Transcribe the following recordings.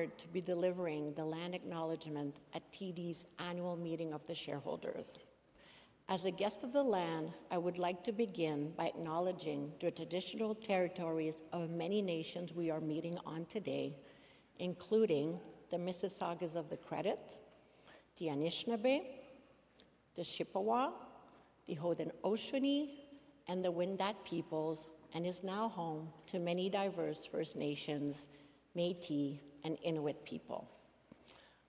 Honored to be delivering the land acknowledgment at TD's annual meeting of the shareholders. As a guest of the land, I would like to begin by acknowledging the traditional territories of many nations we are meeting on today, including the Mississaugas of the Credit, the Anishinaabe, the Chippewa, the Haudenosaunee, and the Wendat peoples, and is now home to many diverse First Nations, Métis, and Inuit people.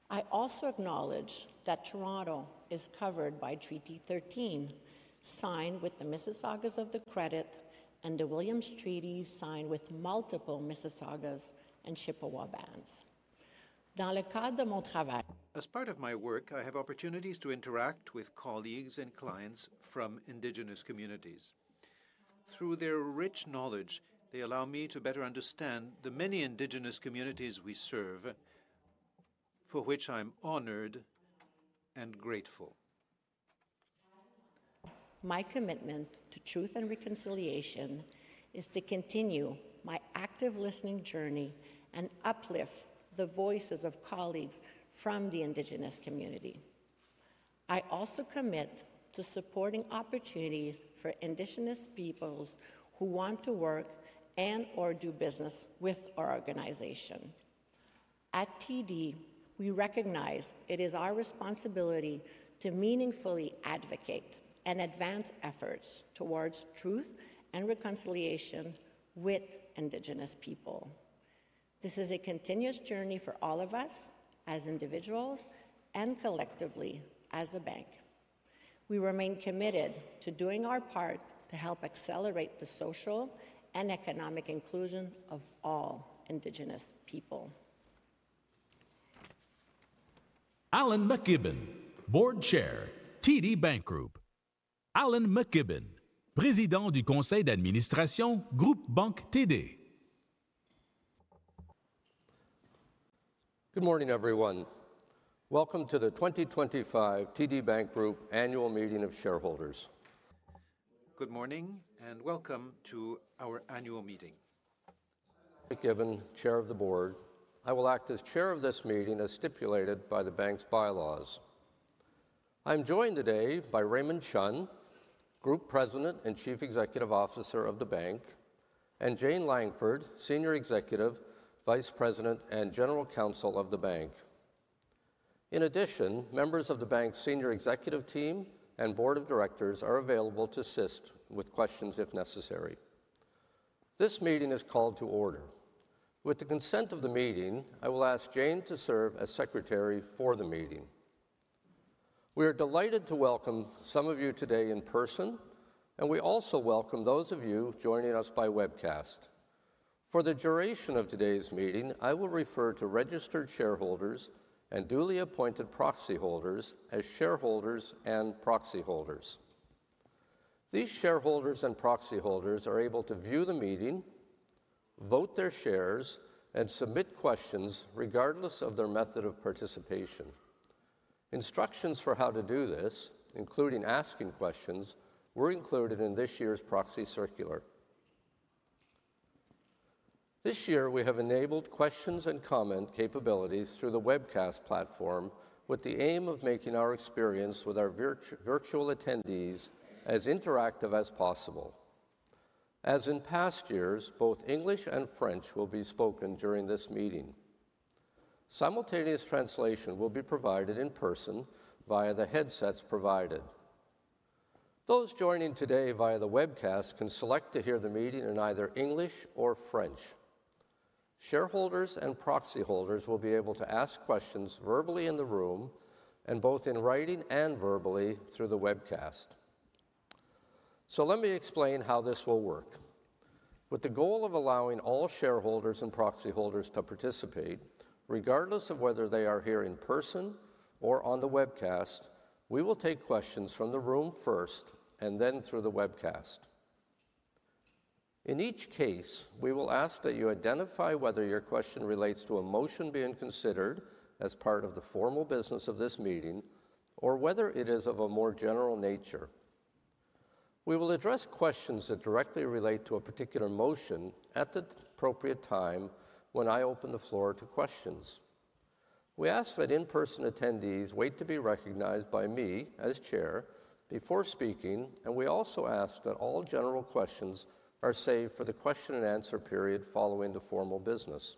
I also acknowledge that Toronto is covered by Treaty 13, signed with the Mississaugas of the Credit, and the Williams Treaty, signed with multiple Mississaugas and Chippewa bands. Dans le cadre de mon travail. As part of my work, I have opportunities to interact with colleagues and clients from Indigenous communities. Through their rich knowledge, they allow me to better understand the many Indigenous communities we serve, for which I'm honored and grateful. My commitment to truth and reconciliation is to continue my active listening journey and uplift the voices of colleagues from the Indigenous community. I also commit to supporting opportunities for Indigenous peoples who want to work and/or do business with our organization. At TD, we recognize it is our responsibility to meaningfully advocate and advance efforts towards truth and reconciliation with Indigenous people. This is a continuous journey for all of us as individuals and collectively as a bank. We remain committed to doing our part to help accelerate the social and economic inclusion of all Indigenous people. Alan McKibben, Board Chair, TD Bank Group. Alan McKibben, Président du Conseil d'Administration, Groupe Banque TD. Good morning, everyone. Welcome to the 2025 TD Bank Group annual meeting of shareholders. Good morning and welcome to our annual meeting. McKibben, Chair of the Board. I will act as Chair of this meeting as stipulated by the bank's bylaws. I'm joined today by Raymond Chun, Group President and Chief Executive Officer of the bank, and Jane Langford, Senior Executive Vice President and General Counsel of the bank. In addition, members of the bank's Senior Executive Team and Board of Directors are available to assist with questions if necessary. This meeting is called to order. With the consent of the meeting, I will ask Jane to serve as Secretary for the meeting. We are delighted to welcome some of you today in person, and we also welcome those of you joining us by webcast. For the duration of today's meeting, I will refer to registered shareholders and duly appointed proxy holders as shareholders and proxy holders. These shareholders and proxy holders are able to view the meeting, vote their shares, and submit questions regardless of their method of participation. Instructions for how to do this, including asking questions, were included in this year's proxy circular. This year, we have enabled questions and comment capabilities through the webcast platform with the aim of making our experience with our virtual attendees as interactive as possible. As in past years, both English and French will be spoken during this meeting. Simultaneous translation will be provided in person via the headsets provided. Those joining today via the webcast can select to hear the meeting in either English or French. Shareholders and proxy holders will be able to ask questions verbally in the room and both in writing and verbally through the webcast. Let me explain how this will work. With the goal of allowing all shareholders and proxy holders to participate, regardless of whether they are here in person or on the webcast, we will take questions from the room first and then through the webcast. In each case, we will ask that you identify whether your question relates to a motion being considered as part of the formal business of this meeting or whether it is of a more general nature. We will address questions that directly relate to a particular motion at the appropriate time when I open the floor to questions. We ask that in-person attendees wait to be recognized by me as Chair before speaking, and we also ask that all general questions are saved for the question and answer period following the formal business.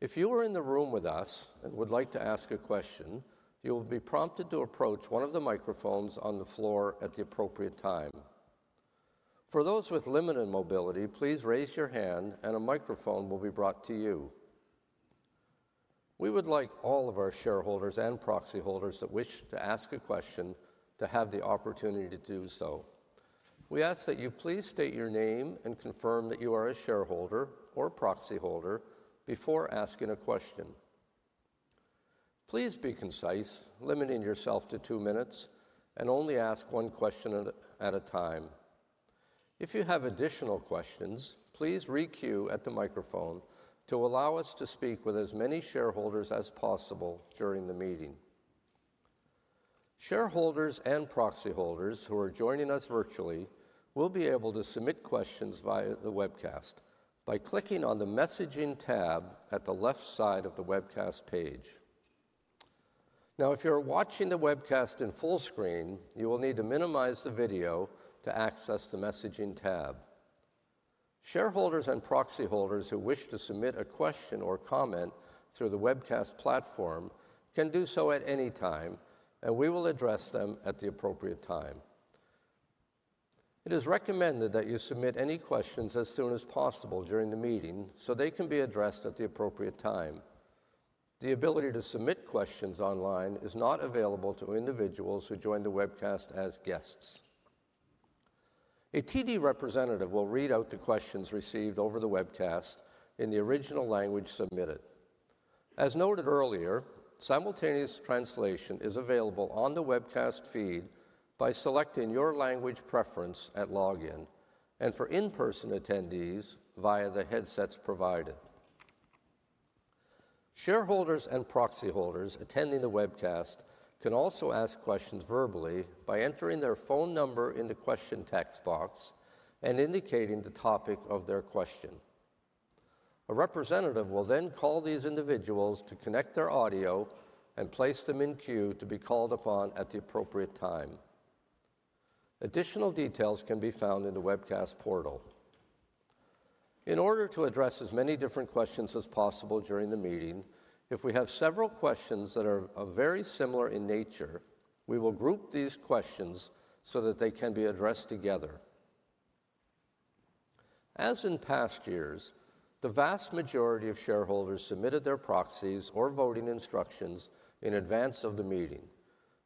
If you are in the room with us and would like to ask a question, you will be prompted to approach one of the microphones on the floor at the appropriate time. For those with limited mobility, please raise your hand and a microphone will be brought to you. We would like all of our shareholders and proxy holders that wish to ask a question to have the opportunity to do so. We ask that you please state your name and confirm that you are a shareholder or proxy holder before asking a question. Please be concise, limiting yourself to two minutes, and only ask one question at a time. If you have additional questions, please re-queue at the microphone to allow us to speak with as many shareholders as possible during the meeting. Shareholders and proxy holders who are joining us virtually will be able to submit questions via the webcast by clicking on the messaging tab at the left side of the webcast page. If you are watching the webcast in full screen, you will need to minimize the video to access the messaging tab. Shareholders and proxy holders who wish to submit a question or comment through the webcast platform can do so at any time, and we will address them at the appropriate time. It is recommended that you submit any questions as soon as possible during the meeting so they can be addressed at the appropriate time. The ability to submit questions online is not available to individuals who join the webcast as guests. A TD representative will read out the questions received over the webcast in the original language submitted. As noted earlier, simultaneous translation is available on the webcast feed by selecting your language preference at login and for in-person attendees via the headsets provided. Shareholders and proxy holders attending the webcast can also ask questions verbally by entering their phone number in the question text box and indicating the topic of their question. A representative will then call these individuals to connect their audio and place them in queue to be called upon at the appropriate time. Additional details can be found in the webcast portal. In order to address as many different questions as possible during the meeting, if we have several questions that are very similar in nature, we will group these questions so that they can be addressed together. As in past years, the vast majority of shareholders submitted their proxies or voting instructions in advance of the meeting,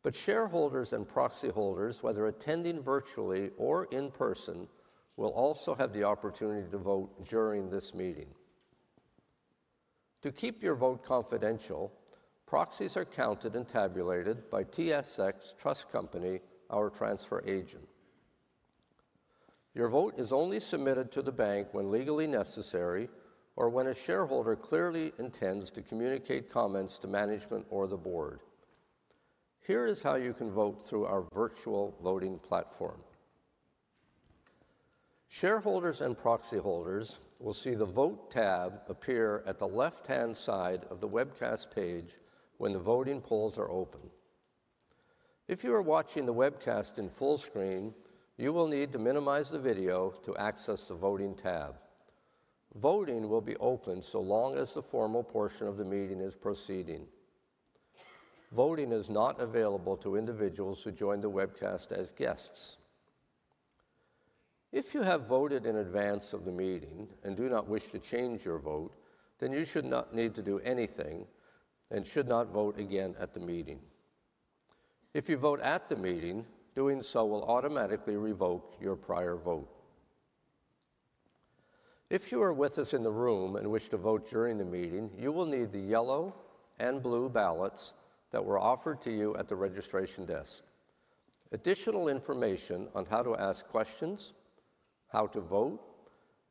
but shareholders and proxy holders, whether attending virtually or in person, will also have the opportunity to vote during this meeting. To keep your vote confidential, proxies are counted and tabulated by TSX Trust Company, our transfer agent. Your vote is only submitted to the bank when legally necessary or when a shareholder clearly intends to communicate comments to management or the board. Here is how you can vote through our virtual voting platform. Shareholders and proxy holders will see the vote tab appear at the left-hand side of the webcast page when the voting polls are open. If you are watching the webcast in full screen, you will need to minimize the video to access the voting tab. Voting will be open so long as the formal portion of the meeting is proceeding. Voting is not available to individuals who join the webcast as guests. If you have voted in advance of the meeting and do not wish to change your vote, then you should not need to do anything and should not vote again at the meeting. If you vote at the meeting, doing so will automatically revoke your prior vote. If you are with us in the room and wish to vote during the meeting, you will need the yellow and blue ballots that were offered to you at the registration desk. Additional information on how to ask questions, how to vote,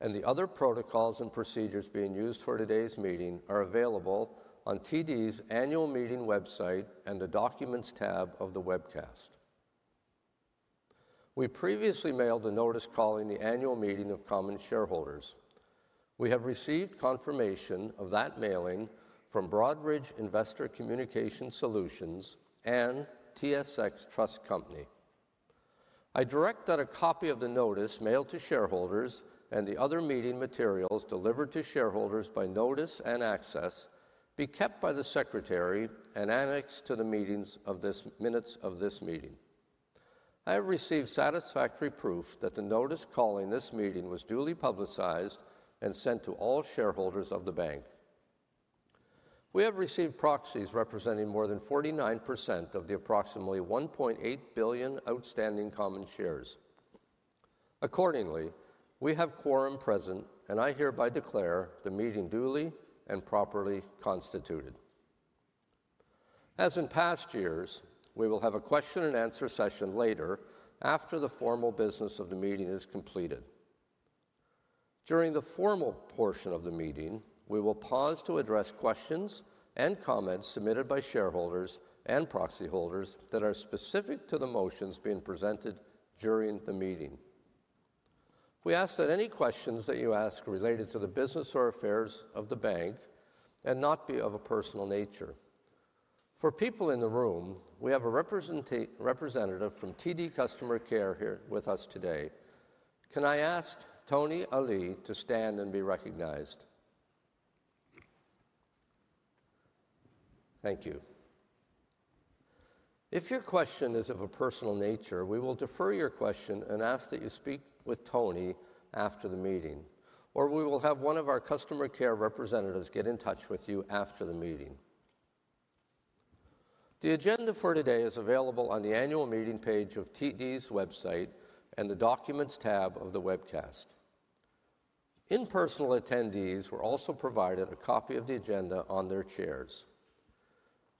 and the other protocols and procedures being used for today's meeting are available on TD's annual meeting website and the documents tab of the webcast. We previously mailed a notice calling the annual meeting of common shareholders. We have received confirmation of that mailing from Broadridge Investor Communication Solutions and TSX Trust Company. I direct that a copy of the notice mailed to shareholders and the other meeting materials delivered to shareholders by notice and access be kept by the Secretary and annexed to the minutes of this meeting. I have received satisfactory proof that the notice calling this meeting was duly publicized and sent to all shareholders of the bank. We have received proxies representing more than 49% of the approximately 1.8 billion outstanding common shares. Accordingly, we have quorum present, and I hereby declare the meeting duly and properly constituted. As in past years, we will have a question and answer session later after the formal business of the meeting is completed. During the formal portion of the meeting, we will pause to address questions and comments submitted by shareholders and proxy holders that are specific to the motions being presented during the meeting. We ask that any questions that you ask relate to the business or affairs of the bank and not be of a personal nature. For people in the room, we have a representative from TD Customer Care here with us today. Can I ask Tony Ali to stand and be recognized? Thank you. If your question is of a personal nature, we will defer your question and ask that you speak with Tony after the meeting, or we will have one of our customer care representatives get in touch with you after the meeting. The agenda for today is available on the annual meeting page of TD's website and the documents tab of the webcast. In-person attendees were also provided a copy of the agenda on their chairs.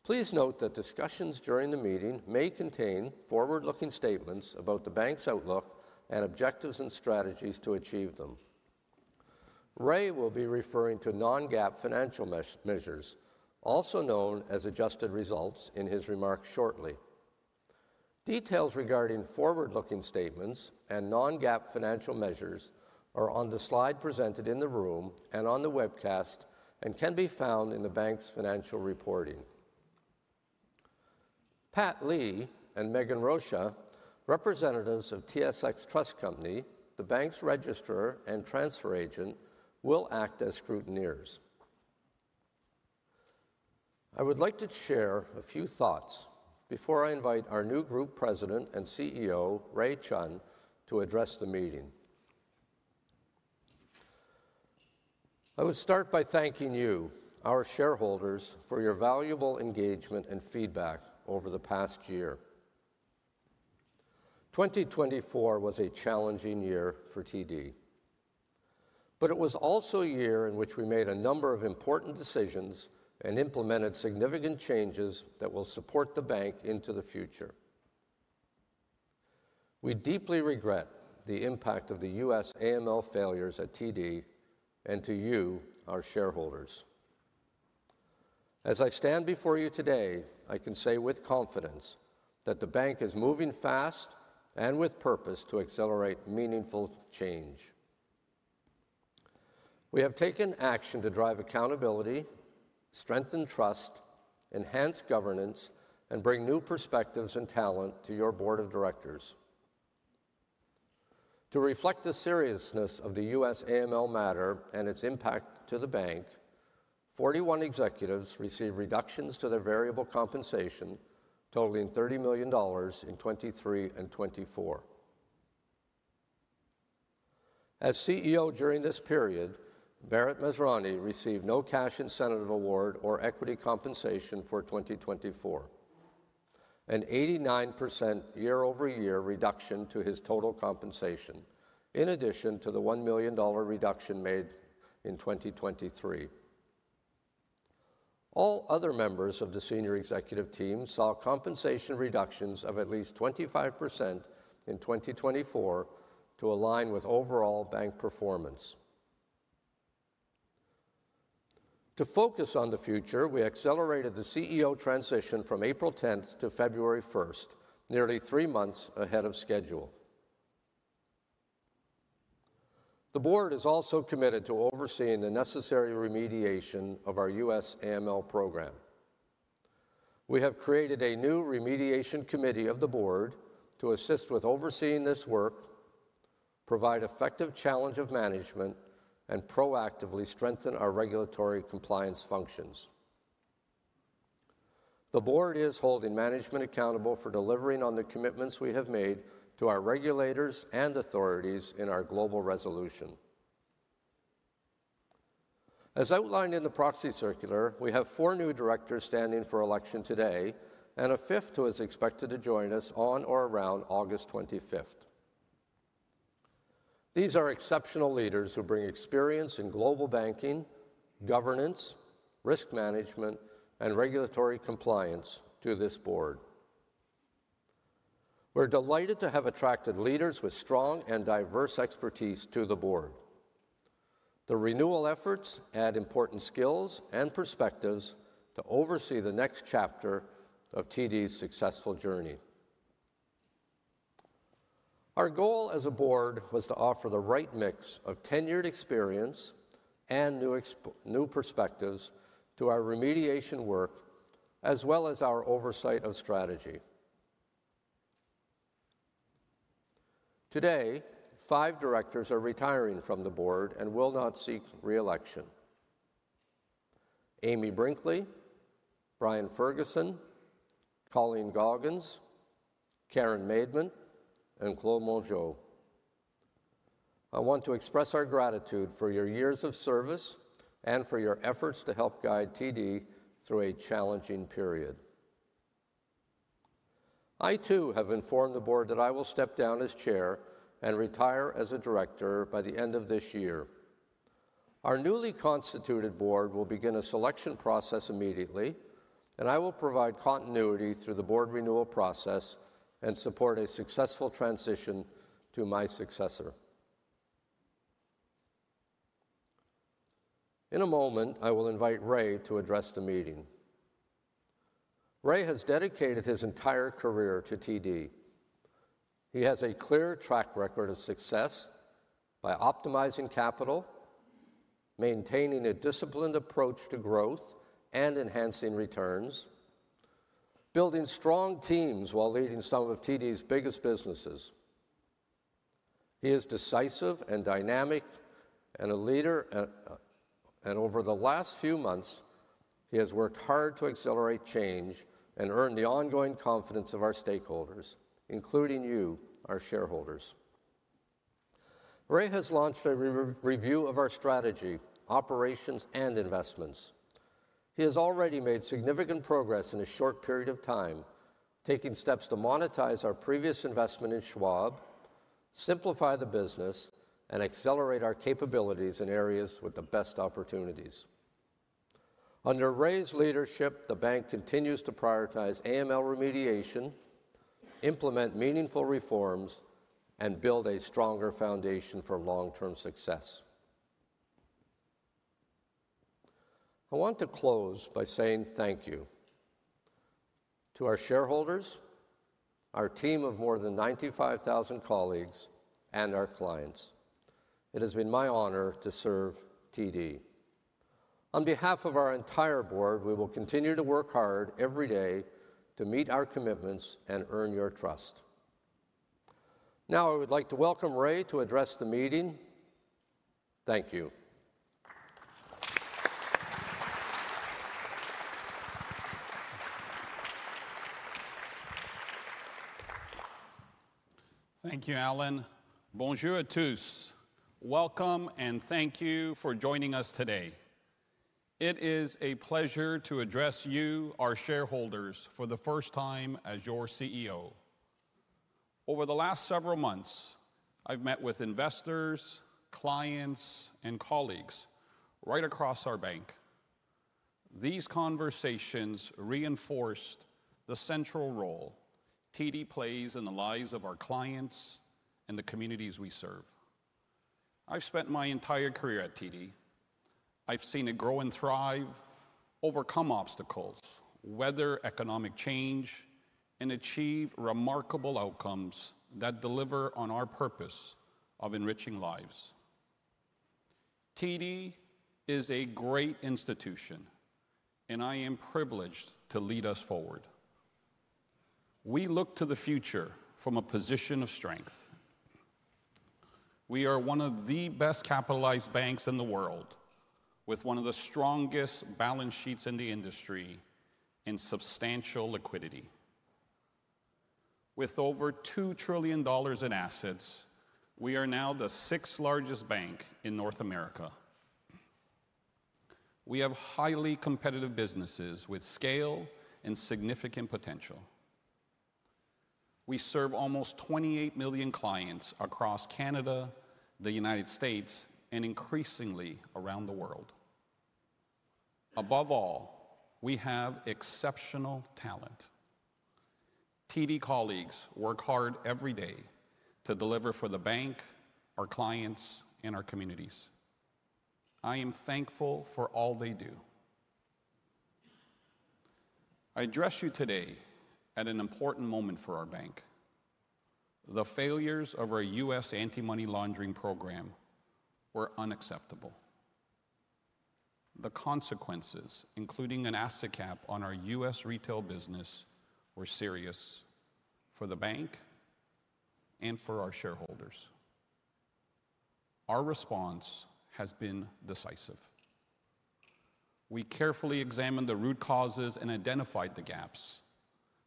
Please note that discussions during the meeting may contain forward-looking statements about the bank's outlook and objectives and strategies to achieve them. Ray will be referring to non-GAAP financial measures, also known as adjusted results, in his remarks shortly. Details regarding forward-looking statements and non-GAAP financial measures are on the slide presented in the room and on the webcast and can be found in the bank's financial reporting. Pat Lee and Megan Rosha, representatives of TSX Trust Company, the bank's registrar and transfer agent, will act as scrutineers. I would like to share a few thoughts before I invite our new Group President and CEO, Raymond Chun, to address the meeting. I would start by thanking you, our shareholders, for your valuable engagement and feedback over the past year. 2024 was a challenging year for TD, but it was also a year in which we made a number of important decisions and implemented significant changes that will support the bank into the future. We deeply regret the impact of the U.S. AML failures at TD and to you, our shareholders. As I stand before you today, I can say with confidence that the bank is moving fast and with purpose to accelerate meaningful change. We have taken action to drive accountability, strengthen trust, enhance governance, and bring new perspectives and talent to your Board of Directors. To reflect the seriousness of the U.S. AML matter and its impact to the bank, 41 executives received reductions to their variable compensation totaling $30 million in 2023 and 2024. As CEO during this period, Bharat Masrani received no cash incentive award or equity compensation for 2024, an 89% year-over-year reduction to his total compensation, in addition to the $1 million reduction made in 2023. All other members of the senior executive team saw compensation reductions of at least 25% in 2024 to align with overall bank performance. To focus on the future, we accelerated the CEO transition from April 10th to February 1st, nearly three months ahead of schedule. The board is also committed to overseeing the necessary remediation of our U.S. AML program. We have created a new remediation committee of the board to assist with overseeing this work, provide effective challenge of management, and proactively strengthen our regulatory compliance functions. The board is holding management accountable for delivering on the commitments we have made to our regulators and authorities in our global resolution. As outlined in the proxy circular, we have four new directors standing for election today and a fifth who is expected to join us on or around August 25th. These are exceptional leaders who bring experience in global banking, governance, risk management, and regulatory compliance to this board. We're delighted to have attracted leaders with strong and diverse expertise to the board. The renewal efforts add important skills and perspectives to oversee the next chapter of TD's successful journey. Our goal as a board was to offer the right mix of tenured experience and new perspectives to our remediation work, as well as our oversight of strategy. Today, five directors are retiring from the board and will not seek reelection: Amy Brinkley, Brian Ferguson, Colleen Goggins, Karen Madement, and Claude Monjo. I want to express our gratitude for your years of service and for your efforts to help guide TD through a challenging period. I, too, have informed the board that I will step down as Chair and retire as a director by the end of this year. Our newly constituted board will begin a selection process immediately, and I will provide continuity through the board renewal process and support a successful transition to my successor. In a moment, I will invite Ray to address the meeting. Ray has dedicated his entire career to TD. He has a clear track record of success by optimizing capital, maintaining a disciplined approach to growth, and enhancing returns, building strong teams while leading some of TD's biggest businesses. He is decisive and dynamic and a leader, and over the last few months, he has worked hard to accelerate change and earn the ongoing confidence of our stakeholders, including you, our shareholders. Ray has launched a review of our strategy, operations, and investments. He has already made significant progress in a short period of time, taking steps to monetize our previous investment in Schwab, simplify the business, and accelerate our capabilities in areas with the best opportunities. Under Ray's leadership, the bank continues to prioritize AML remediation, implement meaningful reforms, and build a stronger foundation for long-term success. I want to close by saying thank you to our shareholders, our team of more than 95,000 colleagues, and our clients. It has been my honor to serve TD. On behalf of our entire board, we will continue to work hard every day to meet our commitments and earn your trust. Now, I would like to welcome Ray to address the meeting. Thank you. Thank you, Alan. Bonjour à tous. Welcome and thank you for joining us today. It is a pleasure to address you, our shareholders, for the first time as your CEO. Over the last several months, I've met with investors, clients, and colleagues right across our bank. These conversations reinforced the central role TD plays in the lives of our clients and the communities we serve. I've spent my entire career at TD. I've seen it grow and thrive, overcome obstacles, weather economic change, and achieve remarkable outcomes that deliver on our purpose of enriching lives. TD is a great institution, and I am privileged to lead us forward. We look to the future from a position of strength. We are one of the best-capitalized banks in the world, with one of the strongest balance sheets in the industry and substantial liquidity. With over $2 trillion in assets, we are now the sixth-largest bank in North America. We have highly competitive businesses with scale and significant potential. We serve almost 28 million clients across Canada, the U.S., and increasingly around the world. Above all, we have exceptional talent. TD colleagues work hard every day to deliver for the bank, our clients, and our communities. I am thankful for all they do. I address you today at an important moment for our bank. The failures of our U.S. anti-money laundering program were unacceptable. The consequences, including an asset cap on our U.S. retail business, were serious for the bank and for our shareholders. Our response has been decisive. We carefully examined the root causes and identified the gaps,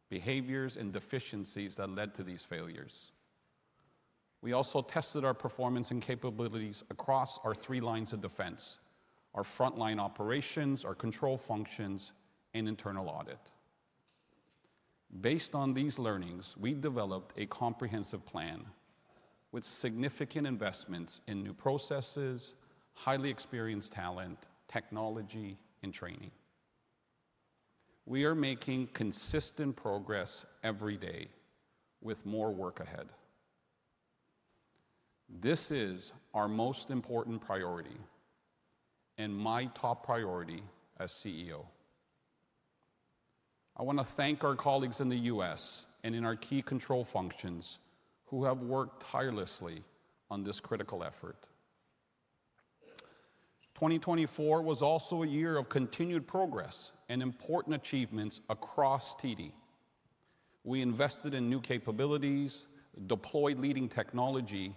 behaviors, and deficiencies that led to these failures. We also tested our performance and capabilities across our three lines of defense: our frontline operations, our control functions, and internal audit. Based on these learnings, we developed a comprehensive plan with significant investments in new processes, highly experienced talent, technology, and training. We are making consistent progress every day with more work ahead. This is our most important priority and my top priority as CEO. I want to thank our colleagues in the U.S. and in our key control functions who have worked tirelessly on this critical effort. 2024 was also a year of continued progress and important achievements across TD. We invested in new capabilities, deployed leading technology,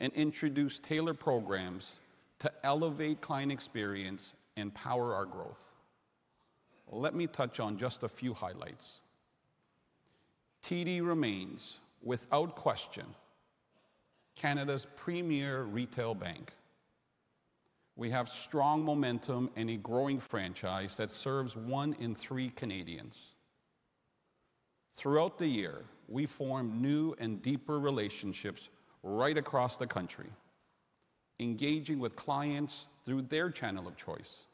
and introduced tailored programs to elevate client experience and power our growth. Let me touch on just a few highlights. TD remains, without question, Canada's premier retail bank. We have strong momentum and a growing franchise that serves one in three Canadians. Throughout the year, we formed new and deeper relationships right across the country, engaging with clients through their channel of choice.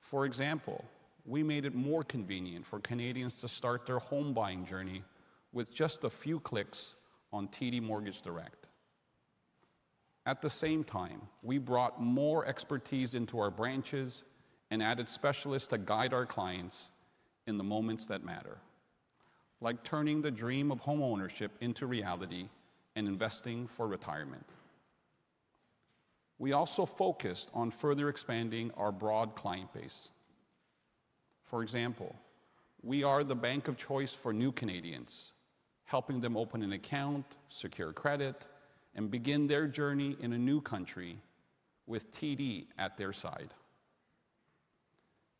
For example, we made it more convenient for Canadians to start their home buying journey with just a few clicks on TD Mortgage Direct. At the same time, we brought more expertise into our branches and added specialists to guide our clients in the moments that matter, like turning the dream of homeownership into reality and investing for retirement. We also focused on further expanding our broad client base. For example, we are the bank of choice for new Canadians, helping them open an account, secure credit, and begin their journey in a new country with TD at their side.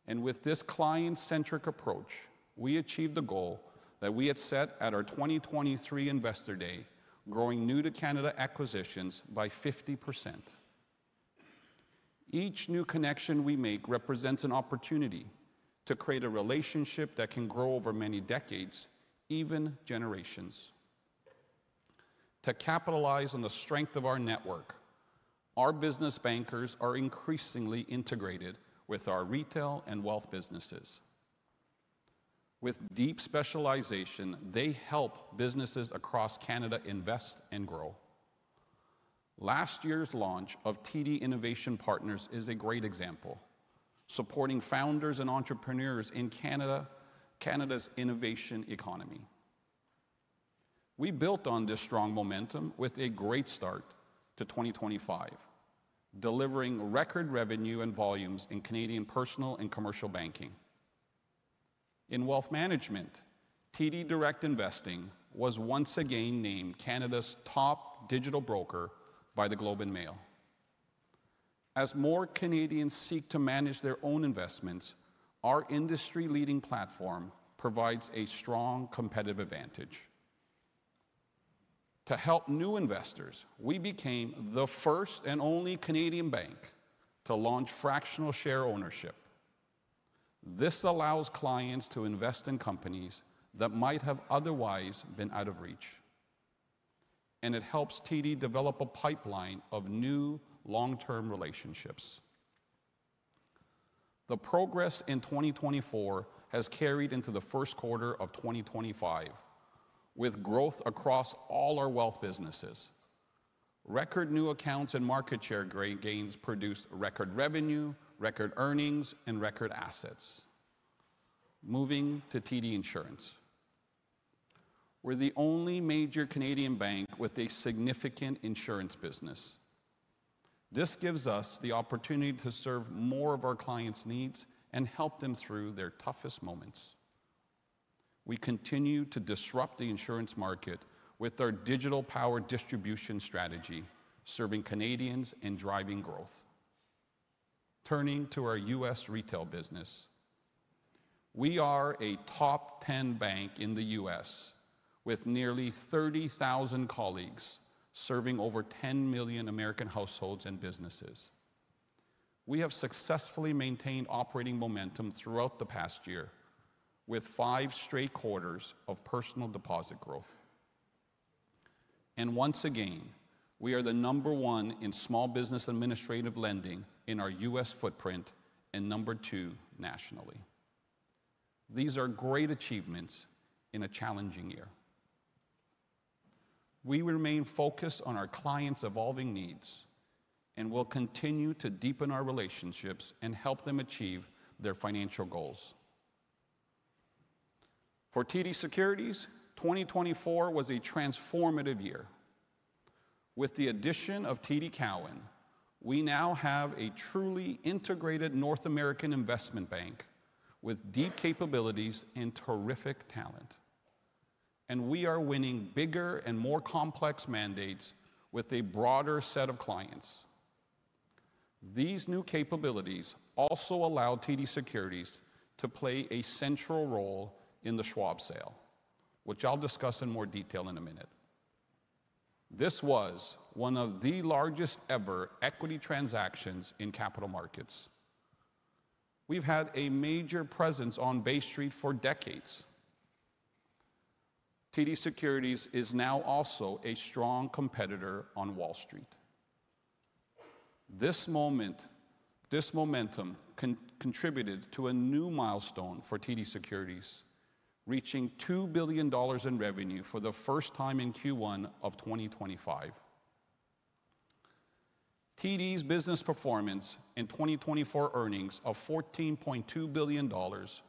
With this client-centric approach, we achieved the goal that we had set at our 2023 Investor Day, growing new-to-Canada acquisitions by 50%. Each new connection we make represents an opportunity to create a relationship that can grow over many decades, even generations. To capitalize on the strength of our network, our business bankers are increasingly integrated with our retail and wealth businesses. With deep specialization, they help businesses across Canada invest and grow. Last year's launch of TD Innovation Partners is a great example, supporting founders and entrepreneurs in Canada's innovation economy. We built on this strong momentum with a great start to 2025, delivering record revenue and volumes in Canadian personal and commercial banking. In wealth management, TD Direct Investing was once again named Canada's top digital broker by the Globe and Mail. As more Canadians seek to manage their own investments, our industry-leading platform provides a strong competitive advantage. To help new investors, we became the first and only Canadian bank to launch fractional share ownership. This allows clients to invest in companies that might have otherwise been out of reach, and it helps TD develop a pipeline of new long-term relationships. The progress in 2024 has carried into the first quarter of 2025, with growth across all our wealth businesses. Record new accounts and market share gains produced record revenue, record earnings, and record assets. Moving to TD Insurance, we're the only major Canadian bank with a significant insurance business. This gives us the opportunity to serve more of our clients' needs and help them through their toughest moments. We continue to disrupt the insurance market with our digital power distribution strategy, serving Canadians and driving growth. Turning to our U.S. retail business, we are a top 10 bank in the U.S. with nearly 30,000 colleagues serving over 10 million American households and businesses. We have successfully maintained operating momentum throughout the past year with five straight quarters of personal deposit growth. Once again, we are number one in small business administrative lending in our U.S. footprint and number two nationally. These are great achievements in a challenging year. We remain focused on our clients' evolving needs and will continue to deepen our relationships and help them achieve their financial goals. For TD Securities, 2024 was a transformative year. With the addition of TD Cowen, we now have a truly integrated North American investment bank with deep capabilities and terrific talent. We are winning bigger and more complex mandates with a broader set of clients. These new capabilities also allow TD Securities to play a central role in the Schwab sale, which I'll discuss in more detail in a minute. This was one of the largest-ever equity transactions in capital markets. We've had a major presence on Bay Street for decades. TD Securities is now also a strong competitor on Wall Street. This momentum contributed to a new milestone for TD Securities, reaching 2 billion dollars in revenue for the first time in Q1 of 2025. TD's business performance and 2024 earnings of 14.2 billion dollars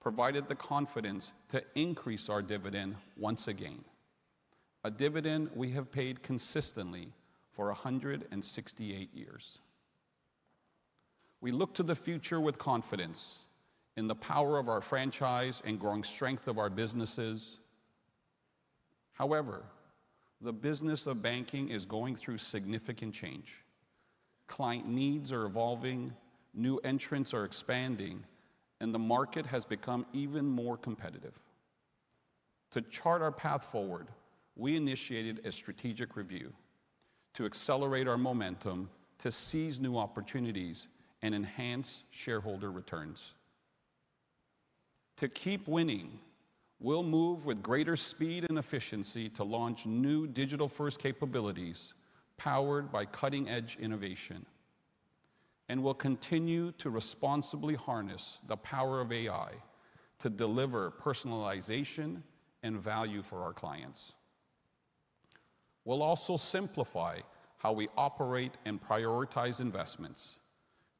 provided the confidence to increase our dividend once again, a dividend we have paid consistently for 168 years. We look to the future with confidence in the power of our franchise and growing strength of our businesses. However, the business of banking is going through significant change. Client needs are evolving, new entrants are expanding, and the market has become even more competitive. To chart our path forward, we initiated a strategic review to accelerate our momentum, to seize new opportunities, and enhance shareholder returns. To keep winning, we will move with greater speed and efficiency to launch new digital-first capabilities powered by cutting-edge innovation. We will continue to responsibly harness the power of AI to deliver personalization and value for our clients. We will also simplify how we operate and prioritize investments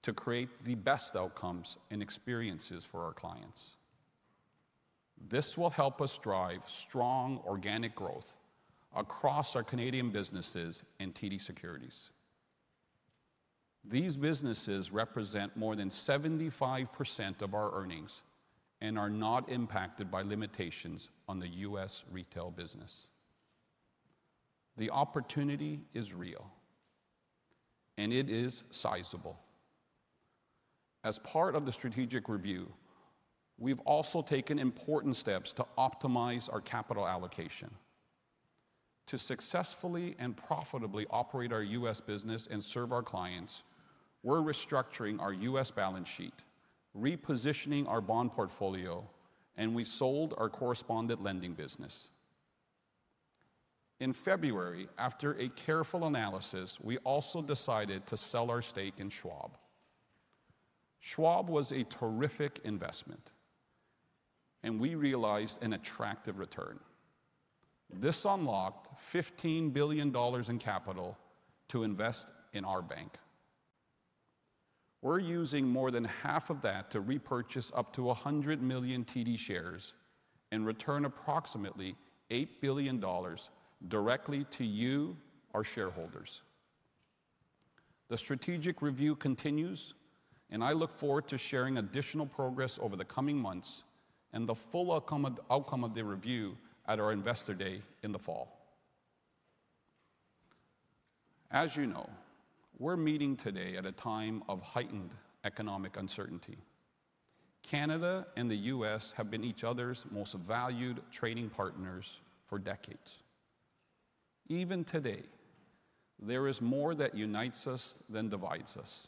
to create the best outcomes and experiences for our clients. This will help us drive strong organic growth across our Canadian businesses and TD Securities. These businesses represent more than 75% of our earnings and are not impacted by limitations on the U.S. retail business. The opportunity is real, and it is sizable. As part of the strategic review, we've also taken important steps to optimize our capital allocation. To successfully and profitably operate our U.S. business and serve our clients, we're restructuring our U.S. balance sheet, repositioning our bond portfolio, and we sold our correspondent lending business. In February, after a careful analysis, we also decided to sell our stake in Schwab. Schwab was a terrific investment, and we realized an attractive return. This unlocked $15 billion in capital to invest in our bank. We're using more than half of that to repurchase up to 100 million TD shares and return approximately $8 billion directly to you, our shareholders. The strategic review continues, and I look forward to sharing additional progress over the coming months and the full outcome of the review at our Investor Day in the fall. As you know, we're meeting today at a time of heightened economic uncertainty. Canada and the U.S. have been each other's most valued trading partners for decades. Even today, there is more that unites us than divides us.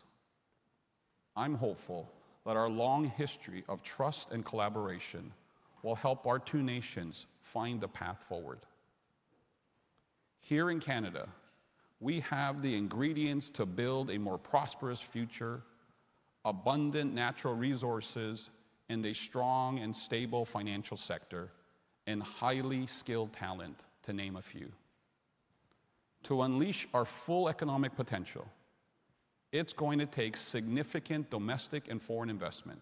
I'm hopeful that our long history of trust and collaboration will help our two nations find the path forward. Here in Canada, we have the ingredients to build a more prosperous future, abundant natural resources, a strong and stable financial sector, and highly skilled talent, to name a few. To unleash our full economic potential, it's going to take significant domestic and foreign investment.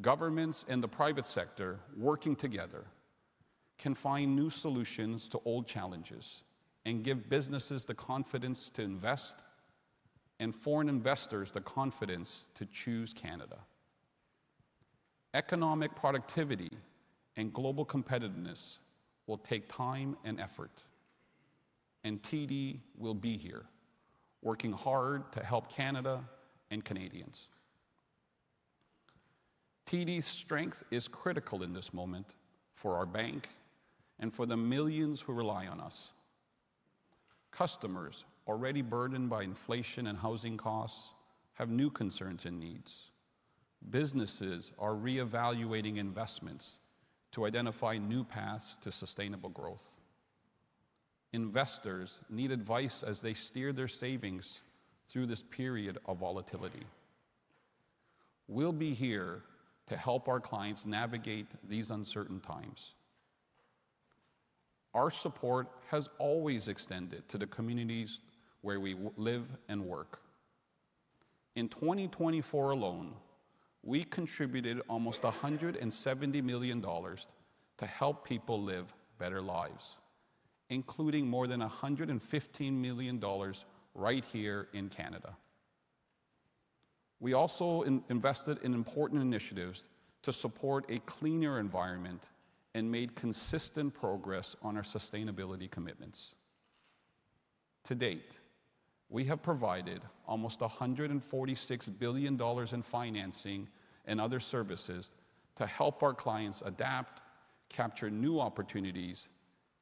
Governments and the private sector working together can find new solutions to old challenges and give businesses the confidence to invest and foreign investors the confidence to choose Canada. Economic productivity and global competitiveness will take time and effort, and TD will be here, working hard to help Canada and Canadians. TD's strength is critical in this moment for our bank and for the millions who rely on us. Customers, already burdened by inflation and housing costs, have new concerns and needs. Businesses are reevaluating investments to identify new paths to sustainable growth. Investors need advice as they steer their savings through this period of volatility. We'll be here to help our clients navigate these uncertain times. Our support has always extended to the communities where we live and work. In 2024 alone, we contributed almost 170 million dollars to help people live better lives, including more than 115 million dollars right here in Canada. We also invested in important initiatives to support a cleaner environment and made consistent progress on our sustainability commitments. To date, we have provided almost 146 billion dollars in financing and other services to help our clients adapt, capture new opportunities,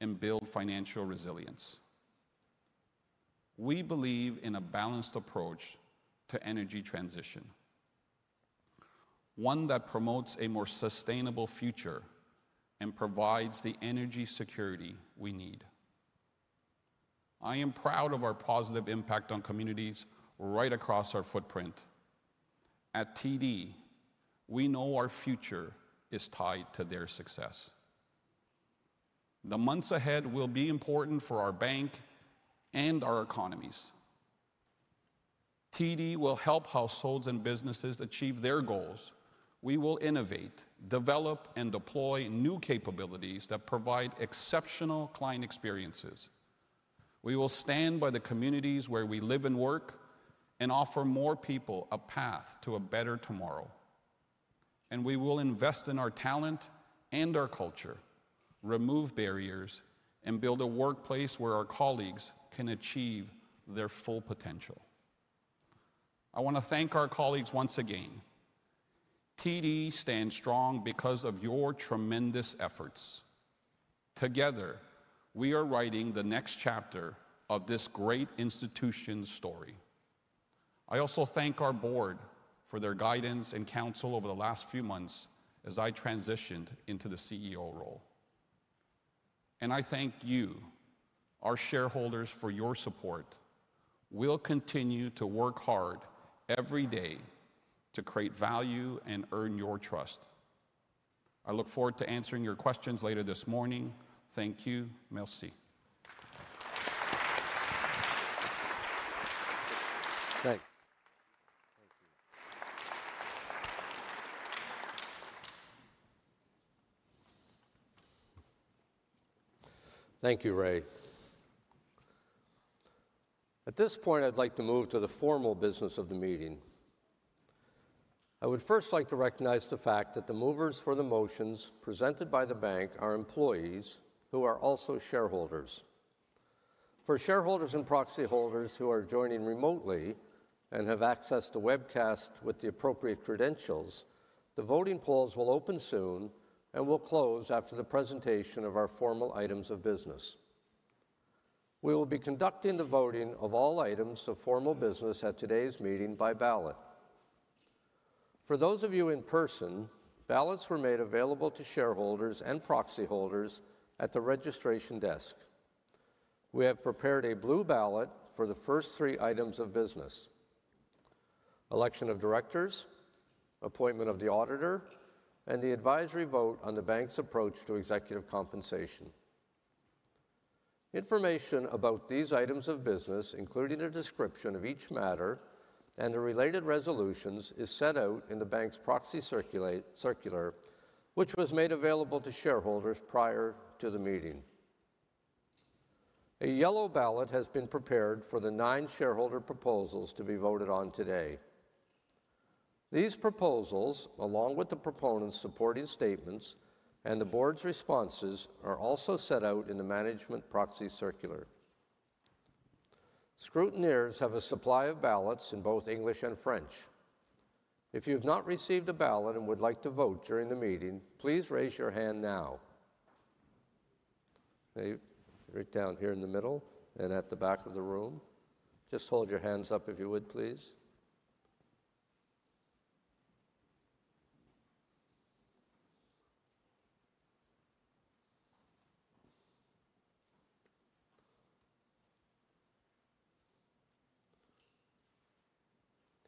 and build financial resilience. We believe in a balanced approach to energy transition, one that promotes a more sustainable future and provides the energy security we need. I am proud of our positive impact on communities right across our footprint. At TD, we know our future is tied to their success. The months ahead will be important for our bank and our economies. TD will help households and businesses achieve their goals. We will innovate, develop, and deploy new capabilities that provide exceptional client experiences. We will stand by the communities where we live and work and offer more people a path to a better tomorrow. We will invest in our talent and our culture, remove barriers, and build a workplace where our colleagues can achieve their full potential. I want to thank our colleagues once again. TD stands strong because of your tremendous efforts. Together, we are writing the next chapter of this great institution's story. I also thank our board for their guidance and counsel over the last few months as I transitioned into the CEO role. I thank you, our shareholders, for your support. We'll continue to work hard every day to create value and earn your trust. I look forward to answering your questions later this morning. Thank you, merci. Thanks. Thank you, Ray. At this point, I'd like to move to the formal business of the meeting. I would first like to recognize the fact that the movers for the motions presented by the bank are employees who are also shareholders. For shareholders and proxy holders who are joining remotely and have access to webcast with the appropriate credentials, the voting polls will open soon and will close after the presentation of our formal items of business. We will be conducting the voting of all items of formal business at today's meeting by ballot. For those of you in person, ballots were made available to shareholders and proxy holders at the registration desk. We have prepared a blue ballot for the first three items of business: election of directors, appointment of the auditor, and the advisory vote on the bank's approach to executive compensation. Information about these items of business, including a description of each matter and the related resolutions, is set out in the bank's proxy circular, which was made available to shareholders prior to the meeting. A yellow ballot has been prepared for the nine shareholder proposals to be voted on today. These proposals, along with the proponents' supporting statements and the board's responses, are also set out in the management proxy circular. Scrutineers have a supply of ballots in both English and French. If you have not received a ballot and would like to vote during the meeting, please raise your hand now. Right down here in the middle and at the back of the room. Just hold your hands up if you would, please.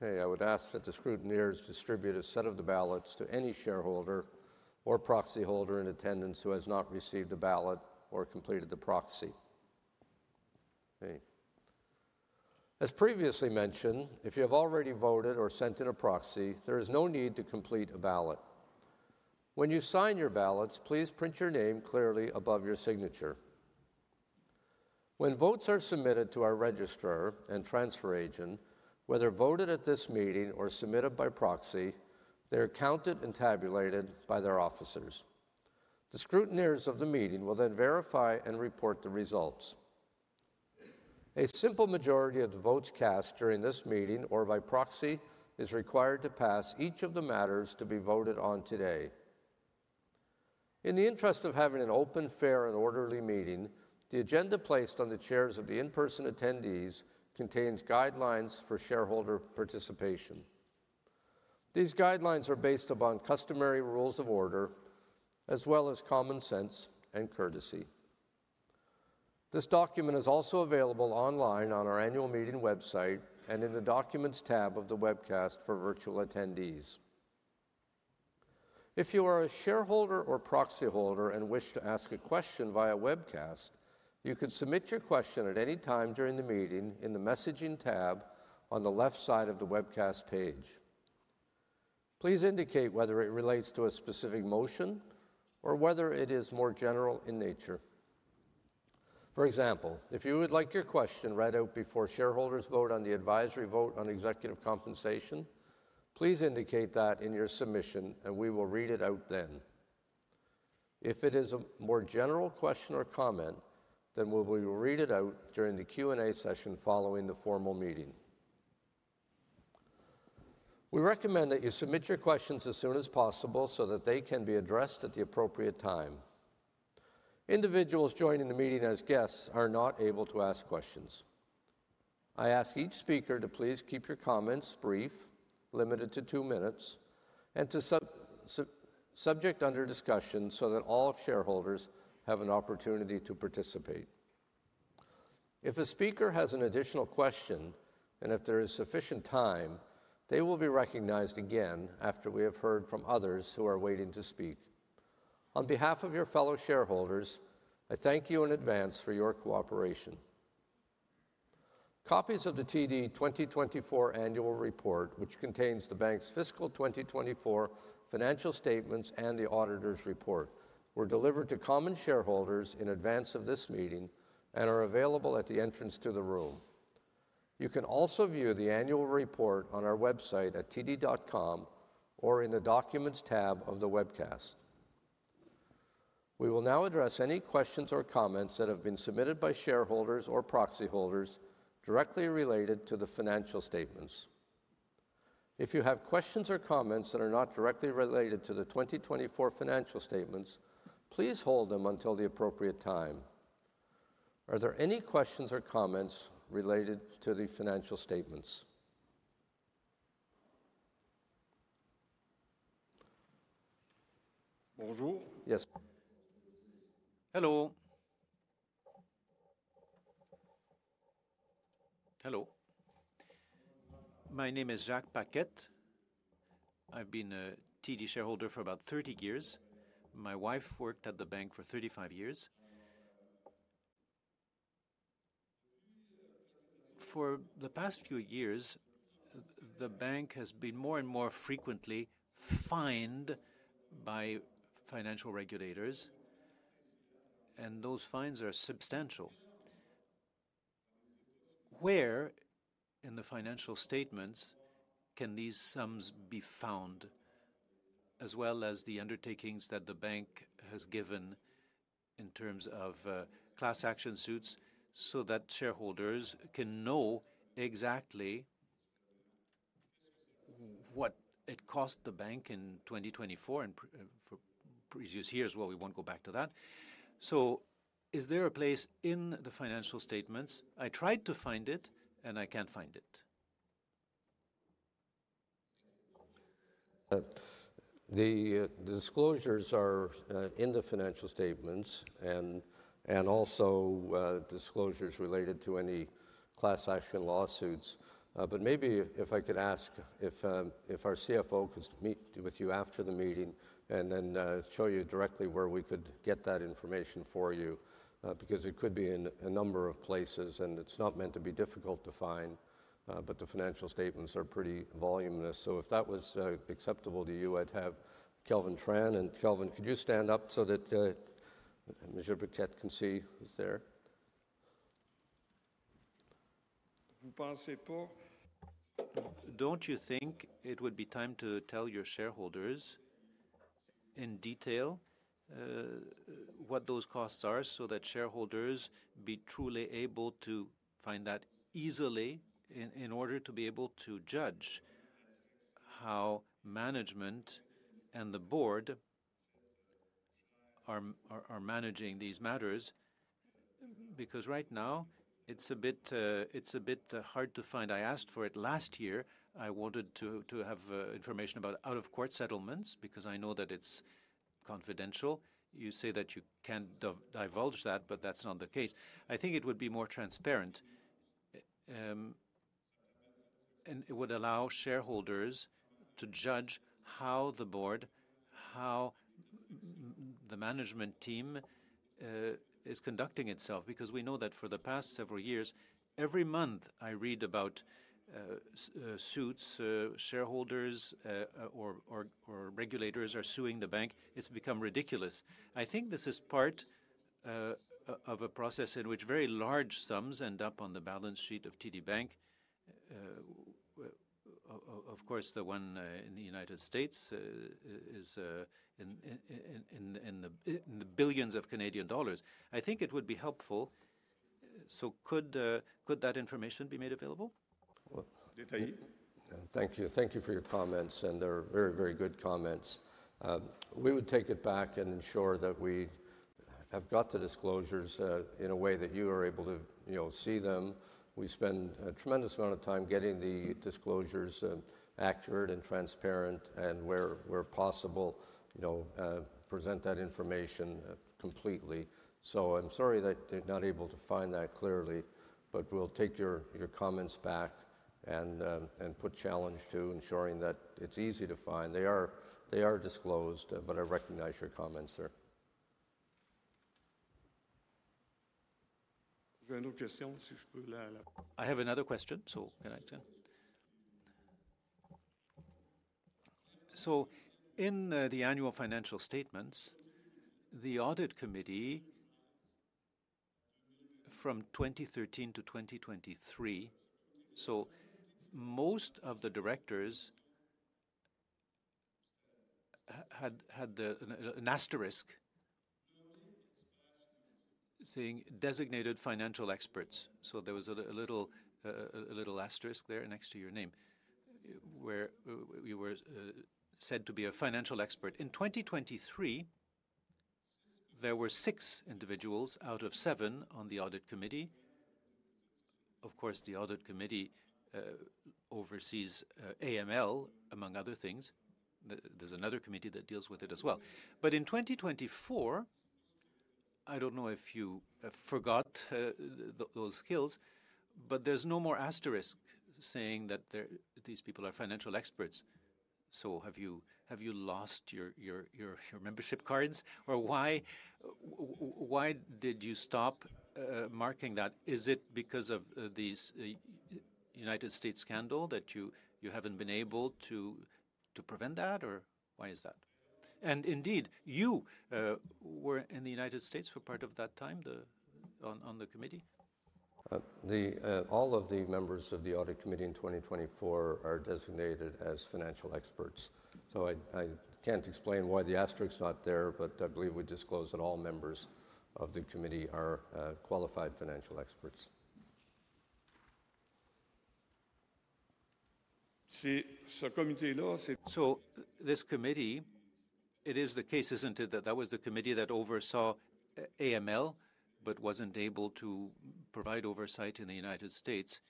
Okay, I would ask that the scrutineers distribute a set of the ballots to any shareholder or proxy holder in attendance who has not received a ballot or completed the proxy. As previously mentioned, if you have already voted or sent in a proxy, there is no need to complete a ballot. When you sign your ballots, please print your name clearly above your signature. When votes are submitted to our registrar and transfer agent, whether voted at this meeting or submitted by proxy, they are counted and tabulated by their officers. The scrutineers of the meeting will then verify and report the results. A simple majority of the votes cast during this meeting or by proxy is required to pass each of the matters to be voted on today. In the interest of having an open, fair, and orderly meeting, the agenda placed on the chairs of the in-person attendees contains guidelines for shareholder participation. These guidelines are based upon customary rules of order, as well as common sense and courtesy. This document is also available online on our annual meeting website and in the documents tab of the webcast for virtual attendees. If you are a shareholder or proxy holder and wish to ask a question via webcast, you can submit your question at any time during the meeting in the messaging tab on the left side of the webcast page. Please indicate whether it relates to a specific motion or whether it is more general in nature. For example, if you would like your question read out before shareholders vote on the advisory vote on executive compensation, please indicate that in your submission, and we will read it out then. If it is a more general question or comment, we will read it out during the Q&A session following the formal meeting. We recommend that you submit your questions as soon as possible so that they can be addressed at the appropriate time. Individuals joining the meeting as guests are not able to ask questions. I ask each speaker to please keep your comments brief, limited to two minutes, and to subject under discussion so that all shareholders have an opportunity to participate. If a speaker has an additional question and if there is sufficient time, they will be recognized again after we have heard from others who are waiting to speak. On behalf of your fellow shareholders, I thank you in advance for your cooperation. Copies of the TD 2024 annual report, which contains the bank's fiscal 2024 financial statements and the auditor's report, were delivered to common shareholders in advance of this meeting and are available at the entrance to the room. You can also view the annual report on our website at td.com or in the documents tab of the webcast. We will now address any questions or comments that have been submitted by shareholders or proxy holders directly related to the financial statements. If you have questions or comments that are not directly related to the 2024 financial statements, please hold them until the appropriate time. Are there any questions or comments related to the financial statements? Yes. Hello. Hello. My name is Jacques Paquet. I've been a TD shareholder for about 30 years. My wife worked at the bank for 35 years. For the past few years, the bank has been more and more frequently fined by financial regulators, and those fines are substantial. Where in the financial statements can these sums be found, as well as the undertakings that the bank has given in terms of class action suits, so that shareholders can know exactly what it cost the bank in 2024 and for previous years? Is there a place in the financial statements? I tried to find it, and I can't find it. The disclosures are in the financial statements and also disclosures related to any class action lawsuits. Maybe if I could ask if our CFO could meet with you after the meeting and then show you directly where we could get that information for you, because it could be in a number of places, and it is not meant to be difficult to find, but the financial statements are pretty voluminous. If that was acceptable to you, I would have Kelvin Tran. Kelvin, could you stand up so that Mr. Paquet can see who is there? Do not you think it would be time to tell your shareholders in detail what those costs are so that shareholders be truly able to find that easily in order to be able to judge how management and the board are managing these matters? Right now, it is a bit hard to find. I asked for it last year. I wanted to have information about out-of-court settlements because I know that it's confidential. You say that you can divulge that, but that's not the case. I think it would be more transparent, and it would allow shareholders to judge how the board, how the management team is conducting itself. Because we know that for the past several years, every month I read about suits, shareholders or regulators are suing the bank. It's become ridiculous. I think this is part of a process in which very large sums end up on the balance sheet of TD Bank. Of course, the one in the United States is in the billions of CAD. I think it would be helpful. Could that information be made available? Thank you. Thank you for your comments, and they're very, very good comments. We would take it back and ensure that we have got the disclosures in a way that you are able to see them. We spend a tremendous amount of time getting the disclosures accurate and transparent, and where possible, present that information completely. I'm sorry that you're not able to find that clearly, but we'll take your comments back and put challenge to ensuring that it's easy to find. They are disclosed, but I recognize your comments, sir. I have another question, so can I? In the annual financial statements, the audit committee from 2013 to 2023, most of the directors had an asterisk saying designated financial experts. There was a little asterisk there next to your name where you were said to be a financial expert. In 2023, there were six individuals out of seven on the audit committee. Of course, the audit committee oversees AML, among other things. There is another committee that deals with it as well. In 2024, I do not know if you forgot those skills, but there is no more asterisk saying that these people are financial experts. Have you lost your membership cards? Why did you stop marking that? Is it because of this U.S. scandal that you have not been able to prevent that, or why is that? Indeed, you were in the United States for part of that time on the committee. All of the members of the audit committee in 2024 are designated as financial experts. I cannot explain why the asterisk is not there, but I believe we disclose that all members of the committee are qualified financial experts. This committee, it is the case, isn't it, that that was the committee that oversaw AML but was not able to provide oversight in the U.S.,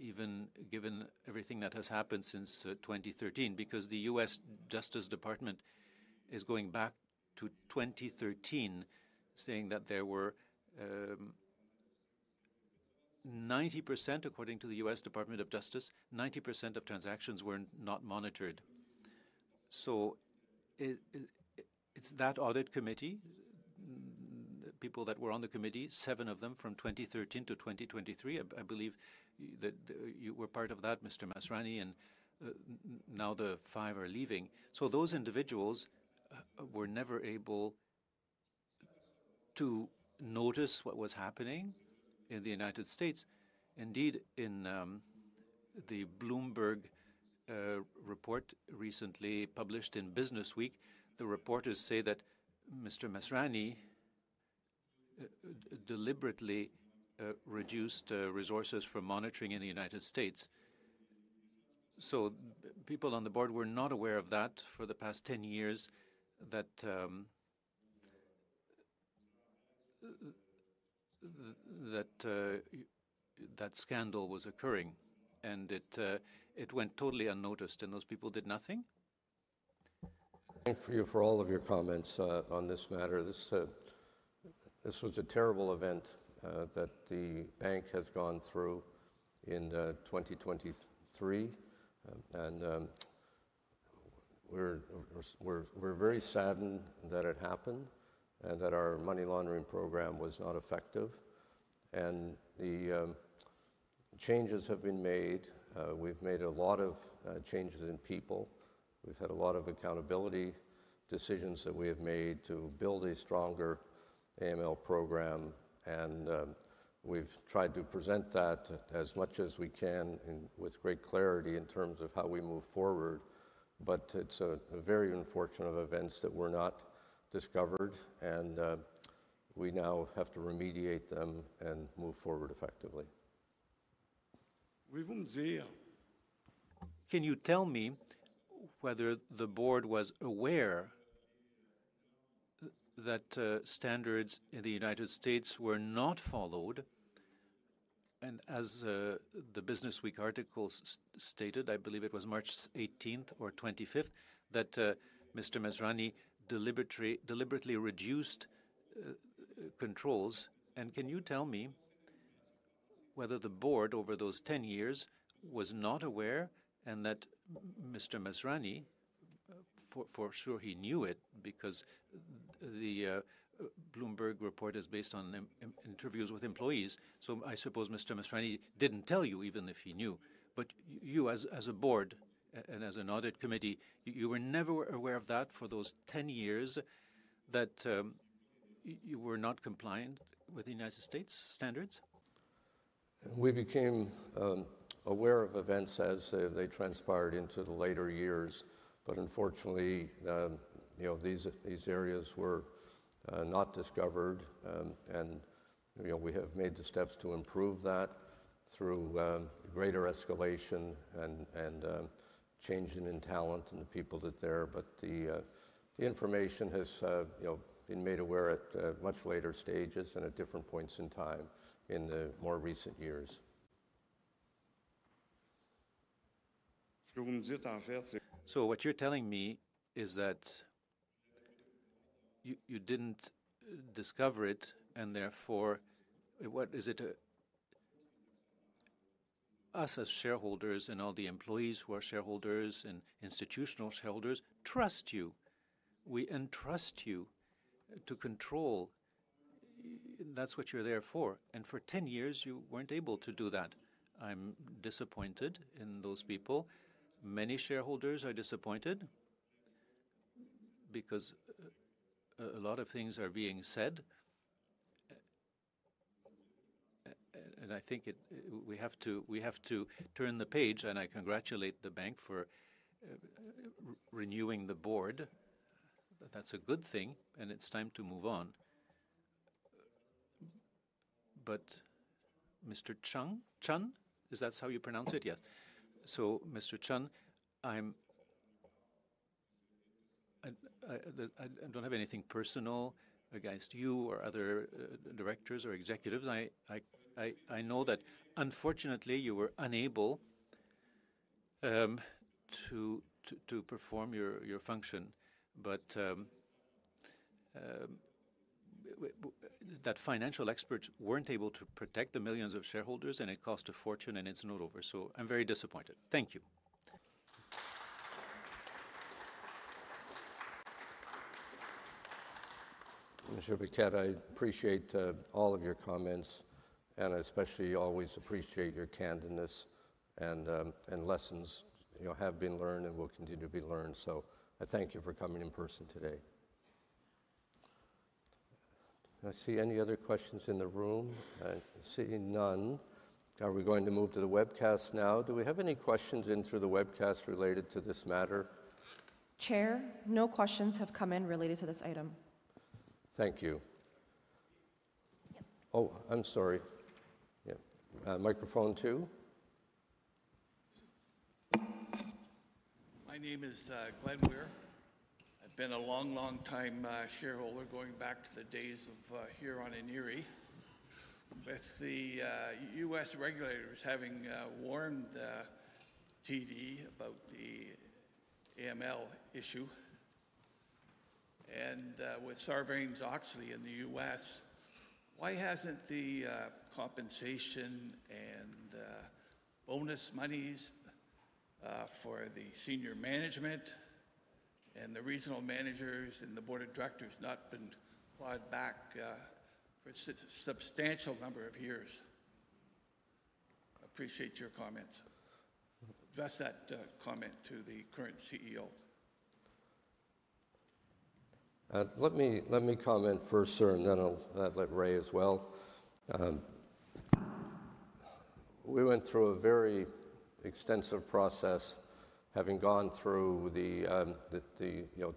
even given everything that has happened since 2013? Because the U.S. Department of Justice is going back to 2013, saying that there were 90%, according to the U.S. Department of Justice, 90% of transactions were not monitored. It is that audit committee, people that were on the committee, seven of them from 2013 to 2023. I believe that you were part of that, Mr. Masrani, and now the five are leaving. Those individuals were never able to notice what was happening in the United States. Indeed, in the Bloomberg report recently published in Businessweek, the reporters say that Mr. Masrani deliberately reduced resources for monitoring in the United States. People on the board were not aware of that for the past 10 years that that scandal was occurring, and it went totally unnoticed, and those people did nothing? Thank you for all of your comments on this matter. This was a terrible event that the bank has gone through in 2023, and we're very saddened that it happened and that our money laundering program was not effective. The changes have been made. We've made a lot of changes in people. We've had a lot of accountability decisions that we have made to build a stronger AML program, and we've tried to present that as much as we can with great clarity in terms of how we move forward. It is a very unfortunate event that were not discovered, and we now have to remediate them and move forward effectively. Can you tell me whether the board was aware that standards in the U.S. were not followed? As the Businessweek articles stated, I believe it was March 18th or 25th, that Mr. Masrani deliberately reduced controls. Can you tell me whether the board over those 10 years was not aware and that Mr. Masrani, for sure he knew it because the Bloomberg report is based on interviews with employees. I suppose Mr. Masrani did not tell you, even if he knew. You, as a board and as an audit committee, you were never aware of that for those 10 years that you were not compliant with the U.S. standards? We became aware of events as they transpired into the later years, but unfortunately, these areas were not discovered, and we have made the steps to improve that through greater escalation and changing in talent and the people that are there. The information has been made aware at much later stages and at different points in time in the more recent years. What you're telling me is that you didn't discover it, and therefore, what is it us as shareholders and all the employees who are shareholders and institutional shareholders trust you. We entrust you to control. That's what you're there for. For 10 years, you weren't able to do that. I'm disappointed in those people. Many shareholders are disappointed because a lot of things are being said. I think we have to turn the page, and I congratulate the bank for renewing the board. That's a good thing, and it's time to move on. Mr. Chun, is that how you pronounce it? Yes. Mr. Chun, I don't have anything personal against you or other directors or executives. I know that unfortunately you were unable to perform your function, that financial experts were not able to protect the millions of shareholders, and it cost a fortune, and it's noteworthy. I am very disappointed. Thank you. Mr. Paquet, I appreciate all of your comments, and I especially always appreciate your candidness, and lessons have been learned and will continue to be learned. I thank you for coming in person today. I see any other questions in the room? I see none. Are we going to move to the webcast now? Do we have any questions in through the webcast related to this matter? Chair, no questions have come in related to this item. Thank you. Oh, I'm sorry. Yeah. Microphone two? My name is Glenn Weir. I've been a long, long time shareholder going back to the days of here on Eniri with the U.S. regulators having warned TD about the AML issue and with Sarbanes-Oxley in the U.S. Why hasn't the compensation and bonus monies for the senior management and the regional managers and the board of directors not been clawed back for a substantial number of years? Appreciate your comments. Address that comment to the current CEO. Let me comment first, sir, and then I'll let Ray as well. We went through a very extensive process, having gone through the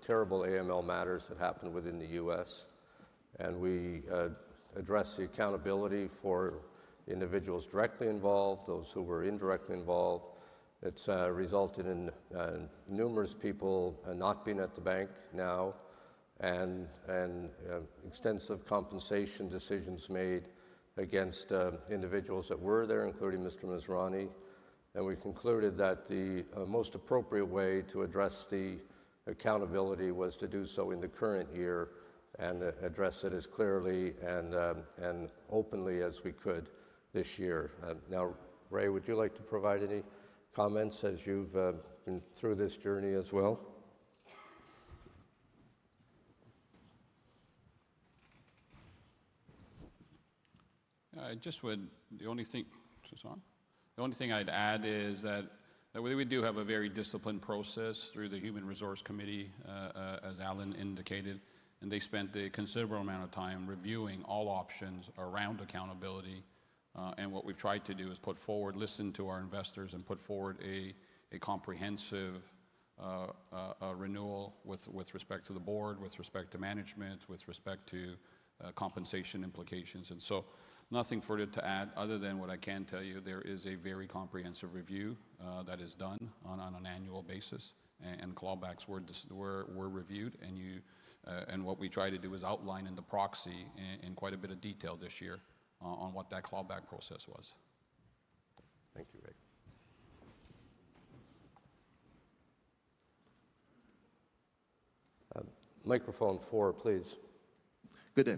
terrible AML matters that happened within the U.S., and we addressed the accountability for individuals directly involved, those who were indirectly involved. It's resulted in numerous people not being at the bank now and extensive compensation decisions made against individuals that were there, including Mr. Masrani. We concluded that the most appropriate way to address the accountability was to do so in the current year and address it as clearly and openly as we could this year. Now, Ray, would you like to provide any comments as you've been through this journey as well? I just would, the only thing I'd add is that we do have a very disciplined process through the Human Resource Committee, as Alan indicated, and they spent a considerable amount of time reviewing all options around accountability. What we've tried to do is put forward, listen to our investors, and put forward a comprehensive renewal with respect to the board, with respect to management, with respect to compensation implications. Nothing further to add other than what I can tell you. There is a very comprehensive review that is done on an annual basis, and clawbacks were reviewed. What we try to do is outline in the proxy in quite a bit of detail this year on what that clawback process was. Thank you, Ray. Microphone four, please. Good day.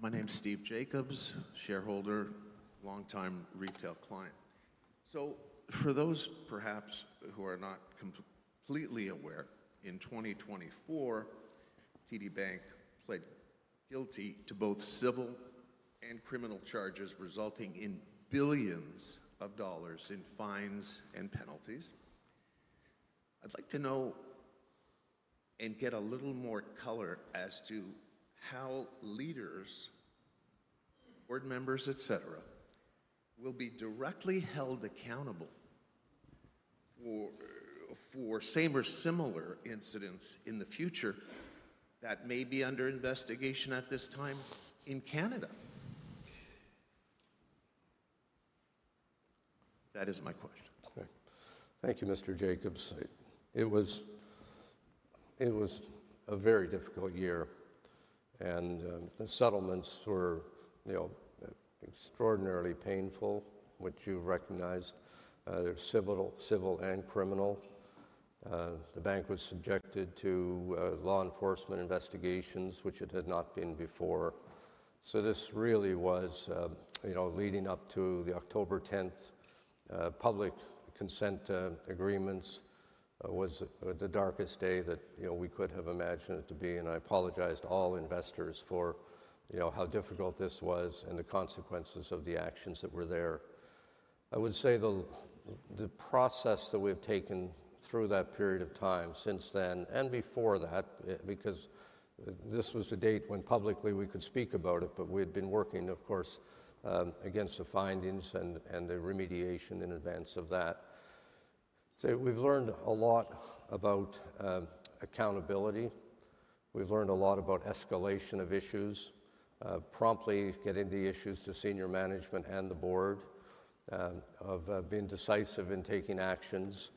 My name's Steve Jacobs, shareholder, longtime retail client. For those perhaps who are not completely aware, in 2024, TD Bank pled guilty to both civil and criminal charges resulting in billions of dollars in fines and penalties. I'd like to know and get a little more color as to how leaders, board members, etc., will be directly held accountable for same or similar incidents in the future that may be under investigation at this time in Canada. That is my question. Thank you, Mr. Jacobs. It was a very difficult year, and the settlements were extraordinarily painful, which you've recognized. They're civil and criminal. The bank was subjected to law enforcement investigations, which it had not been before. This really was leading up to the October 10th public consent agreements, the darkest day that we could have imagined it to be. I apologize to all investors for how difficult this was and the consequences of the actions that were there. I would say the process that we've taken through that period of time since then and before that, because this was a date when publicly we could speak about it, but we had been working, of course, against the findings and the remediation in advance of that. We've learned a lot about accountability. have learned a lot about escalation of issues, promptly getting the issues to senior management and the board, of being decisive in taking actions.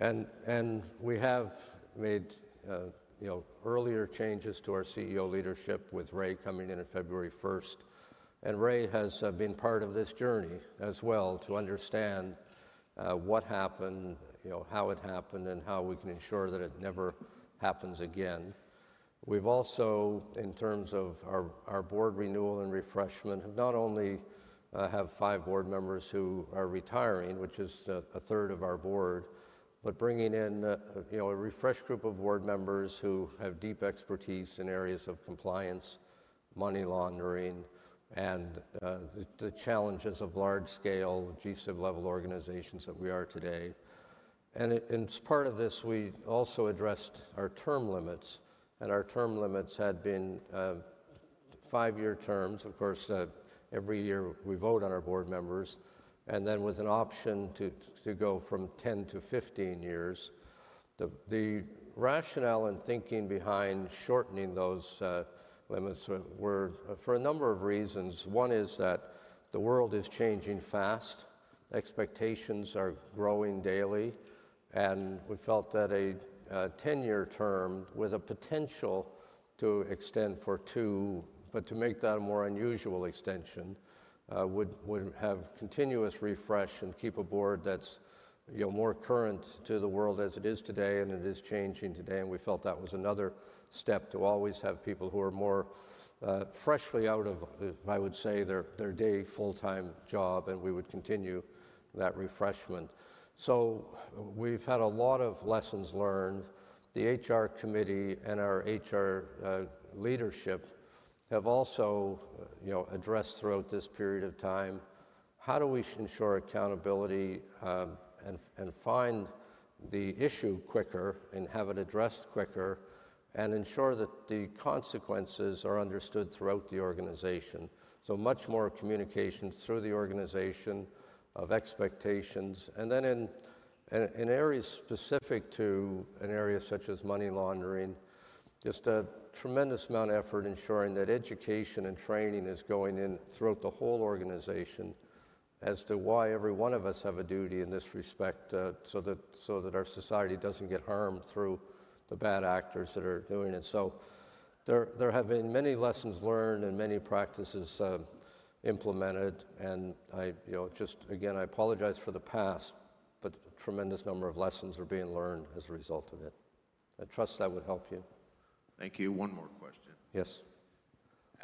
We have made earlier changes to our CEO leadership with Ray coming in on February 1. Ray has been part of this journey as well to understand what happened, how it happened, and how we can ensure that it never happens again. We have also, in terms of our board renewal and refreshment, not only five board members who are retiring, which is a third of our board, but are bringing in a refreshed group of board members who have deep expertise in areas of compliance, money laundering, and the challenges of large-scale GSIB-level organizations that we are today. As part of this, we also addressed our term limits. Our term limits had been five-year terms. Of course, every year we vote on our board members. Then with an option to go from 10 to 15 years. The rationale and thinking behind shortening those limits were for a number of reasons. One is that the world is changing fast. Expectations are growing daily. We felt that a 10-year term with a potential to extend for two, but to make that a more unusual extension, would have continuous refresh and keep a board that's more current to the world as it is today and it is changing today. We felt that was another step to always have people who are more freshly out of, I would say, their day full-time job, and we would continue that refreshment. We have had a lot of lessons learned. The HR committee and our HR leadership have also addressed throughout this period of time, how do we ensure accountability and find the issue quicker and have it addressed quicker and ensure that the consequences are understood throughout the organization. Much more communication through the organization of expectations. In areas specific to an area such as money laundering, just a tremendous amount of effort ensuring that education and training is going in throughout the whole organization as to why every one of us have a duty in this respect so that our society does not get harmed through the bad actors that are doing it. There have been many lessons learned and many practices implemented. Again, I apologize for the past, but a tremendous number of lessons are being learned as a result of it. I trust that would help you. Thank you. One more question. Yes.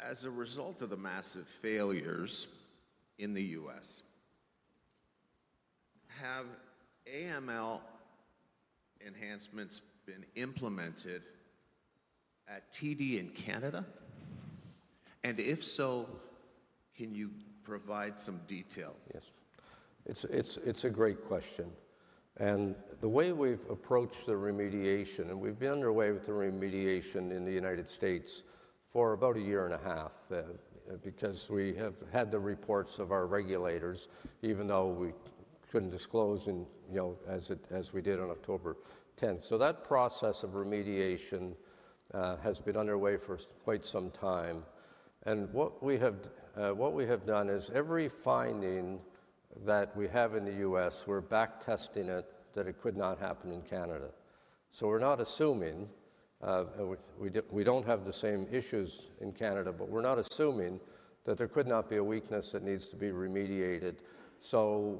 As a result of the massive failures in the U.S., have AML enhancements been implemented at TD in Canada? If so, can you provide some detail? Yes.It's a great question. The way we've approached the remediation, and we've been underway with the remediation in the United States for about a year and a half because we have had the reports of our regulators, even though we couldn't disclose as we did on October 10th. That process of remediation has been underway for quite some time. What we have done is every finding that we have in the U.S., we're backtesting it that it could not happen in Canada. We're not assuming we don't have the same issues in Canada, but we're not assuming that there could not be a weakness that needs to be remediated.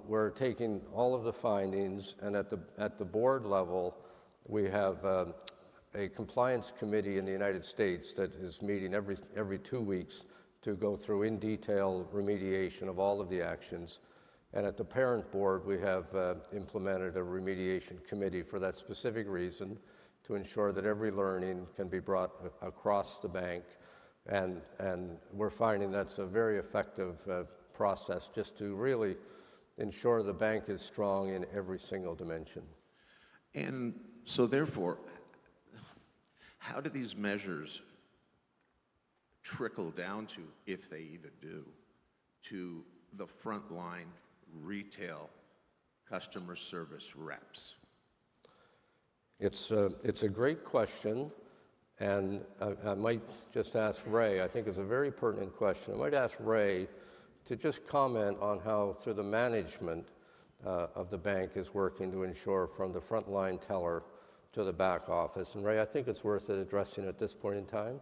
We're taking all of the findings. At the board level, we have a compliance committee in the U.S. that is meeting every two weeks to go through in detail remediation of all of the actions. At the parent board, we have implemented a remediation committee for that specific reason to ensure that every learning can be brought across the bank. We're finding that's a very effective process just to really ensure the bank is strong in every single dimension. Therefore, how do these measures trickle down to, if they even do, to the frontline retail customer service reps? It's a great question. I might just ask Ray. I think it's a very pertinent question. I might ask Ray to just comment on how through the management of the bank is working to ensure from the frontline teller to the back office. Ray, I think it's worth addressing at this point in time.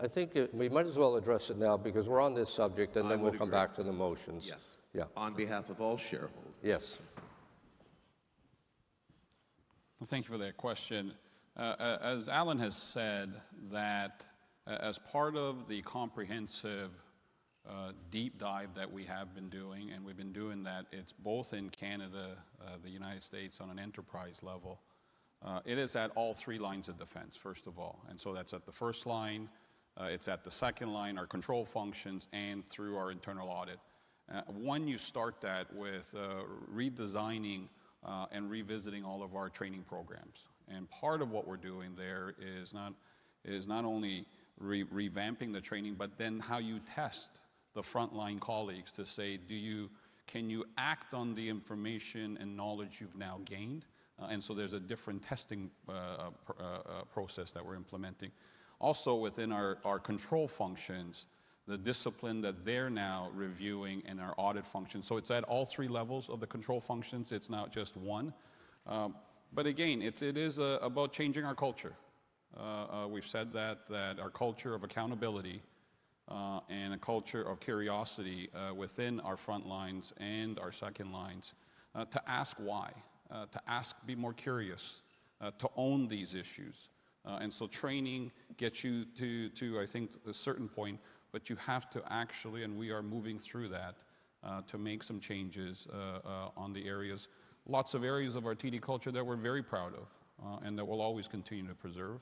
I think we might as well address it now because we're on this subject, and then we'll come back to the motions. Yes. On behalf of all shareholders. Yes. Thank you for that question. As Alan has said, as part of the comprehensive deep dive that we have been doing, and we've been doing that, it's both in Canada, the United States on an enterprise level. It is at all three lines of defense, first of all. That's at the first line. It's at the second line, our control functions, and through our internal audit. One, you start that with redesigning and revisiting all of our training programs. Part of what we're doing there is not only revamping the training, but then how you test the frontline colleagues to say, can you act on the information and knowledge you've now gained? There is a different testing process that we're implementing. Also within our control functions, the discipline that they're now reviewing in our audit function. It's at all three levels of the control functions. It's not just one. Again, it is about changing our culture. We've said that, that our culture of accountability and a culture of curiosity within our frontlines and our second lines to ask why, to ask, be more curious, to own these issues. Training gets you to, I think, a certain point, but you have to actually, and we are moving through that to make some changes on the areas. Lots of areas of our TD culture that we're very proud of and that we'll always continue to preserve.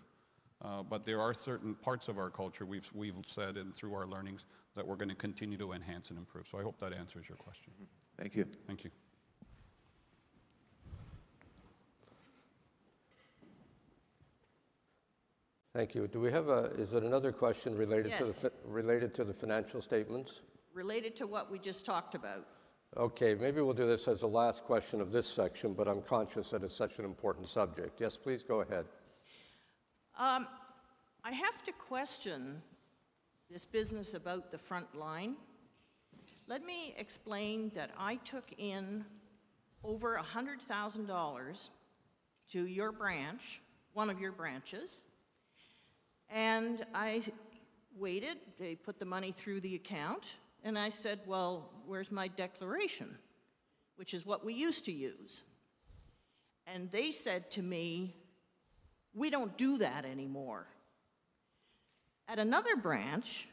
There are certain parts of our culture we've said and through our learnings that we're going to continue to enhance and improve. I hope that answers your question. Thank you. Thank you. Do we have a is there another question related to the financial statements? Related to what we just talked about? Okay. Maybe we'll do this as a last question of this section, but I'm conscious that it's such an important subject. Yes, please go ahead. I have to question this business about the frontline. Let me explain that I took in over $100,000 to your branch, one of your branches. I waited. They put the money through the account. I said, "Well, where's my declaration?" which is what we used to use. They said to me, "We don't do that anymore." At another branch,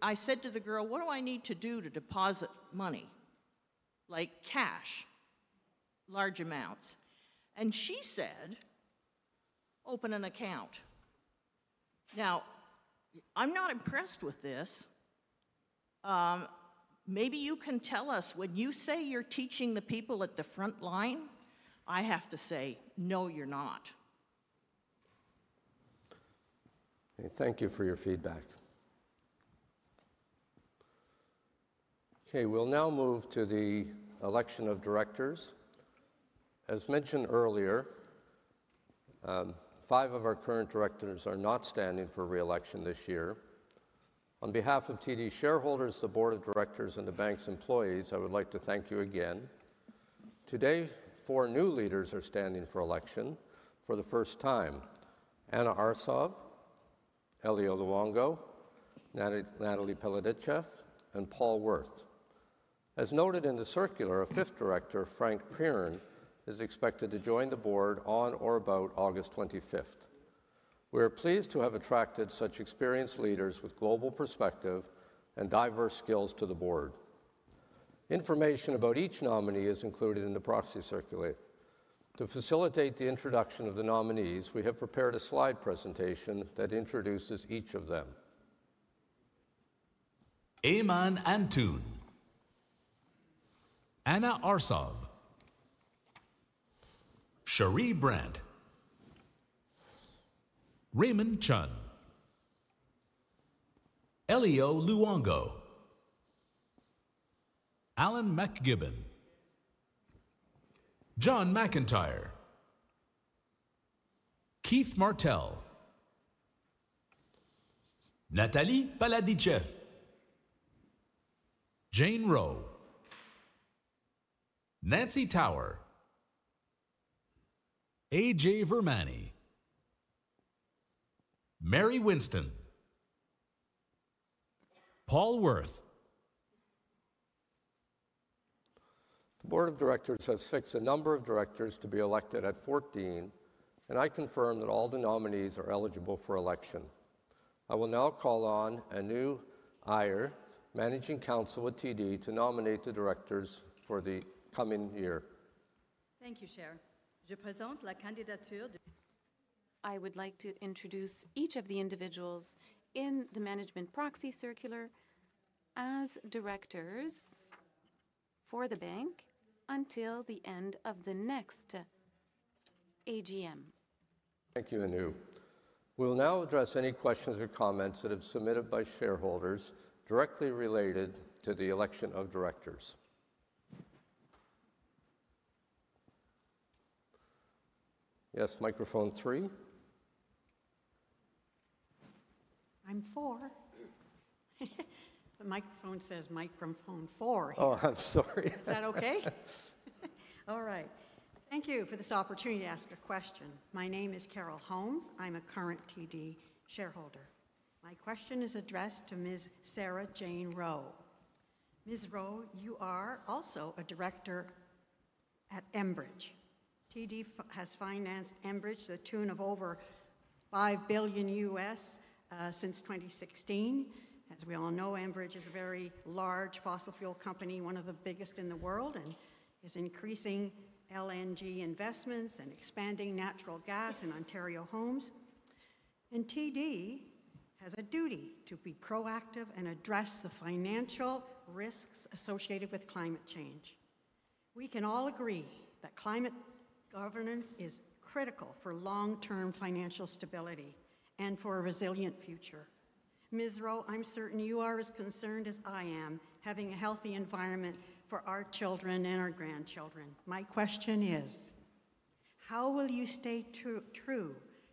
I said to the girl, "What do I need to do to deposit money, like cash, large amounts?" She said, "Open an account." Now, I'm not impressed with this. Maybe you can tell us when you say you're teaching the people at the frontline, I have to say, "No, you're not." Thank you for your feedback. Okay. We'll now move to the election of directors. As mentioned earlier, five of our current directors are not standing for reelection this year. On behalf of TD shareholders, the board of directors, and the bank's employees, I would like to thank you again. Today, four new leaders are standing for election for the first time: Anna Arsov, Eliot Luongo, Natalie Paladiczhev, and Paul Wirth. As noted in the circular, a fifth director, Frank Peron, is expected to join the board on or about August 25th. We are pleased to have attracted such experienced leaders with global perspective and diverse skills to the board. Information about each nominee is included in the proxy circular. To facilitate the introduction of the nominees, we have prepared a slide presentation that introduces each of them: Eman Antun, Anna Arsov, Cherie Brant, Raymond Chun, Eliot Luongo, Alan McKibben, John McIntyre, Keith Martell, Natalie Paladiczhev, Jane Rowe, Nancy Tower, A.J. Virmani, Mary Winston, Paul Wirth. The board of directors has fixed the number of directors to be elected at 14. I confirm that all the nominees are eligible for election. I will now call on a new hire, managing counsel at TD, to nominate the directors for the coming year. Thank you, Chair. Je présente la candidature. I would like to introduce each of the individuals in the management proxy circular as directors for the bank until the end of the next AGM. Thank you, Anu. We'll now address any questions or comments that have been submitted by shareholders directly related to the election of directors. Yes, microphone three. I'm four. The microphone says microphone four. Oh, I'm sorry. Is that okay? All right. Thank you for this opportunity to ask a question. My name is Carol Holmes. I'm a current TD shareholder. My question is addressed to Ms. Jane Rowe. Ms. Rowe, you are also a director at Enbridge. TD has financed Enbridge to the tune of over $5 billion U.S. since 2016. As we all know, Enbridge is a very large fossil fuel company, one of the biggest in the world, and is increasing LNG investments and expanding natural gas in Ontario homes. TD has a duty to be proactive and address the financial risks associated with climate change. We can all agree that climate governance is critical for long-term financial stability and for a resilient future. Ms. Rowe, I'm certain you are as concerned as I am having a healthy environment for our children and our grandchildren. My question is, how will you stay true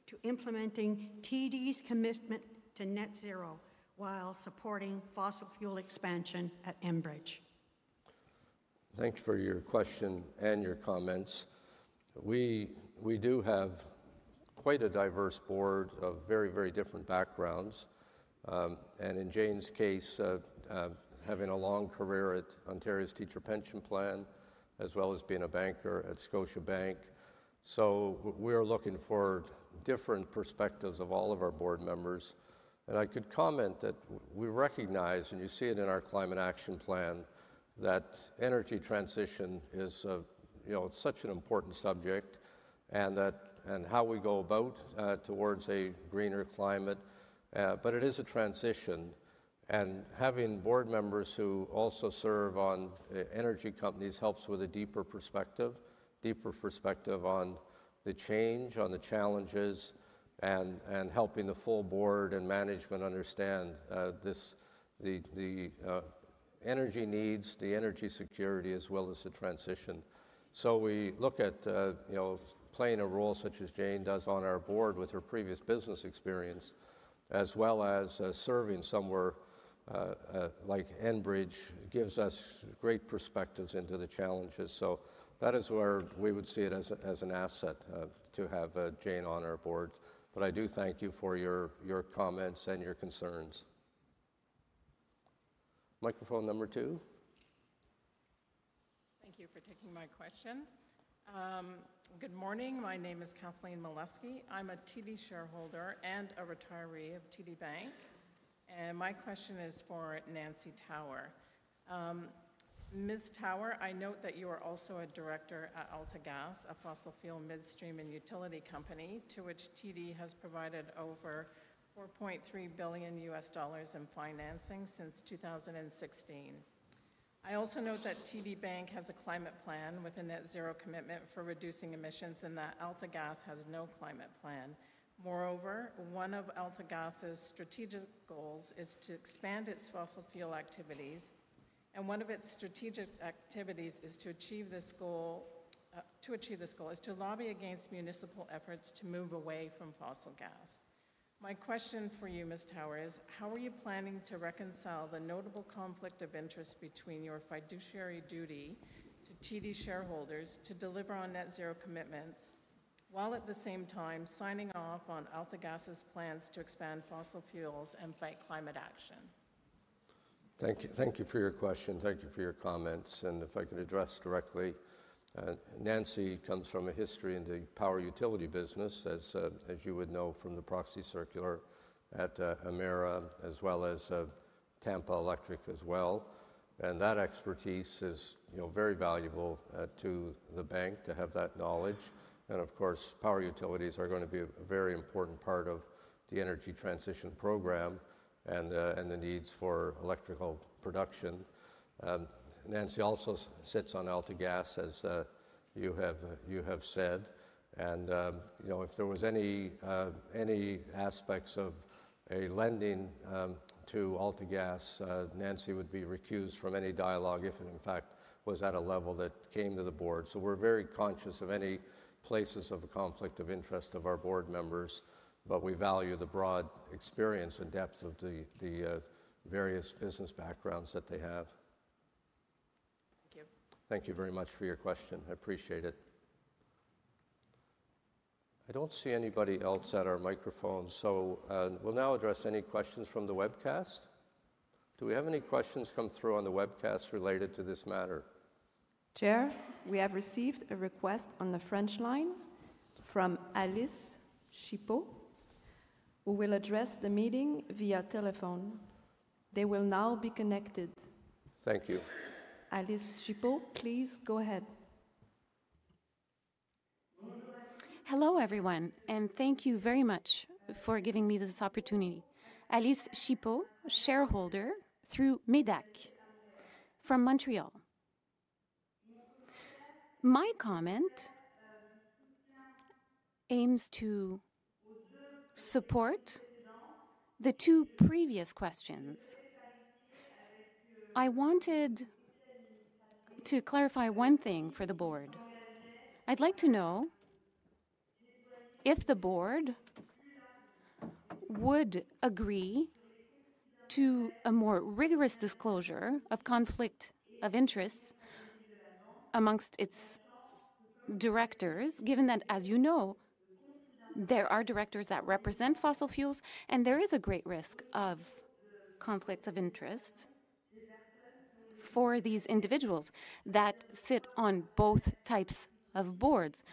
to implementing TD's commitment to net zero while supporting fossil fuel expansion at Enbridge? Thank you for your question and your comments. We do have quite a diverse board of very, very different backgrounds. In Jane's case, having a long career at Ontario's Teacher Pension Plan, as well as being a banker at Scotiabank. We are looking for different perspectives of all of our board members. I could comment that we recognize, and you see it in our climate action plan, that energy transition is such an important subject and how we go about towards a greener climate. It is a transition. Having board members who also serve on energy companies helps with a deeper perspective, deeper perspective on the change, on the challenges, and helping the full board and management understand the energy needs, the energy security, as well as the transition. We look at playing a role such as Jane does on our board with her previous business experience, as well as serving somewhere like Enbridge, gives us great perspectives into the challenges. That is where we would see it as an asset to have Jane on our board. I do thank you for your comments and your concerns. Microphone number two. Thank you for taking my question. Good morning. My name is Kathleen Malesky. I'm a TD shareholder and a retiree of TD Bank. My question is for Nancy Tower. Ms. Tower, I note that you are also a director at AltaGas, a fossil fuel midstream and utility company to which TD has provided over $4.3 billion U.S. dollars in financing since 2016. I also note that TD Bank has a climate plan with a net zero commitment for reducing emissions and that AltaGas has no climate plan. Moreover, one of AltaGas's strategic goals is to expand its fossil fuel activities. One of its strategic activities to achieve this goal is to lobby against municipal efforts to move away from fossil gas. My question for you, Ms. Tower, is how are you planning to reconcile the notable conflict of interest between your fiduciary duty to TD shareholders to deliver on net zero commitments while at the same time signing off on AltaGas's plans to expand fossil fuels and fight climate action? Thank you for your question. Thank you for your comments. If I could address directly, Nancy comes from a history in the power utility business, as you would know from the proxy circular at AMERA, as well as Tampa Electric as well. That expertise is very valuable to the bank to have that knowledge. Of course, power utilities are going to be a very important part of the energy transition program and the needs for electrical production. Nancy also sits on AltaGas, as you have said. If there was any aspect of lending to AltaGas, Nancy would be recused from any dialogue if it, in fact, was at a level that came to the board. We are very conscious of any places of conflict of interest of our board members. We value the broad experience and depth of the various business backgrounds that they have. Thank you. Thank you very much for your question. I appreciate it. I do not see anybody else at our microphone. We will now address any questions from the webcast. Do we have any questions come through on the webcast related to this matter? Chair, we have received a request on the French line from Alice Chipot, who will address the meeting via telephone. They will now be connected. Thank you. Alice Chipot, please go ahead. Hello, everyone. Thank you very much for giving me this opportunity. Alice Chipot, shareholder through MEDAC from Montreal. My comment aims to support the two previous questions. I wanted to clarify one thing for the board. I'd like to know if the board would agree to a more rigorous disclosure of conflict of interests amongst its directors, given that, as you know, there are directors that represent fossil fuels, and there is a great risk of conflict of interest for these individuals that sit on both types of boards.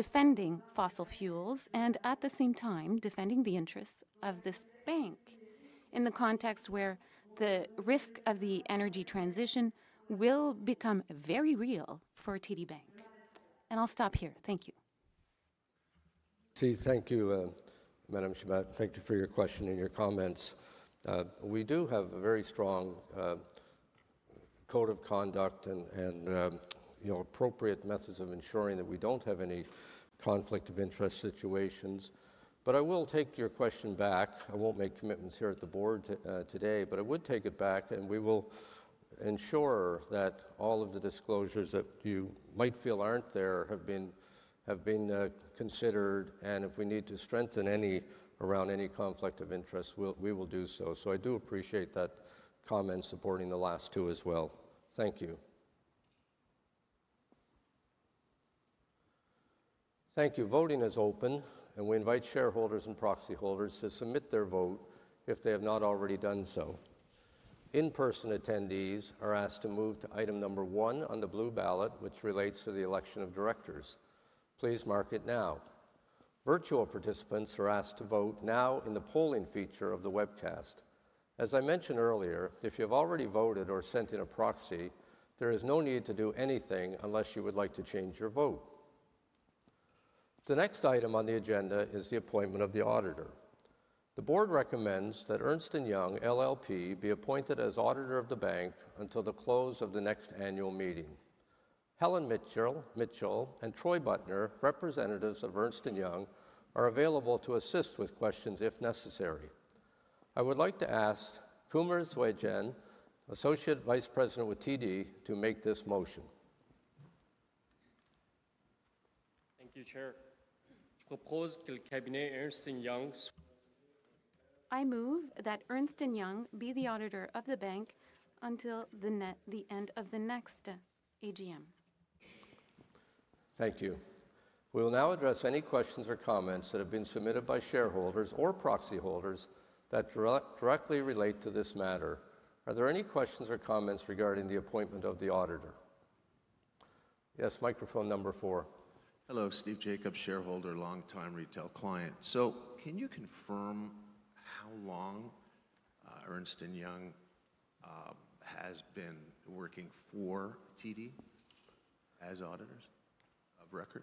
Defending fossil fuels and at the same time defending the interests of this bank in the context where the risk of the energy transition will become very real for TD Bank. I'll stop here. Thank you. Thank you, Madame Chipot. Thank you for your question and your comments. We do have a very strong code of conduct and appropriate methods of ensuring that we do not have any conflict of interest situations. I will take your question back. I will not make commitments here at the board today, but I would take it back. We will ensure that all of the disclosures that you might feel are not there have been considered. If we need to strengthen any around any conflict of interest, we will do so. I do appreciate that comment supporting the last two as well. Thank you. Thank you. Voting is open. We invite shareholders and proxy holders to submit their vote if they have not already done so. In-person attendees are asked to move to item number one on the blue ballot, which relates to the election of directors. Please mark it now. Virtual participants are asked to vote now in the polling feature of the webcast. As I mentioned earlier, if you have already voted or sent in a proxy, there is no need to do anything unless you would like to change your vote. The next item on the agenda is the appointment of the auditor. The board recommends that Ernst & Young LLP be appointed as auditor of the bank until the close of the next annual meeting. Helen Mitchell and Troy Buttner, representatives of Ernst & Young, are available to assist with questions if necessary. I would like to ask Kumar Dwajen, Associate Vice President with TD, to make this motion. Thank you, Chair. I move that Ernst & Young be the auditor of the bank until the end of the next AGM. Thank you. We'll now address any questions or comments that have been submitted by shareholders or proxy holders that directly relate to this matter. Are there any questions or comments regarding the appointment of the auditor?0 Yes, microphone number four. Hello, Steve Jacobs, shareholder, longtime retail client. Can you confirm how long Ernst & Young has been working for TD as auditors of record?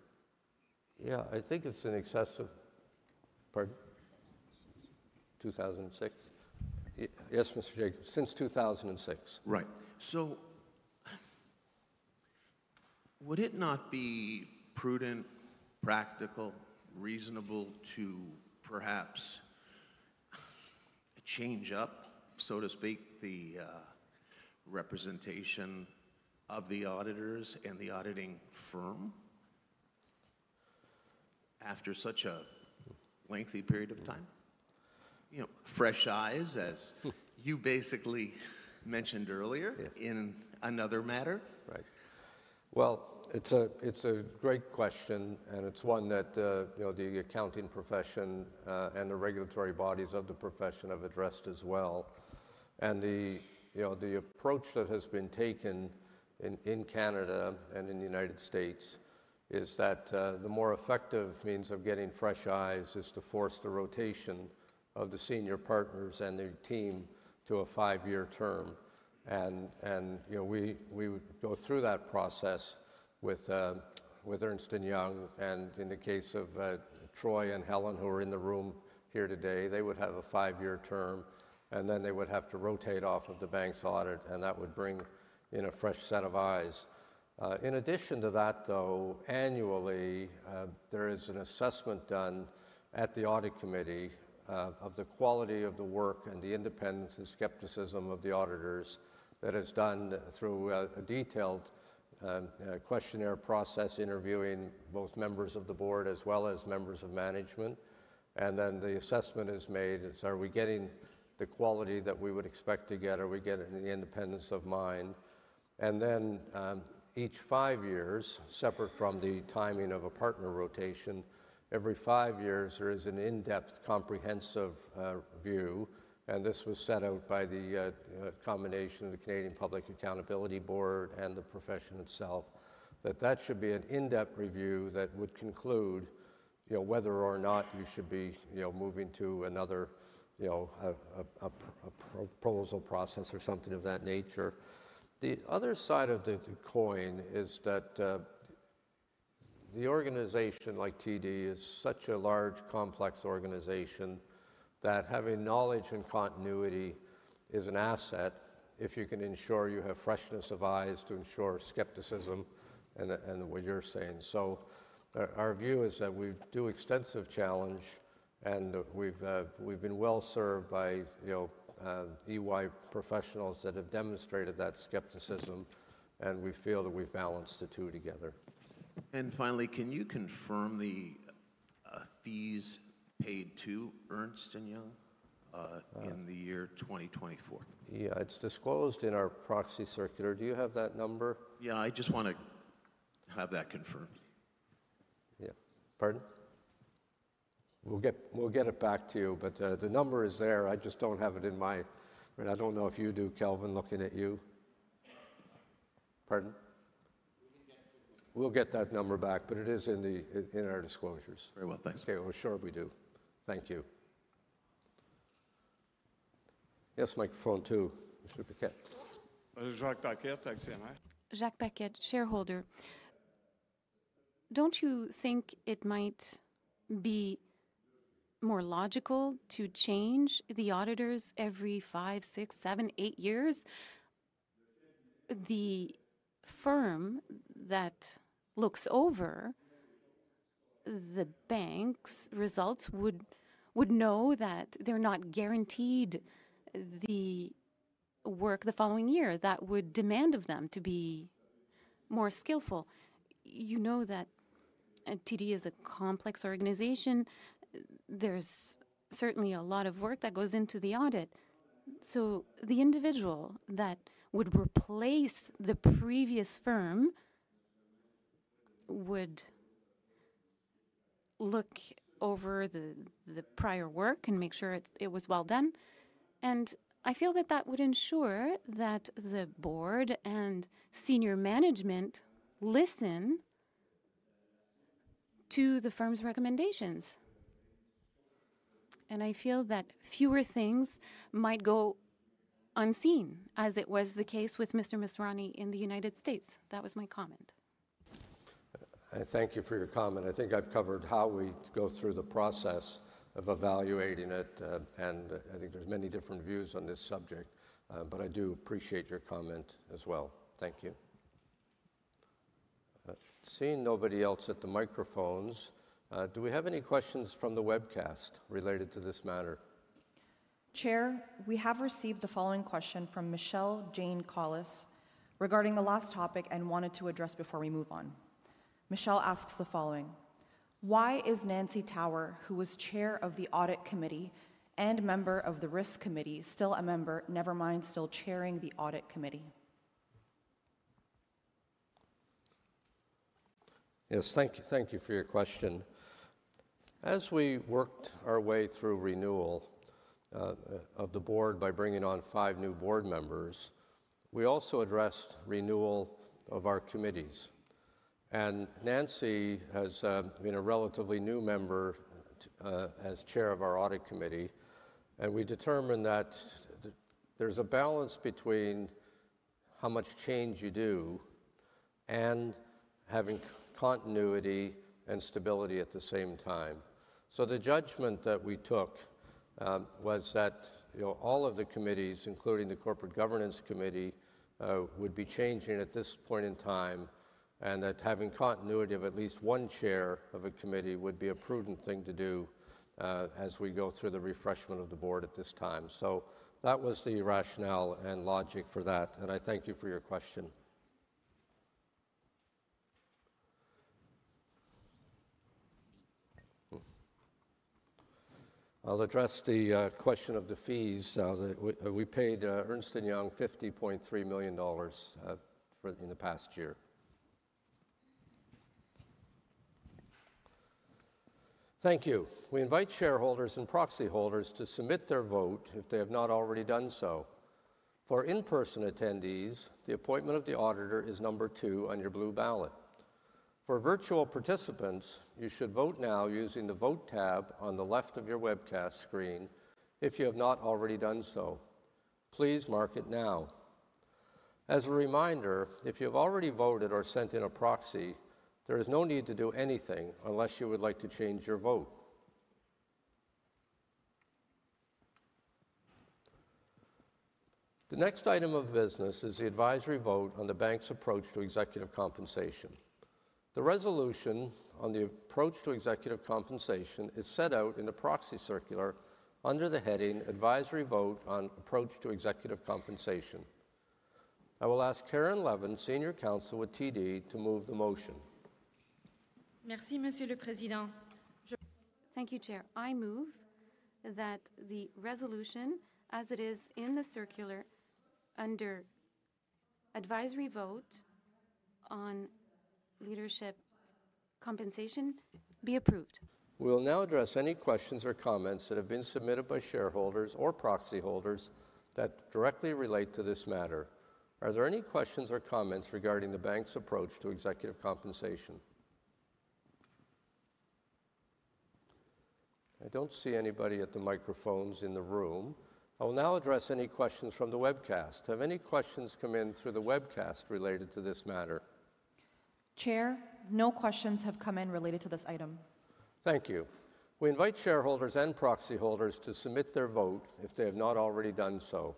I think it's in excess of 2006. Yes, Mr. Jacobs, since 2006. Right. Would it not be prudent, practical, reasonable to perhaps change up, so to speak, the representation of the auditors and the auditing firm after such a lengthy period of time? Fresh eyes, as you basically mentioned earlier in another matter. Right. It is a great question. It is one that the accounting profession and the regulatory bodies of the profession have addressed as well. The approach that has been taken in Canada and in the U.S. is that the more effective means of getting fresh eyes is to force the rotation of the senior partners and their team to a five-year term. We would go through that process with Ernst & Young. In the case of Troy and Helen, who are in the room here today, they would have a five-year term. They would then have to rotate off of the bank's audit. That would bring in a fresh set of eyes. In addition to that, annually, there is an assessment done at the audit committee of the quality of the work and the independence and skepticism of the auditors. That is done through a detailed questionnaire process, interviewing both members of the board as well as members of management. The assessment is then made. Are we getting the quality that we would expect to get? Are we getting the independence of mind? Each five years, separate from the timing of a partner rotation, every five years, there is an in-depth comprehensive view. This was set out by the combination of the Canadian Public Accountability Board and the profession itself, that that should be an in-depth review that would conclude whether or not you should be moving to another proposal process or something of that nature. The other side of the coin is that the organization like TD is such a large, complex organization that having knowledge and continuity is an asset if you can ensure you have freshness of eyes to ensure skepticism and what you're saying. Our view is that we do extensive challenge. We've been well served by EY professionals that have demonstrated that skepticism. We feel that we've balanced the two together. Finally, can you confirm the fees paid to Ernst & Young in the year 2024? Yeah, it's disclosed in our proxy circular. Do you have that number? Yeah, I just want to have that confirmed. Yeah. Pardon? We'll get it back to you. The number is there. I just don't have it in my I don't know if you do, Kelvin, looking at you. Pardon? We'll get that number back. It is in our disclosures. Very well. Thanks. Okay. Sure we do. Thank you. Yes, microphone two, Mr. Paquet. Jacques Paquet, thanks ANI. Jacques Paquet, shareholder. Don't you think it might be more logical to change the auditors every five, six, seven, eight years? The firm that looks over the bank's results would know that they're not guaranteed the work the following year. That would demand of them to be more skillful. You know that TD is a complex organization. There's certainly a lot of work that goes into the audit. The individual that would replace the previous firm would look over the prior work and make sure it was well done. I feel that that would ensure that the board and senior management listen to the firm's recommendations. I feel that fewer things might go unseen, as it was the case with Mr. Masrani in the United States. That was my comment. Thank you for your comment. I think I've covered how we go through the process of evaluating it. I think there's many different views on this subject. I do appreciate your comment as well. Thank you. Seeing nobody else at the microphones, do we have any questions from the webcast related to this matter? Chair, we have received the following question from Michelle Jane Collis regarding the last topic and wanted to address before we move on. Michelle asks the following. Why is Nancy Tower, who was Chair of the Audit Committee and member of the Risk Committee, still a member, never mind still chairing the Audit Committee? Yes, thank you for your question. As we worked our way through renewal of the board by bringing on five new board members, we also addressed renewal of our committees. Nancy has been a relatively new member as Chair of our Audit Committee. We determined that there is a balance between how much change you do and having continuity and stability at the same time. The judgment that we took was that all of the committees, including the corporate governance committee, would be changing at this point in time. That having continuity of at least one chair of a committee would be a prudent thing to do as we go through the refreshment of the board at this time. That was the rationale and logic for that. I thank you for your question. I'll address the question of the fees. We paid Ernst & Young $50.3 million in the past year. Thank you. We invite shareholders and proxy holders to submit their vote if they have not already done so. For in-person attendees, the appointment of the auditor is number two on your blue ballot. For virtual participants, you should vote now using the vote tab on the left of your webcast screen if you have not already done so. Please mark it now. As a reminder, if you have already voted or sent in a proxy, there is no need to do anything unless you would like to change your vote. The next item of business is the advisory vote on the bank's approach to executive compensation. The resolution on the approach to executive compensation is set out in the proxy circular under the heading Advisory Vote on Approach to Executive Compensation. I will ask Karen Levin, Senior Counsel with TD, to move the motion. Merci, Monsieur le Président. Thank you, Chair. I move that the resolution as it is in the circular under advisory vote on leadership compensation be approved. We'll now address any questions or comments that have been submitted by shareholders or proxy holders that directly relate to this matter. Are there any questions or comments regarding the bank's approach to executive compensation? I don't see anybody at the microphones in the room. I will now address any questions from the webcast. Have any questions come in through the webcast related to this matter? Chair, no questions have come in related to this item. Thank you. We invite shareholders and proxy holders to submit their vote if they have not already done so.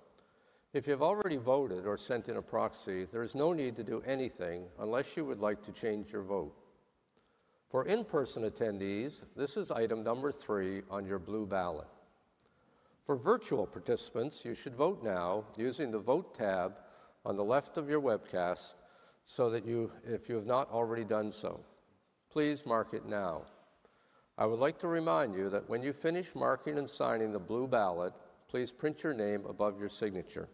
If you have already voted or sent in a proxy, there is no need to do anything unless you would like to change your vote. For in-person attendees, this is item number three on your blue ballot. For virtual participants, you should vote now using the vote tab on the left of your webcast. If you have not already done so, please mark it now. I would like to remind you that when you finish marking and signing the blue ballot, please print your name above your signature.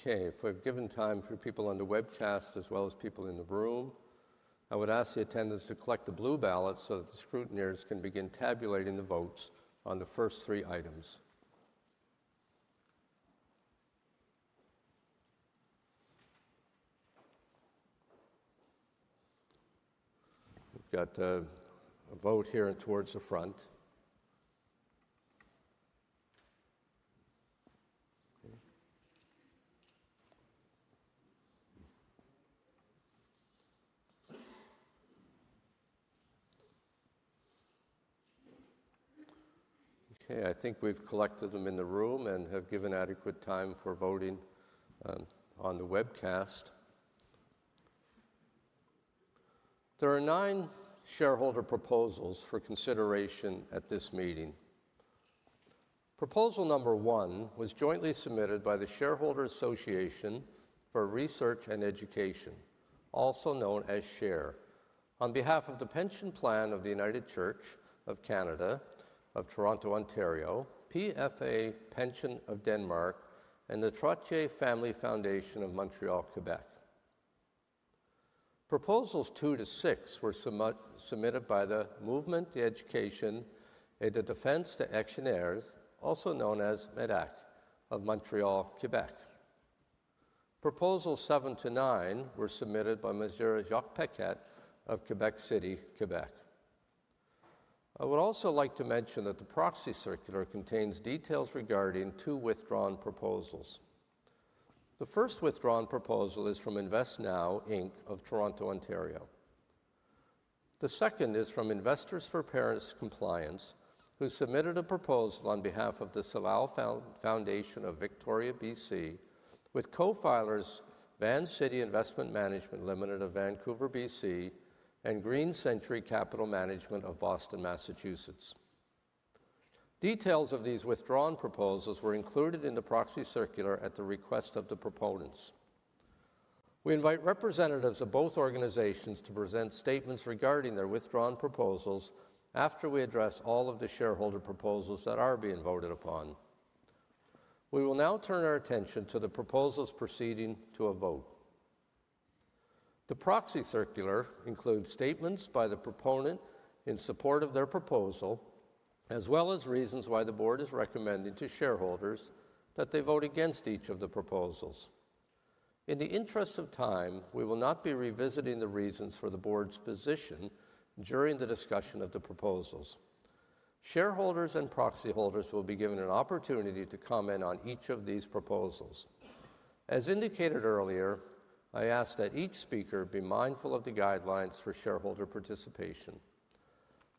Okay. For a given time for people on the webcast as well as people in the room, I would ask the attendants to collect the blue ballot so that the scrutineers can begin tabulating the votes on the first three items. We've got a vote here towards the front. Okay. I think we've collected them in the room and have given adequate time for voting on the webcast. There are nine shareholder proposals for consideration at this meeting. Proposal number one was jointly submitted by the Shareholder Association for Research and Education, also known as SHARE, on behalf of the Pension Plan of the United Church of Canada of Toronto, Ontario, PFA Pension of Denmark, and the Trottier Family Foundation of Montreal, Quebec. Proposals two to six were submitted by the Movement to Education and the Defense to Actionaires, also known as MEDAC, of Montreal, Quebec. Proposals seven to nine were submitted by Monsieur Jacques Paquet of Quebec City, Quebec. I would also like to mention that the proxy circular contains details regarding two withdrawn proposals. The first withdrawn proposal is from InvestNow Inc. of Toronto, Ontario. The second is from Investors for Paris Alignment, who submitted a proposal on behalf of the Salal Foundation of Victoria, BC, with co-filers Van City Investment Management of Vancouver, BC, and Green Century Capital Management of Boston, Massachusetts. Details of these withdrawn proposals were included in the proxy circular at the request of the proponents. We invite representatives of both organizations to present statements regarding their withdrawn proposals after we address all of the shareholder proposals that are being voted upon. We will now turn our attention to the proposals proceeding to a vote. The proxy circular includes statements by the proponent in support of their proposal, as well as reasons why the board is recommending to shareholders that they vote against each of the proposals. In the interest of time, we will not be revisiting the reasons for the board's position during the discussion of the proposals. Shareholders and proxy holders will be given an opportunity to comment on each of these proposals. As indicated earlier, I ask that each speaker be mindful of the guidelines for shareholder participation.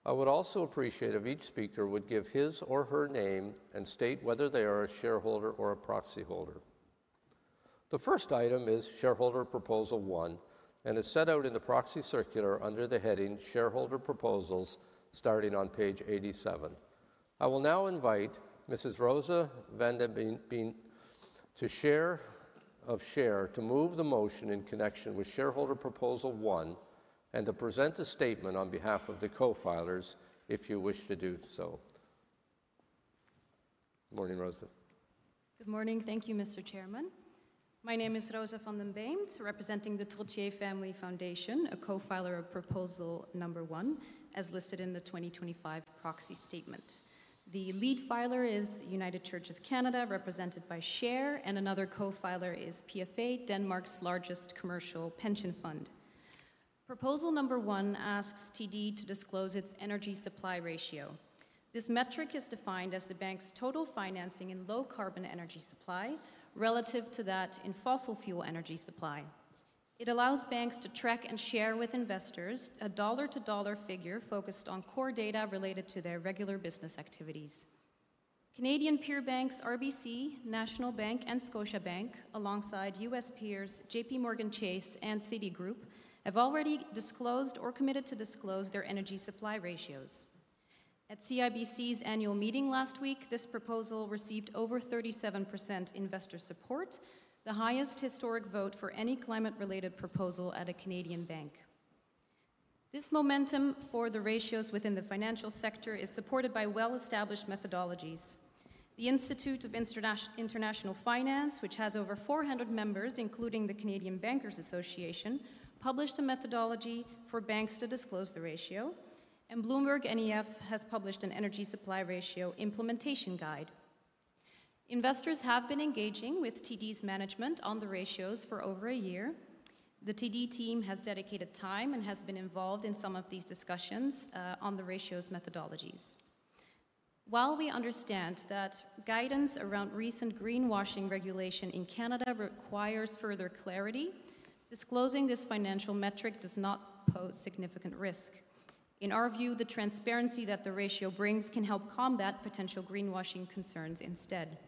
I would also appreciate if each speaker would give his or her name and state whether they are a shareholder or a proxy holder. The first item is Shareholder Proposal One and is set out in the proxy circular under the heading Shareholder Proposals, starting on page 87. I will now invite Mrs. Rosa van der Beem to move the motion in connection with Shareholder Proposal One and to present a statement on behalf of the co-filers if you wish to do so. Good morning, Rosa. Good morning. Thank you, Mr. Chairman. My name is Rosa van der Beem, representing the Trottier Family Foundation, a co-filer of Proposal Number One, as listed in the 2025 Proxy Statement. The lead filer is United Church of Canada, represented by SHARE, and another co-filer is PFA Pension of Denmark, Denmark's largest commercial pension fund. Proposal Number One asks TD to disclose its energy supply ratio. This metric is defined as the bank's total financing in low carbon energy supply relative to that in fossil fuel energy supply. It allows banks to track and share with investors a dollar-to-dollar figure focused on core data related to their regular business activities. Canadian peer banks RBC, National Bank, and Scotiabank, alongside U.S. peers JP Morgan Chase and Citigroup, have already disclosed or committed to disclose their energy supply ratios. At CIBC's annual meeting last week, this proposal received over 37% investor support, the highest historic vote for any climate-related proposal at a Canadian bank. This momentum for the ratios within the financial sector is supported by well-established methodologies. The Institute of International Finance, which has over 400 members, including the Canadian Bankers Association, published a methodology for banks to disclose the ratio, and Bloomberg NEF has published an energy supply ratio implementation guide. Investors have been engaging with TD's management on the ratios for over a year. The TD team has dedicated time and has been involved in some of these discussions on the ratio's methodologies. While we understand that guidance around recent greenwashing regulation in Canada requires further clarity, disclosing this financial metric does not pose significant risk. In our view, the transparency that the ratio brings can help combat potential greenwashing concerns instead.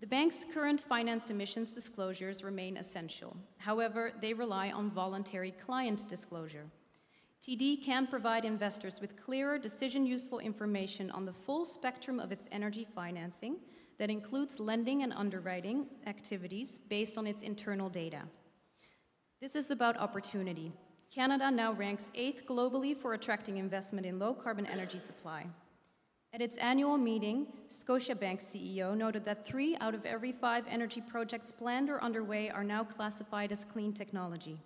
The bank's current financed emissions disclosures remain essential. However, they rely on voluntary client disclosure. TD can provide investors with clearer, decision-useful information on the full spectrum of its energy financing that includes lending and underwriting activities based on its internal data. This is about opportunity. Canada now ranks eighth globally for attracting investment in low carbon energy supply. At its annual meeting, Scotiabank's CEO noted that three out of every five energy projects planned or underway are now classified as clean technology.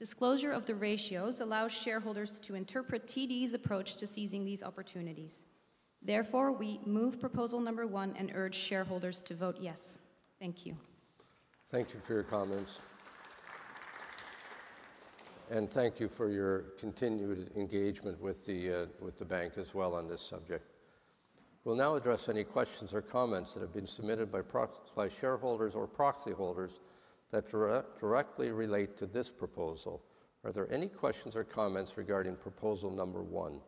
Disclosure of the ratios allows shareholders to interpret TD's approach to seizing these opportunities. Therefore, we move Proposal Number One and urge shareholders to vote yes. Thank you. Thank you for your comments. Thank you for your continued engagement with the bank as well on this subject. We will now address any questions or comments that have been submitted by shareholders or proxy holders that directly relate to this proposal. Are there any questions or comments regarding Proposal Number One?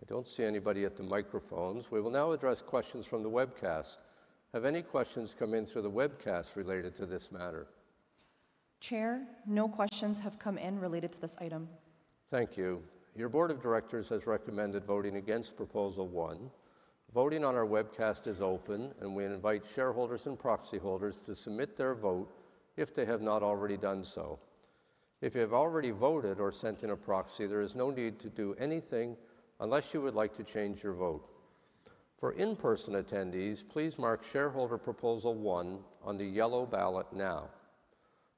I do not see anybody at the microphones. We will now address questions from the webcast. Have any questions come in through the webcast related to this matter? Chair, no questions have come in related to this item. Thank you. Your board of directors has recommended voting against Proposal One. Voting on our webcast is open, and we invite shareholders and proxy holders to submit their vote if they have not already done so. If you have already voted or sent in a proxy, there is no need to do anything unless you would like to change your vote. For in-person attendees, please mark shareholder Proposal One on the yellow ballot now.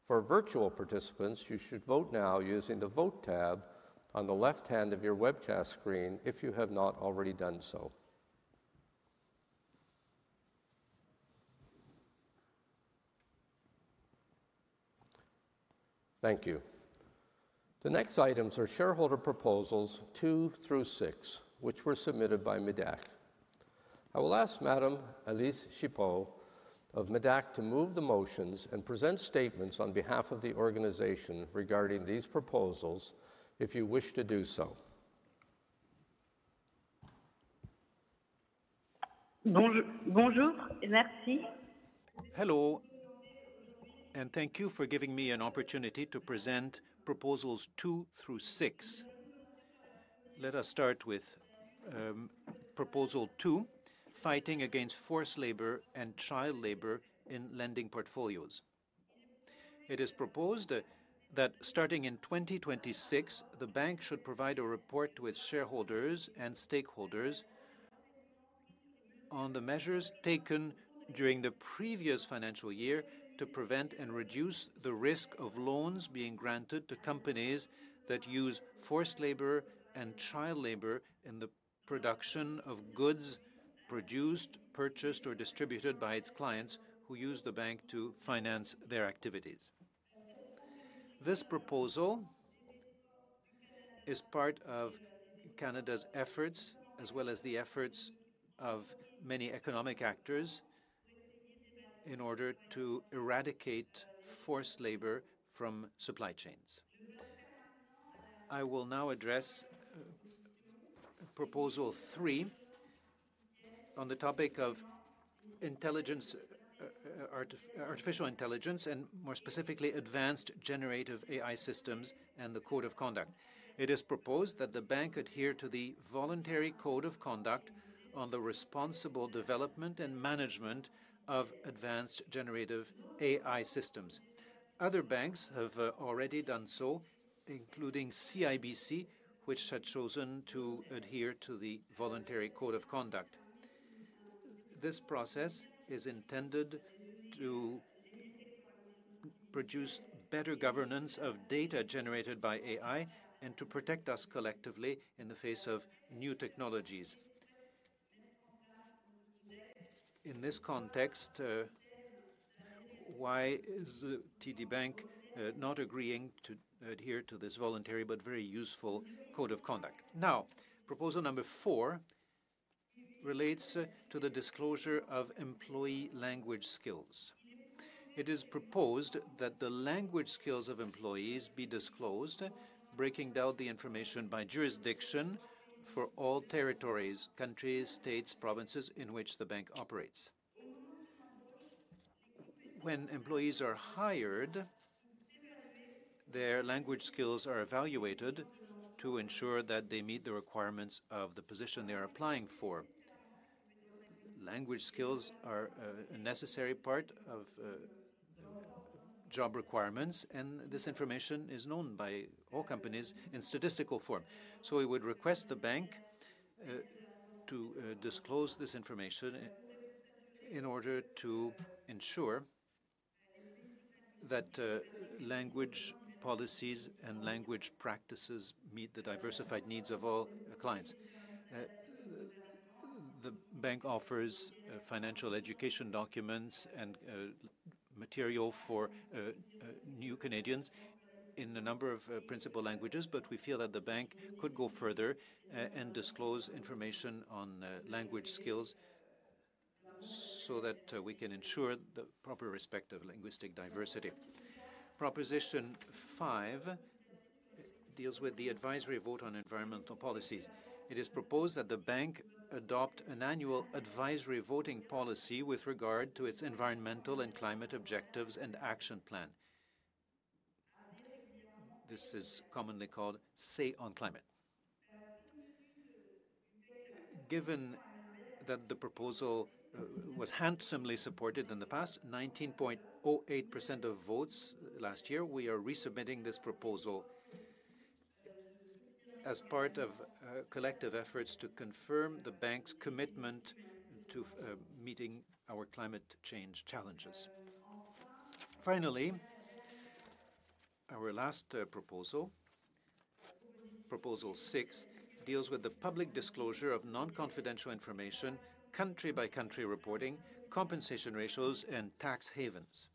For virtual participants, you should vote now using the vote tab on the left hand of your webcast screen if you have not already done so. Thank you. The next items are shareholder proposals two through six, which were submitted by MEDAC. I will ask Madame Alice Chipot of MEDAC to move the motions and present statements on behalf of the organization regarding these proposals if you wish to do so. Bonjour. Merci. Hello, and thank you for giving me an opportunity to present Proposals Two through Six. Let us start with Proposal Two, fighting against forced labor and child labor in lending portfolios. It is proposed that starting in 2026, the bank should provide a report to its shareholders and stakeholders on the measures taken during the previous financial year to prevent and reduce the risk of loans being granted to companies that use forced labor and child labor in the production of goods produced, purchased, or distributed by its clients who use the bank to finance their activities. This proposal is part of Canada's efforts, as well as the efforts of many economic actors, in order to eradicate forced labor from supply chains. I will now address Proposal Three on the topic of artificial intelligence and, more specifically, advanced generative AI systems and the code of conduct. It is proposed that the bank adhere to the voluntary code of conduct on the responsible development and management of advanced generative AI systems. Other banks have already done so, including CIBC, which had chosen to adhere to the voluntary code of conduct. This process is intended to produce better governance of data generated by AI and to protect us collectively in the face of new technologies. In this context, why is TD Bank not agreeing to adhere to this voluntary but very useful code of conduct? Now, Proposal Number Four relates to the disclosure of employee language skills. It is proposed that the language skills of employees be disclosed, breaking down the information by jurisdiction for all territories, countries, states, and provinces in which the bank operates. When employees are hired, their language skills are evaluated to ensure that they meet the requirements of the position they are applying for. Language skills are a necessary part of job requirements, and this information is known by all companies in statistical form. We would request the bank to disclose this information in order to ensure that language policies and language practices meet the diversified needs of all clients. The bank offers financial education documents and material for new Canadians in a number of principal languages, but we feel that the bank could go further and disclose information on language skills so that we can ensure the proper respect of linguistic diversity. Proposition Five deals with the advisory vote on environmental policies. It is proposed that the bank adopt an annual advisory voting policy with regard to its environmental and climate objectives and action plan. This is commonly called Say on Climate. Given that the proposal was handsomely supported in the past, 19.08% of votes last year, we are resubmitting this proposal as part of collective efforts to confirm the bank's commitment to meeting our climate change challenges. Finally, our last proposal, Proposal Six, deals with the public disclosure of non-confidential information, country-by-country reporting, compensation ratios, and tax havens.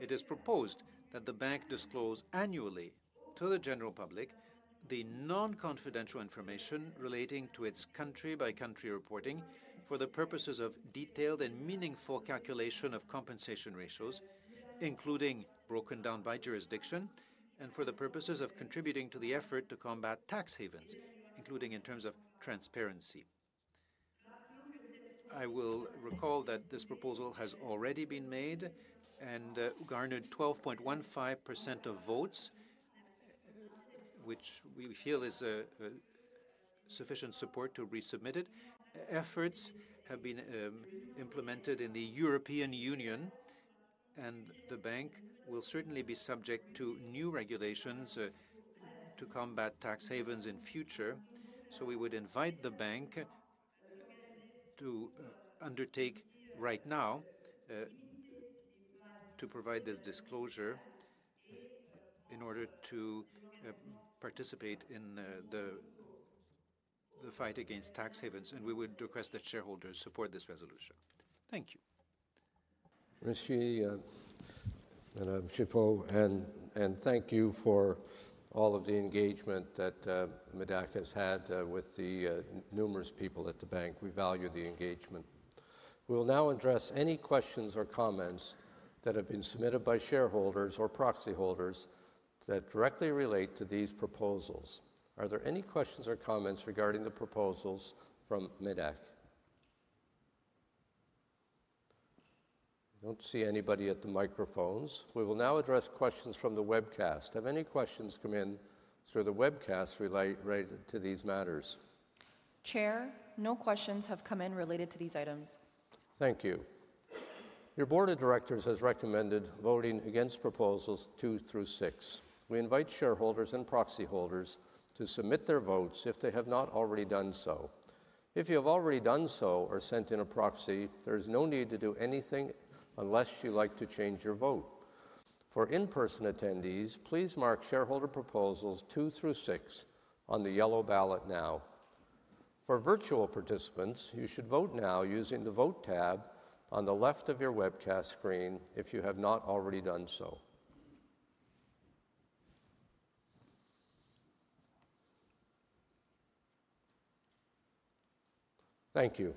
It is proposed that the bank disclose annually to the general public the non-confidential information relating to its country-by-country reporting for the purposes of detailed and meaningful calculation of compensation ratios, including broken down by jurisdiction, and for the purposes of contributing to the effort to combat tax havens, including in terms of transparency. I will recall that this proposal has already been made and garnered 12.15% of votes, which we feel is sufficient support to resubmit it. Efforts have been implemented in the European Union, and the bank will certainly be subject to new regulations to combat tax havens in the future. We would invite the bank to undertake right now to provide this disclosure in order to participate in the fight against tax havens, and we would request that shareholders support this resolution. Thank you. Monsieur Chipot, and thank you for all of the engagement that MEDAC has had with the numerous people at the bank. We value the engagement. We will now address any questions or comments that have been submitted by shareholders or proxy holders that directly relate to these proposals. Are there any questions or comments regarding the proposals from MEDAC? I do not see anybody at the microphones. We will now address questions from the webcast. Have any questions come in through the webcast related to these matters? Chair, no questions have come in related to these items. Thank you. Your board of directors has recommended voting against Proposals Two through Six. We invite shareholders and proxy holders to submit their votes if they have not already done so. If you have already done so or sent in a proxy, there is no need to do anything unless you'd like to change your vote. For in-person attendees, please mark shareholder Proposals Two through Six on the yellow ballot now. For virtual participants, you should vote now using the vote tab on the left of your webcast screen if you have not already done so. Thank you.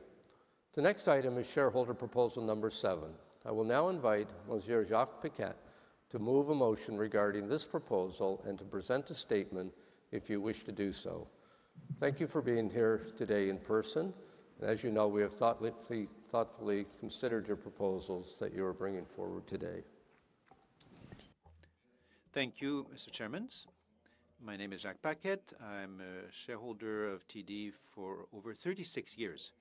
The next item is shareholder Proposal Number Seven. I will now invite Monsieur Jacques Paquet to move a motion regarding this proposal and to present a statement if you wish to do so. Thank you for being here today in person. As you know, we have thoughtfully considered your proposals that you are bringing forward today. Thank you, Mr. Chairman. My name is Jacques Paquet. I'm a shareholder of TD for over 36 years.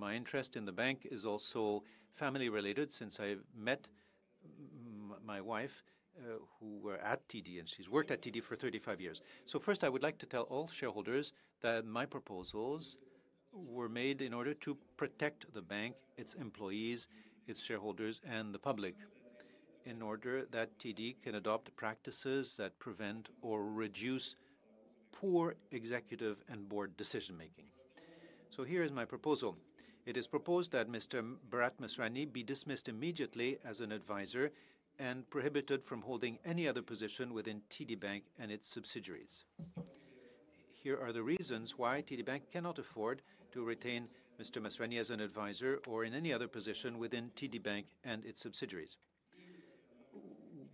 My interest in the bank is also family-related since I met my wife, who was at TD, and she's worked at TD for 35 years. First, I would like to tell all shareholders that my proposals were made in order to protect the bank, its employees, its shareholders, and the public, in order that TD can adopt practices that prevent or reduce poor executive and board decision-making. Here is my proposal. It is proposed that Mr. Bharat Masrani be dismissed immediately as an advisor and prohibited from holding any other position within TD Bank and its subsidiaries. Here are the reasons why TD Bank cannot afford to retain Mr. Masrani as an advisor or in any other position within TD Bank and its subsidiaries.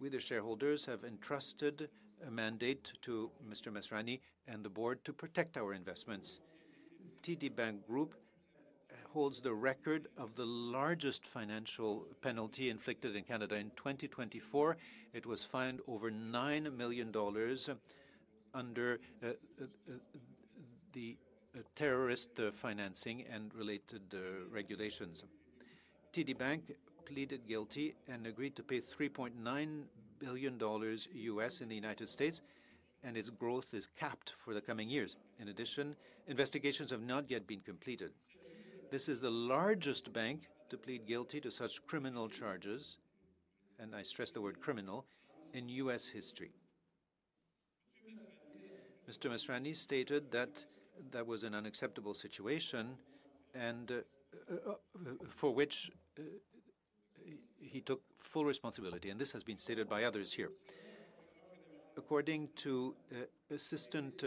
We the shareholders have entrusted a mandate to Mr. Masrani and the board to protect our investments. TD Bank Group holds the record of the largest financial penalty inflicted in Canada in 2024. It was fined over 9 million dollars under the terrorist financing and related regulations. TD Bank pleaded guilty and agreed to pay $3.9 billion in the United States, and its growth is capped for the coming years. In addition, investigations have not yet been completed. This is the largest bank to plead guilty to such criminal charges, and I stress the word criminal, in U.S. history. Mr. Masrani stated that that was an unacceptable situation for which he took full responsibility, and this has been stated by others here. According to Assistant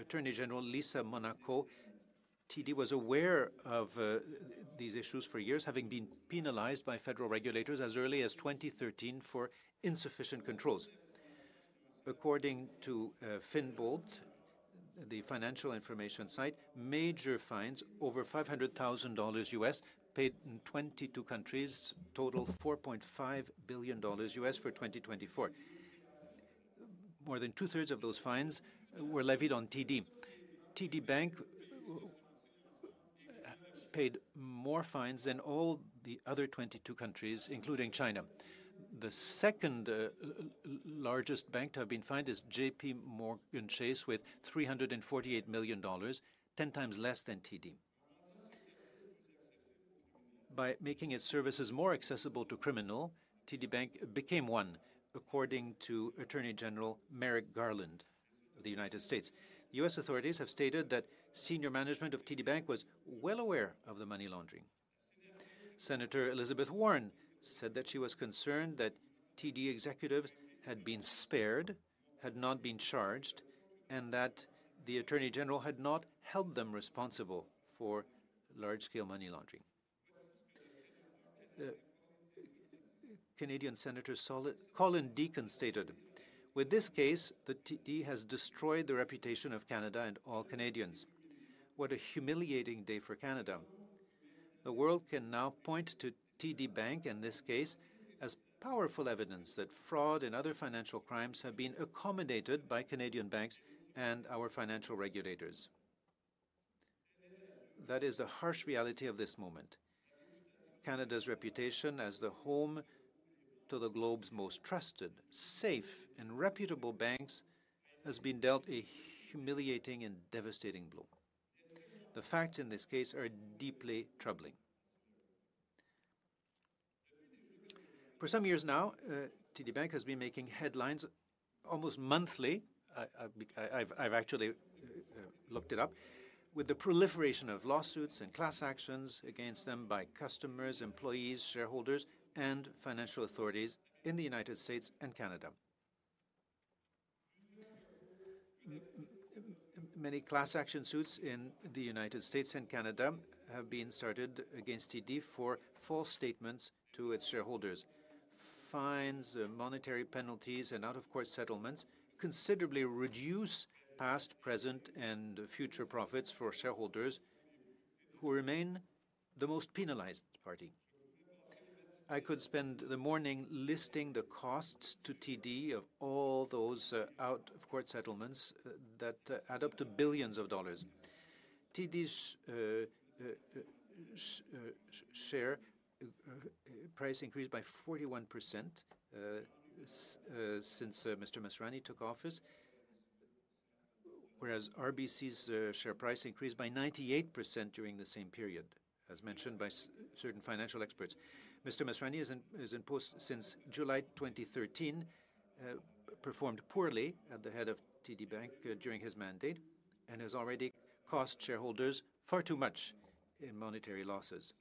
Attorney General Lisa Monaco, TD was aware of these issues for years, having been penalized by federal regulators as early as 2013 for insufficient controls. According to Finbold, the financial information site, major fines over $500,000 paid in 22 countries, total $4.5 billion for 2024. More than two-thirds of those fines were levied on TD. TD Bank paid more fines than all the other 22 countries, including China. The second largest bank to have been fined is J.P. Morgan Chase with $348 million, ten times less than TD. By making its services more accessible to criminals, TD Bank became one, according to Attorney General Merrick Garland of the U.S. U.S. authorities have stated that senior management of TD Bank was well aware of the money laundering. Senator Elizabeth Warren said that she was concerned that TD executives had been spared, had not been charged, and that the Attorney General had not held them responsible for large-scale money laundering. Canadian Senator Colin Deacon stated, "With this case, TD has destroyed the reputation of Canada and all Canadians. What a humiliating day for Canada." The world can now point to TD Bank in this case as powerful evidence that fraud and other financial crimes have been accommodated by Canadian banks and our financial regulators. That is the harsh reality of this moment. Canada's reputation as the home to the globe's most trusted, safe, and reputable banks has been dealt a humiliating and devastating blow. The facts in this case are deeply troubling. For some years now, TD Bank has been making headlines almost monthly. I've actually looked it up, with the proliferation of lawsuits and class actions against them by customers, employees, shareholders, and financial authorities in the United States and Canada. Many class action suits in the United States and Canada have been started against TD for false statements to its shareholders. Fines, monetary penalties, and out-of-court settlements considerably reduce past, present, and future profits for shareholders, who remain the most penalized party. I could spend the morning listing the costs to TD of all those out-of-court settlements that add up to billions of dollars. TD's share price increased by 41% since Mr. Masrani took office, whereas RBC's share price increased by 98% during the same period, as mentioned by certain financial experts. Mr. Masrani has been in post since July 2013, performed poorly at the head of TD Bank during his mandate, and has already cost shareholders far too much in monetary losses.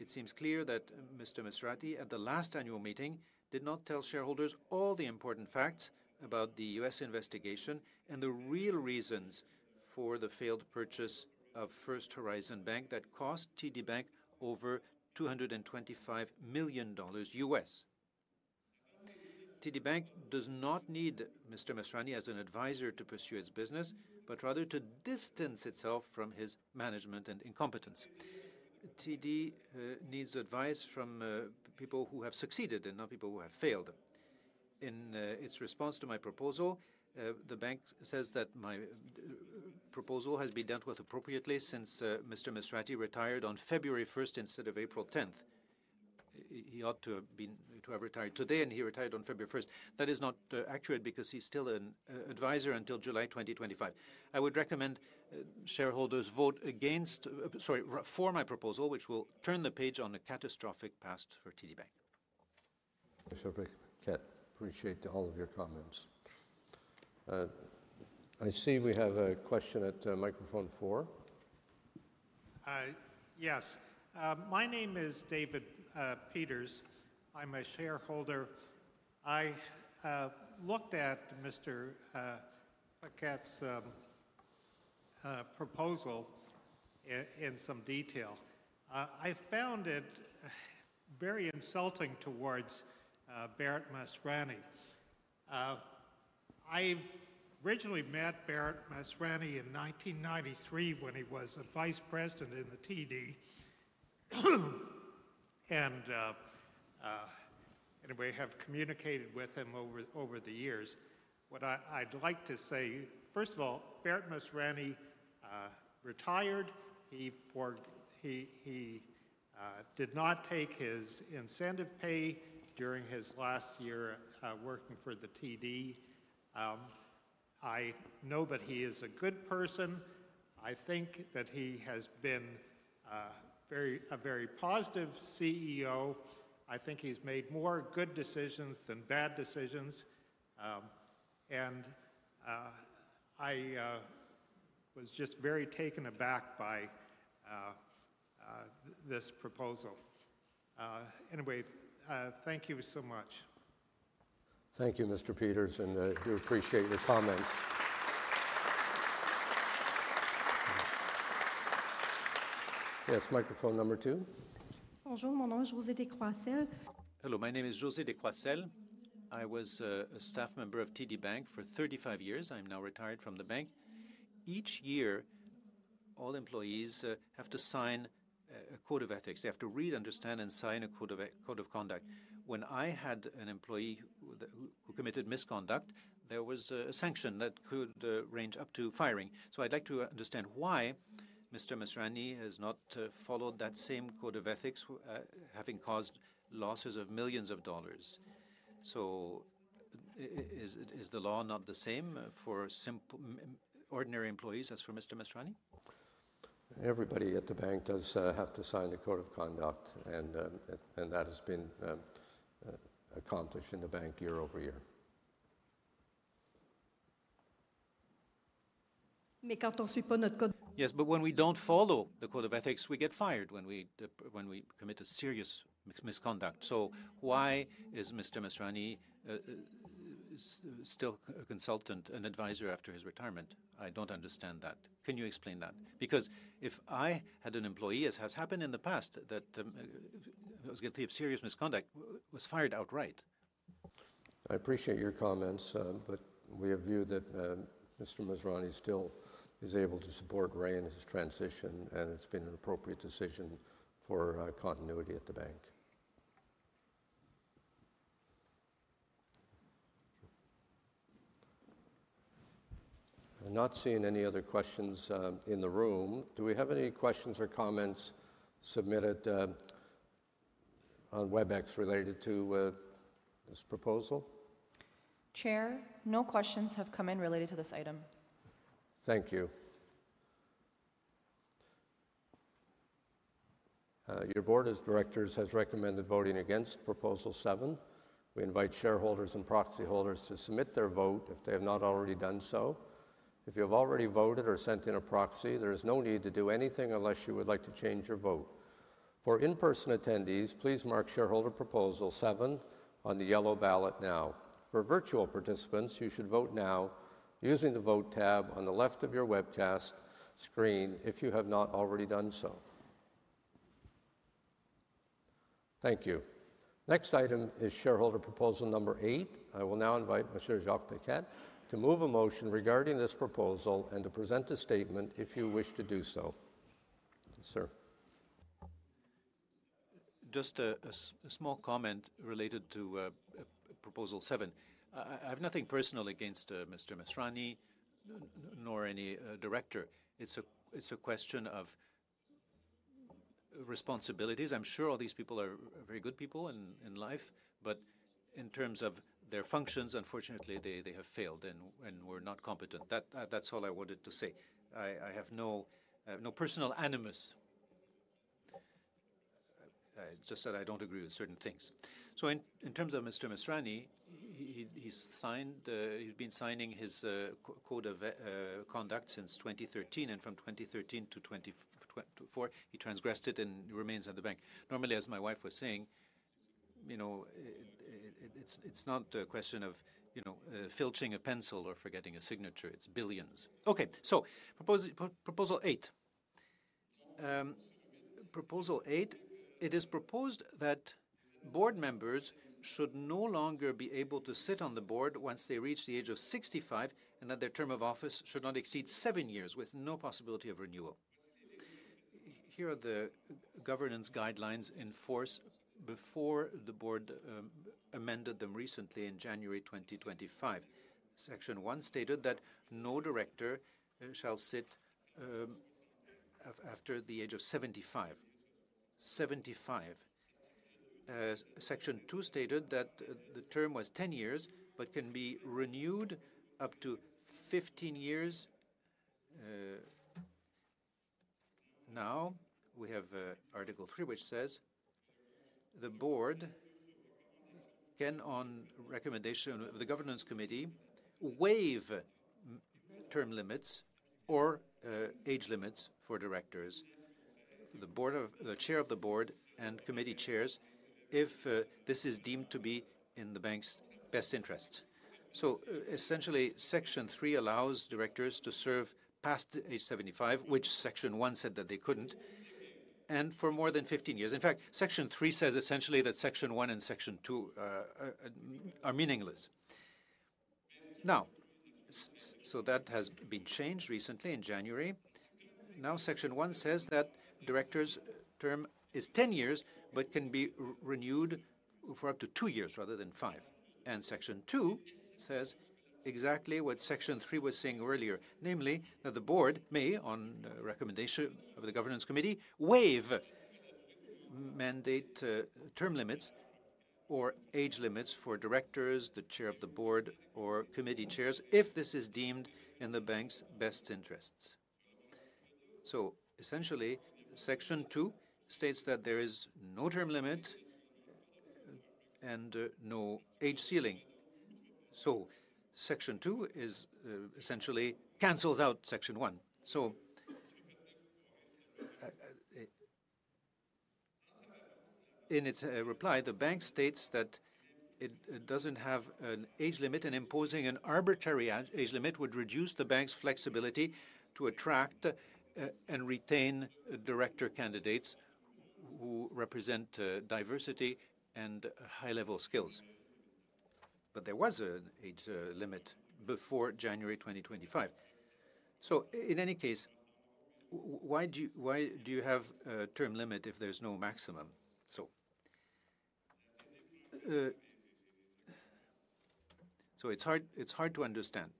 It seems clear that Mr. Masrani, at the last annual meeting, did not tell shareholders all the important facts about the U.S. investigation and the real reasons for the failed purchase of First Horizon Bank that cost TD Bank over $225 million US. TD Bank does not need Mr. Masrani as an advisor to pursue its business, but rather to distance itself from his management and incompetence. TD needs advice from people who have succeeded and not people who have failed. In its response to my proposal, the bank says that my proposal has been dealt with appropriately since Mr. Masrani retired on February 1 instead of April 10. He ought to have retired today, and he retired on February 1. That is not accurate because he's still an advisor until July 2025. I would recommend shareholders vote against, sorry, for my proposal, which will turn the page on a catastrophic past for TD Bank. Mr. Pecquet, I appreciate all of your comments. I see we have a question at Microphone 4. Yes. My name is David Peters. I'm a shareholder. I looked at Mr. Pecquet's proposal in some detail. I found it very insulting towards Bharat Masrani. I originally met Bharat Masrani in 1993 when he was a vice president in the TD, and we have communicated with him over the years. What I'd like to say, first of all, Bharat Masrani retired. He did not take his incentive pay during his last year working for the TD. I know that he is a good person. I think that he has been a very positive CEO. I think he's made more good decisions than bad decisions. I was just very taken aback by this proposal. Anyway, thank you so much. Thank you, Mr. Peters, and I do appreciate your comments. Yes, Microphone Number Two. Bonjour, mon nom est José Descroissel. Hello, my name is José Descroissel. I was a staff member of TD Bank for 35 years. I'm now retired from the bank. Each year, all employees have to sign a code of ethics. They have to read, understand, and sign a code of conduct. When I had an employee who committed misconduct, there was a sanction that could range up to firing. I would like to understand why Mr. Masrani has not followed that same code of ethics, having caused losses of millions of dollars. Is the law not the same for ordinary employees as for Mr. Masrani? Everybody at the bank does have to sign a code of conduct, and that has been accomplished in the bank year over year. Mais quand on ne suit pas notre code. Yes, but when we do not follow the code of ethics, we get fired when we commit a serious misconduct. Why is Mr. Masrani still a consultant, an advisor after his retirement? I do not understand that. Can you explain that? Because if I had an employee, as has happened in the past, that was guilty of serious misconduct, was fired outright. I appreciate your comments, but we have viewed that Mr. Masrani still is able to support Reagan in his transition, and it has been an appropriate decision for continuity at the bank. I am not seeing any other questions in the room. Do we have any questions or comments submitted on WebEx related to this proposal? Chair, no questions have come in related to this item. Thank you. Your board of directors has recommended voting against Proposal 7. We invite shareholders and proxy holders to submit their vote if they have not already done so. If you have already voted or sent in a proxy, there is no need to do anything unless you would like to change your vote. For in-person attendees, please mark shareholder Proposal 7 on the yellow ballot now. For virtual participants, you should vote now using the vote tab on the left of your webcast screen if you have not already done so. Thank you. Next item is shareholder Proposal Number 8. I will now invite Mr. Jacques Paquet to move a motion regarding this proposal and to present a statement if you wish to do so. Sir. Just a small comment related to Proposal 7. I have nothing personal against Mr. Masrani nor any director. It's a question of responsibilities. I'm sure all these people are very good people in life, but in terms of their functions, unfortunately, they have failed and were not competent. That's all I wanted to say. I have no personal animus. I just said I don't agree with certain things. In terms of Mr. Masrani, he's signed; he's been signing his code of conduct since 2013, and from 2013 to 2024, he transgressed it and remains at the bank. Normally, as my wife was saying, you know, it's not a question of, you know, filching a pencil or forgetting a signature. It's billions. Okay, Proposal 8. Proposal 8, it is proposed that board members should no longer be able to sit on the board once they reach the age of 65, and that their term of office should not exceed seven years with no possibility of renewal. Here are the governance guidelines in force before the board amended them recently in January 2025. Section 1 stated that no director shall sit after the age of 75. 75. Section 2 stated that the term was 10 years but can be renewed up to 15 years. Now we have Article 3, which says the board can, on recommendation of the governance committee, waive term limits or age limits for directors, the chair of the board, and committee chairs if this is deemed to be in the bank's best interests. Essentially, Section 3 allows directors to serve past age 75, which Section 1 said that they could not, and for more than 15 years. In fact, Section 3 says essentially that Section 1 and Section 2 are meaningless. That has been changed recently in January. Now Section 1 says that directors' term is 10 years but can be renewed for up to two years rather than five. Section 2 says exactly what Section 3 was saying earlier, namely that the board may, on recommendation of the governance committee, waive mandate term limits or age limits for directors, the chair of the board, or committee chairs if this is deemed in the bank's best interests. Essentially, Section 2 states that there is no term limit and no age ceiling. Section 2 essentially cancels out Section 1. In its reply, the bank states that it doesn't have an age limit, and imposing an arbitrary age limit would reduce the bank's flexibility to attract and retain director candidates who represent diversity and high-level skills. There was an age limit before January 2025. In any case, why do you have a term limit if there's no maximum? It's hard to understand.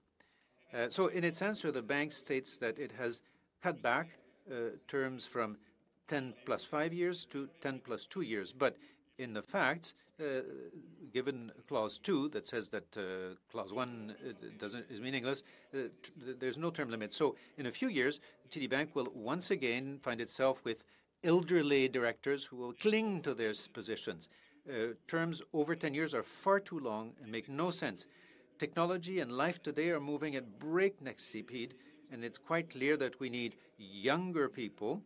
In its answer, the bank states that it has cut back terms from 10 plus 5 years to 10 plus 2 years. In the facts, given Clause 2 that says that Clause 1 is meaningless, there's no term limit. In a few years, TD Bank will once again find itself with elderly directors who will cling to their positions. Terms over 10 years are far too long and make no sense. Technology and life today are moving at breakneck speed, and it's quite clear that we need younger people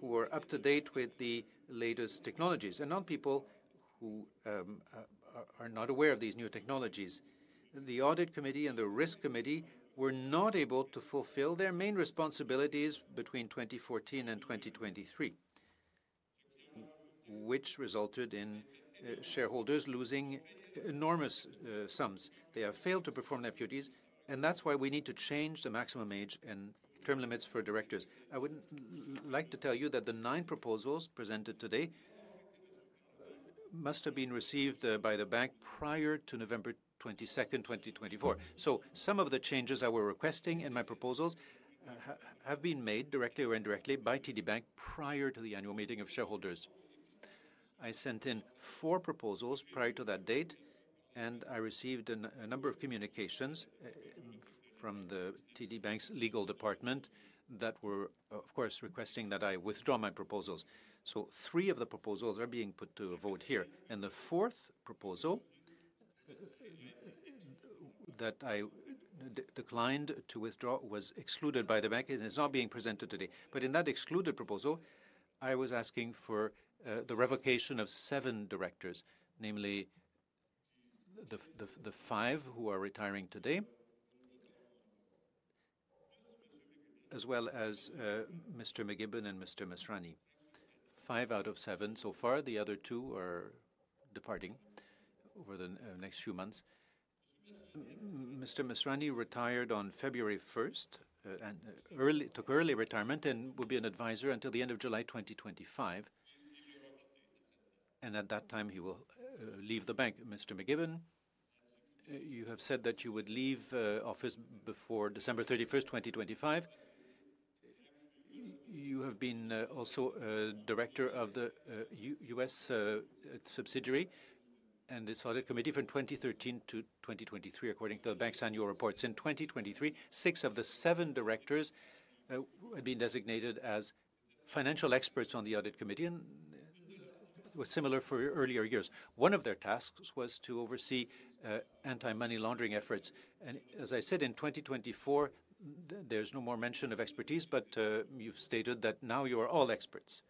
who are up to date with the latest technologies, and not people who are not aware of these new technologies. The audit committee and the risk committee were not able to fulfill their main responsibilities between 2014 and 2023, which resulted in shareholders losing enormous sums. They have failed to perform their duties, and that's why we need to change the maximum age and term limits for directors. I would like to tell you that the nine proposals presented today must have been received by the bank prior to November 22, 2024. Some of the changes I were requesting in my proposals have been made directly or indirectly by TD Bank prior to the annual meeting of shareholders. I sent in four proposals prior to that date, and I received a number of communications from the TD Bank's legal department that were, of course, requesting that I withdraw my proposals. Three of the proposals are being put to a vote here. The fourth proposal that I declined to withdraw was excluded by the bank, and it's not being presented today. In that excluded proposal, I was asking for the revocation of seven directors, namely the five who are retiring today, as well as Mr. McKibben and Mr. Masrani. Five out of seven so far. The other two are departing over the next few months. Mr. Masrani retired on February 1 and took early retirement and will be an advisor until the end of July 2025. At that time, he will leave the bank. Mr. McKibben, you have said that you would leave office before December 31, 2025. You have been also a director of the U.S. subsidiary and this audit committee from 2013 to 2023, according to the bank's annual reports. In 2023, six of the seven directors had been designated as financial experts on the audit committee, and it was similar for earlier years. One of their tasks was to oversee anti-money laundering efforts. As I said, in 2024, there is no more mention of expertise, but you've stated that now you are all experts.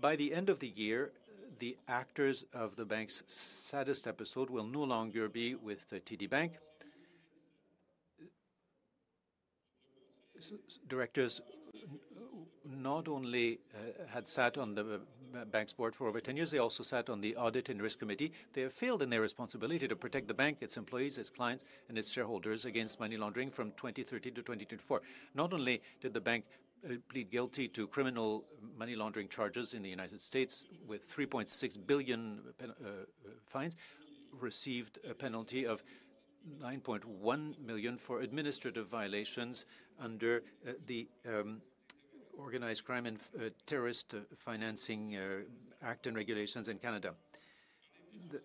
By the end of the year, the actors of the bank's saddest episode will no longer be with TD Bank. Directors not only had sat on the bank's board for over 10 years, they also sat on the audit and risk committee. They have failed in their responsibility to protect the bank, its employees, its clients, and its shareholders against money laundering from 2013 to 2024. Not only did the bank plead guilty to criminal money laundering charges in the U.S. with $3.6 billion fines, received a penalty of 9.1 million for administrative violations under the Organized Crime and Terrorist Financing Act and regulations in Canada.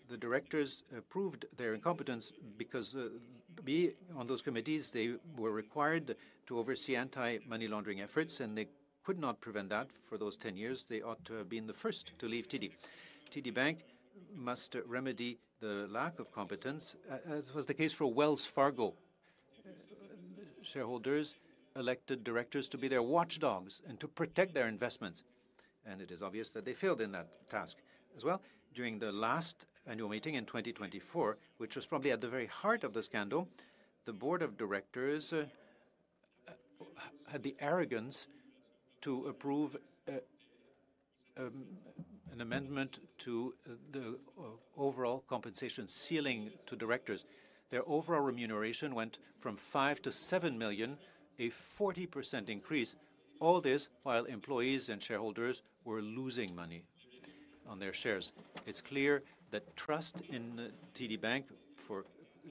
The directors proved their incompetence because on those committees, they were required to oversee anti-money laundering efforts, and they could not prevent that for those 10 years. They ought to have been the first to leave TD. TD Bank must remedy the lack of competence, as was the case for Wells Fargo. Shareholders elected directors to be their watchdogs and to protect their investments. It is obvious that they failed in that task as well. During the last annual meeting in 2024, which was probably at the very heart of the scandal, the board of directors had the arrogance to approve an amendment to the overall compensation ceiling to directors. Their overall remuneration went from $5 million to $7 million, a 40% increase, all this while employees and shareholders were losing money on their shares. It's clear that trust in TD Bank for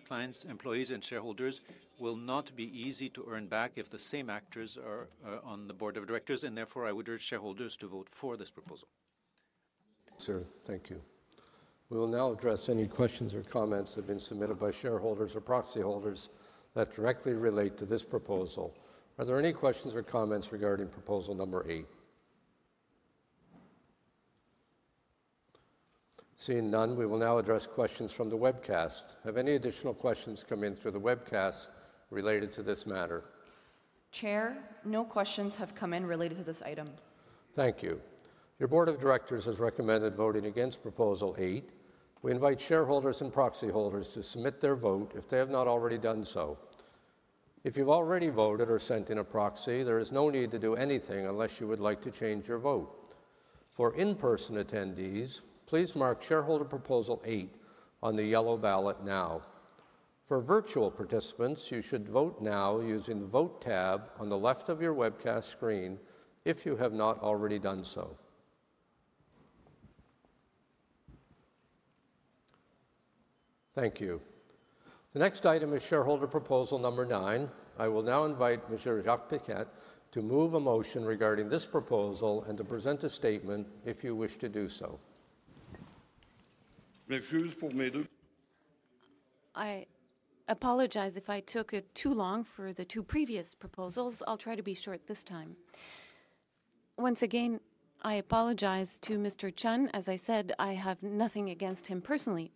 clients, employees, and shareholders will not be easy to earn back if the same actors are on the board of directors. I would urge shareholders to vote for this proposal. Sir, thank you. We will now address any questions or comments that have been submitted by shareholders or proxy holders that directly relate to this proposal. Are there any questions or comments regarding Proposal Number 8? Seeing none, we will now address questions from the webcast. Have any additional questions come in through the webcast related to this matter? Chair, no questions have come in related to this item. Thank you. Your board of directors has recommended voting against Proposal 8. We invite shareholders and proxy holders to submit their vote if they have not already done so. If you've already voted or sent in a proxy, there is no need to do anything unless you would like to change your vote. For in-person attendees, please mark shareholder Proposal 8 on the yellow ballot now. For virtual participants, you should vote now using the vote tab on the left of your webcast screen if you have not already done so. Thank you. The next item is shareholder Proposal Number 9. I will now invite Mr. Jacques Paquet to move a motion regarding this proposal and to present a statement if you wish to do so. I apologize if I took too long for the two previous proposals. I'll try to be short this time. Once again, I apologize to Mr. Chun. As I said, I have nothing against him personally.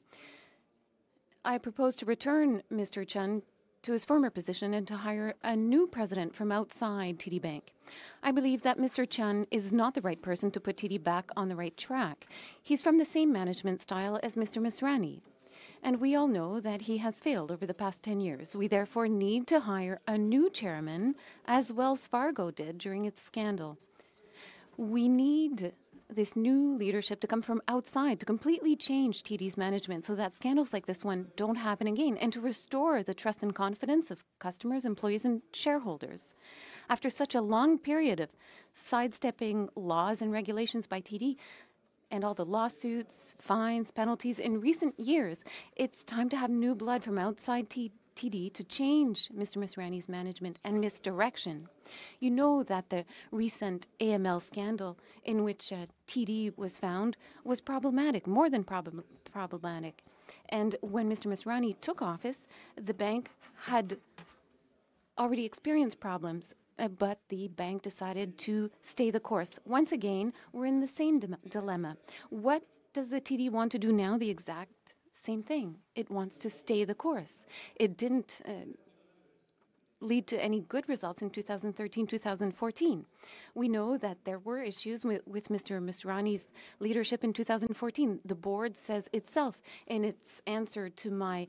I propose to return Mr. Chun to his former position and to hire a new president from outside TD Bank. I believe that Mr. Chun is not the right person to put TD back on the right track. He's from the same management style as Mr. Masrani, and we all know that he has failed over the past 10 years. We therefore need to hire a new chairman, as Wells Fargo did during its scandal. We need this new leadership to come from outside to completely change TD's management so that scandals like this one don't happen again and to restore the trust and confidence of customers, employees, and shareholders. After such a long period of sidestepping laws and regulations by TD and all the lawsuits, fines, penalties in recent years, it's time to have new blood from outside TD to change Mr. Masrani's management and misdirection. You know that the recent AML scandal in which TD was found was problematic, more than problematic. When Mr. Masrani took office, the bank had already experienced problems, but the bank decided to stay the course. Once again, we're in the same dilemma. What does the TD want to do now? The exact same thing. It wants to stay the course. It did not lead to any good results in 2013, 2014. We know that there were issues with Mr. Masrani's leadership in 2014. The board says itself in its answer to my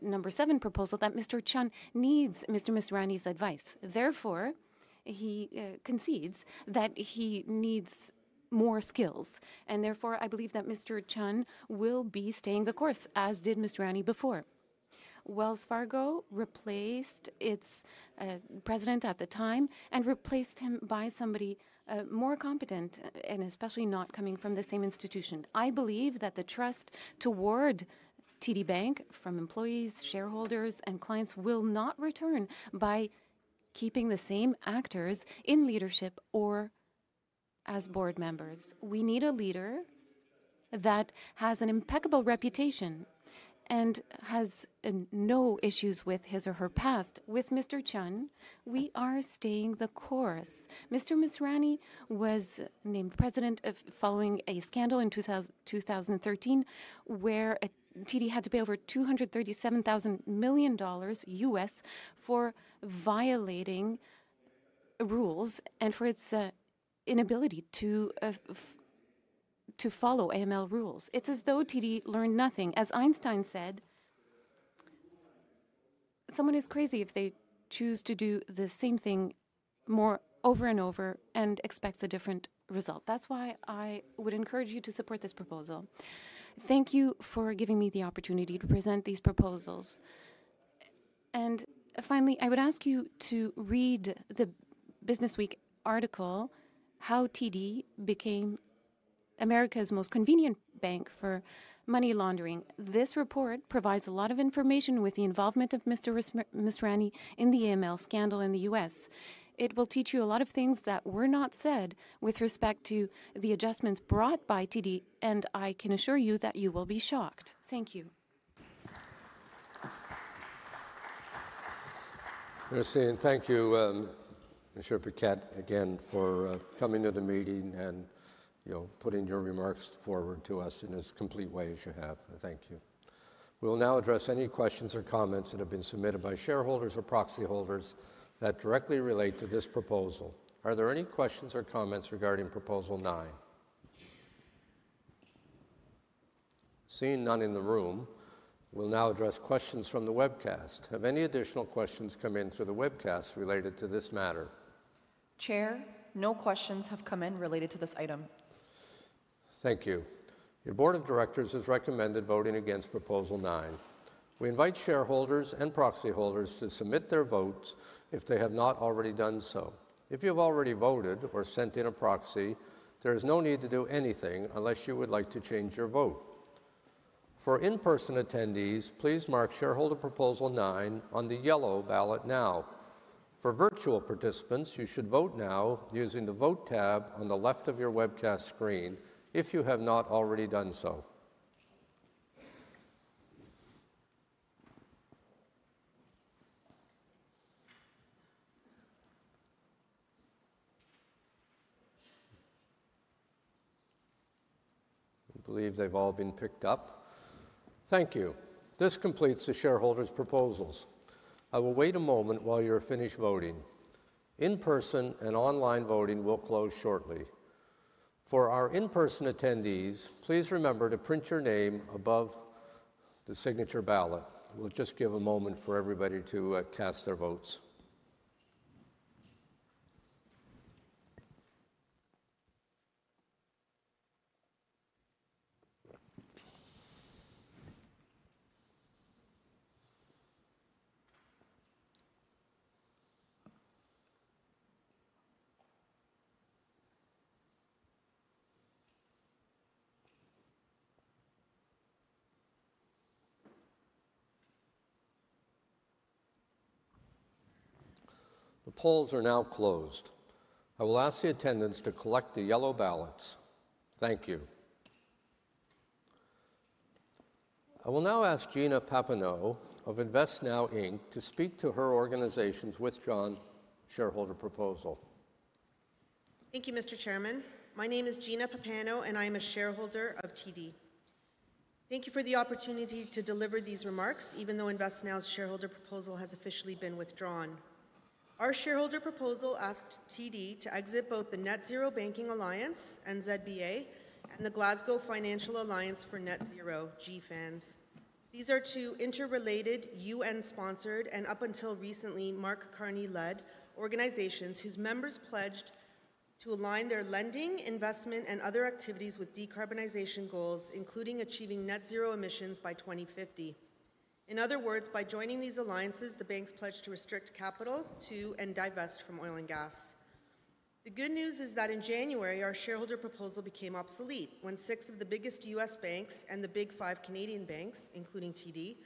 number seven proposal that Mr. Chun needs Mr. Masrani's advice. Therefore, he concedes that he needs more skills. Therefore, I believe that Mr. Chun will be staying the course, as did Masrani before. Wells Fargo replaced its president at the time and replaced him by somebody more competent and especially not coming from the same institution. I believe that the trust toward TD Bank from employees, shareholders, and clients will not return by keeping the same actors in leadership or as board members. We need a leader that has an impeccable reputation and has no issues with his or her past. With Mr. Chun, we are staying the course. Mr. Masrani was named president following a scandal in 2013 where TD had to pay over $237,000 US for violating rules and for its inability to follow AML rules. It is as though TD learned nothing. As Einstein said, someone is crazy if they choose to do the same thing over and over and expects a different result. That's why I would encourage you to support this proposal. Thank you for giving me the opportunity to present these proposals. Finally, I would ask you to read the Business Week article, "How TD Became America's Most Convenient Bank for Money Laundering." This report provides a lot of information with the involvement of Mr. Masrani in the AML scandal in the U.S. It will teach you a lot of things that were not said with respect to the adjustments brought by TD, and I can assure you that you will be shocked. Thank you. We're saying thank you, Mr. Paquet, again for coming to the meeting and putting your remarks forward to us in as complete way as you have. Thank you. We'll now address any questions or comments that have been submitted by shareholders or proxy holders that directly relate to this proposal. Are there any questions or comments regarding Proposal 9? Seeing none in the room, we'll now address questions from the webcast. Have any additional questions come in through the webcast related to this matter? Chair, no questions have come in related to this item. Thank you. Your Board of Directors has recommended voting against Proposal 9. We invite shareholders and proxy holders to submit their votes if they have not already done so. If you have already voted or sent in a proxy, there is no need to do anything unless you would like to change your vote. For in-person attendees, please mark shareholder Proposal 9 on the yellow ballot now. For virtual participants, you should vote now using the vote tab on the left of your webcast screen if you have not already done so. I believe they've all been picked up. Thank you. This completes the shareholders' proposals. I will wait a moment while you're finished voting. In-person and online voting will close shortly. For our in-person attendees, please remember to print your name above the signature ballot. We'll just give a moment for everybody to cast their votes. The polls are now closed. I will ask the attendants to collect the yellow ballots. Thank you. I will now ask Gina Papagno of InvestNow to speak to her organization's withdrawn shareholder proposal. Thank you, Mr. Chairman. My name is Gina Papagno, and I am a shareholder of TD. Thank you for the opportunity to deliver these remarks, even though InvestNow's shareholder proposal has officially been withdrawn. Our shareholder proposal asked TD to exit both the Net Zero Banking Alliance and NZBA and the Glasgow Financial Alliance for Net Zero, GFANZ. These are two interrelated, UN-sponsored, and up until recently Mark Carney-led organizations whose members pledged to align their lending, investment, and other activities with decarbonization goals, including achieving net zero emissions by 2050. In other words, by joining these alliances, the banks pledged to restrict capital, too, and divest from oil and gas. The good news is that in January, our shareholder proposal became obsolete when six of the biggest US banks and the big five Canadian banks, including TD,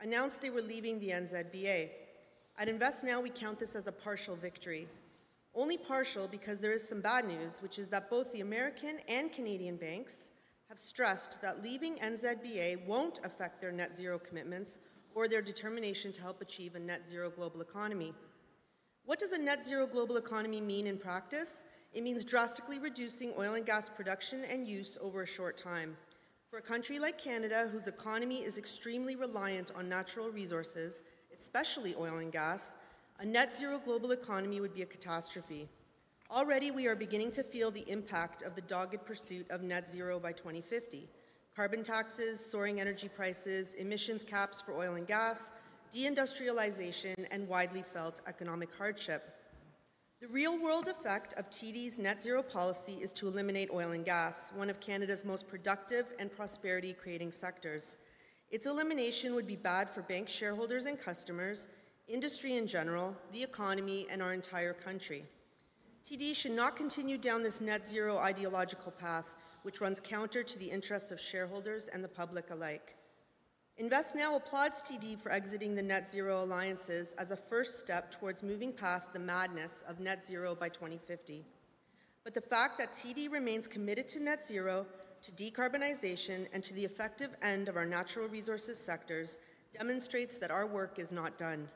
announced they were leaving the NZBA. At InvestNow, we count this as a partial victory. Only partial because there is some bad news, which is that both the American and Canadian banks have stressed that leaving NZBA won't affect their net zero commitments or their determination to help achieve a net zero global economy. What does a net zero global economy mean in practice? It means drastically reducing oil and gas production and use over a short time. For a country like Canada, whose economy is extremely reliant on natural resources, especially oil and gas, a net zero global economy would be a catastrophe. Already, we are beginning to feel the impact of the dogged pursuit of net zero by 2050: carbon taxes, soaring energy prices, emissions caps for oil and gas, deindustrialization, and widely felt economic hardship. The real-world effect of TD's net zero policy is to eliminate oil and gas, one of Canada's most productive and prosperity-creating sectors. Its elimination would be bad for bank shareholders and customers, industry in general, the economy, and our entire country. TD should not continue down this net zero ideological path, which runs counter to the interests of shareholders and the public alike. InvestNow applauds TD for exiting the net zero alliances as a first step towards moving past the madness of net zero by 2050. The fact that TD remains committed to net zero, to decarbonization, and to the effective end of our natural resources sectors demonstrates that our work is not done.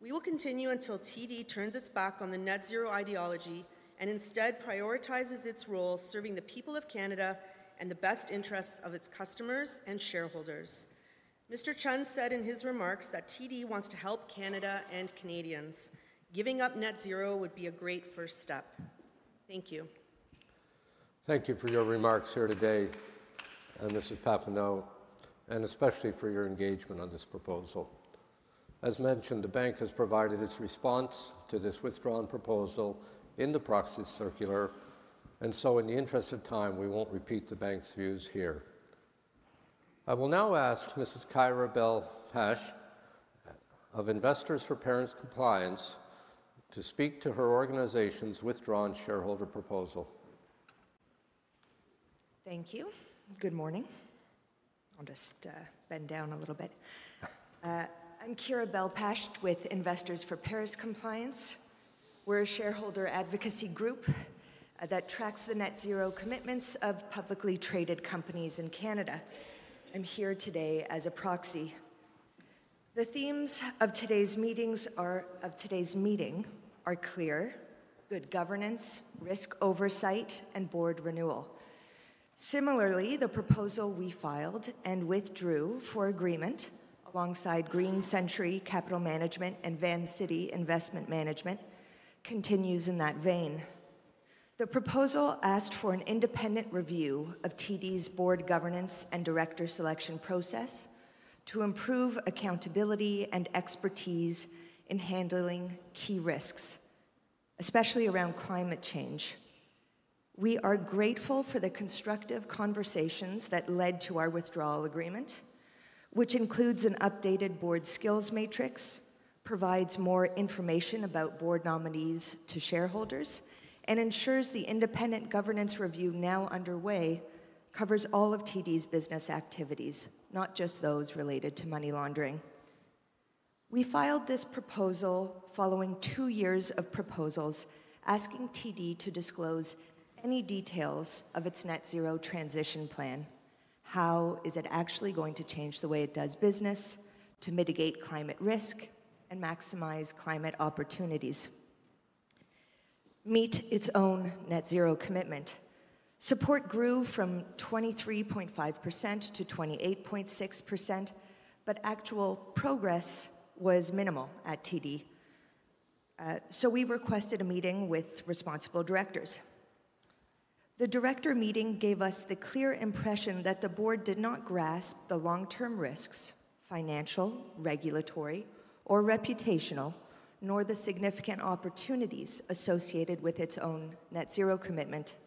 We will continue until TD turns its back on the net zero ideology and instead prioritizes its role serving the people of Canada and the best interests of its customers and shareholders. Mr. Chun said in his remarks that TD wants to help Canada and Canadians. Giving up net zero would be a great first step. Thank you. Thank you for your remarks here today, Mrs. Papagno, and especially for your engagement on this proposal. As mentioned, the bank has provided its response to this withdrawn proposal in the proxy circular, and so in the interest of time, we won't repeat the bank's views here. I will now ask Ms. Keira Bell-Pacht of Investors for Paris Compliance to speak to her organization's withdrawn shareholder proposal. Thank you. Good morning. I'll just bend down a little bit. I'm Keira Bell-Pacht with Investors for Paris Compliance. We're a shareholder advocacy group that tracks the net zero commitments of publicly traded companies in Canada. I'm here today as a proxy. The themes of today's meeting are clear: good governance, risk oversight, and board renewal. Similarly, the proposal we filed and withdrew for agreement alongside Green Century Capital Management and Van City Investment Management continues in that vein. The proposal asked for an independent review of TD's board governance and director selection process to improve accountability and expertise in handling key risks, especially around climate change. We are grateful for the constructive conversations that led to our withdrawal agreement, which includes an updated board skills matrix, provides more information about board nominees to shareholders, and ensures the independent governance review now underway covers all of TD's business activities, not just those related to money laundering. We filed this proposal following two years of proposals asking TD to disclose any details of its net zero transition plan: how is it actually going to change the way it does business to mitigate climate risk and maximize climate opportunities, meet its own net zero commitment. Support grew from 23.5% to 28.6%, but actual progress was minimal at TD. We requested a meeting with responsible directors. The director meeting gave us the clear impression that the board did not grasp the long-term risks: financial, regulatory, or reputational, nor the significant opportunities associated with its own net zero commitment.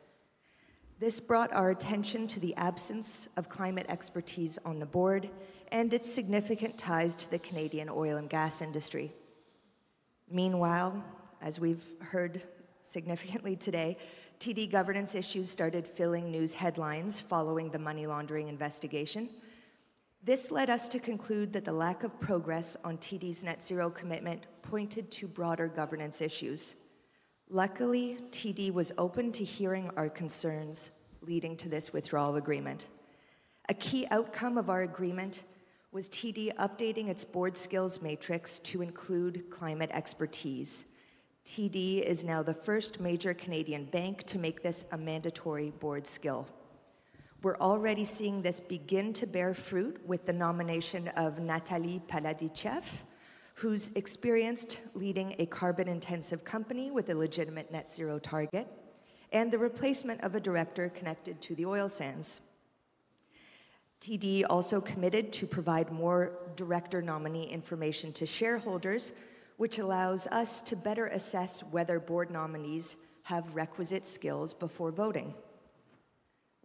This brought our attention to the absence of climate expertise on the board and its significant ties to the Canadian oil and gas industry. Meanwhile, as we've heard significantly today, TD governance issues started filling news headlines following the money laundering investigation. This led us to conclude that the lack of progress on TD's net zero commitment pointed to broader governance issues. Luckily, TD was open to hearing our concerns leading to this withdrawal agreement. A key outcome of our agreement was TD updating its board skills matrix to include climate expertise. TD is now the first major Canadian bank to make this a mandatory board skill. We're already seeing this begin to bear fruit with the nomination of Natalie Paladiczhev, who's experienced leading a carbon-intensive company with a legitimate net zero target, and the replacement of a director connected to the oil sands. TD also committed to provide more director nominee information to shareholders, which allows us to better assess whether board nominees have requisite skills before voting.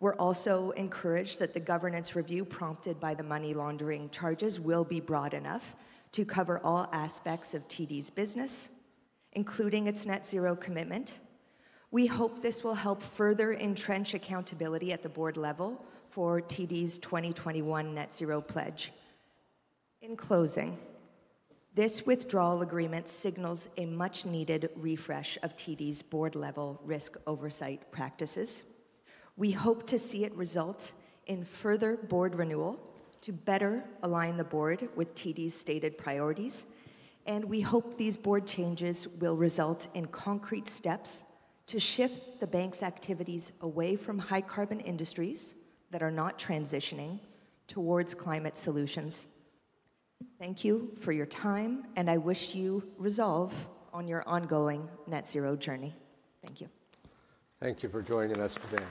We're also encouraged that the governance review prompted by the money laundering charges will be broad enough to cover all aspects of TD's business, including its net zero commitment. We hope this will help further entrench accountability at the board level for TD's 2021 net zero pledge. In closing, this withdrawal agreement signals a much-needed refresh of TD's board-level risk oversight practices. We hope to see it result in further board renewal to better align the board with TD's stated priorities, and we hope these board changes will result in concrete steps to shift the bank's activities away from high-carbon industries that are not transitioning towards climate solutions. Thank you for your time, and I wish you resolve on your ongoing net zero journey. Thank you. Thank you for joining us today.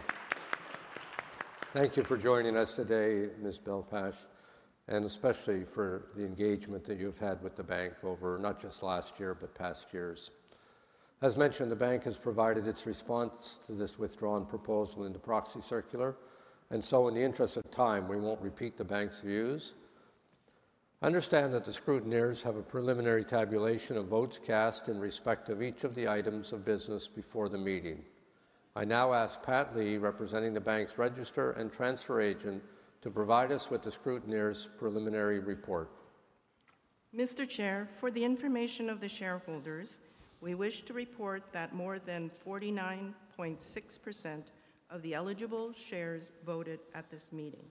Thank you for joining us today, Ms. Bell-Pacht, and especially for the engagement that you've had with the bank over not just last year, but past years. As mentioned, the bank has provided its response to this withdrawn proposal in the proxy circular, and in the interest of time, we won't repeat the bank's views. I understand that the scrutineers have a preliminary tabulation of votes cast in respect of each of the items of business before the meeting. I now ask Pat Lee, representing the bank's register and transfer agent, to provide us with the scrutineer's preliminary report. Mr. Chair, for the information of the shareholders, we wish to report that more than 49.6% of the eligible shares voted at this meeting.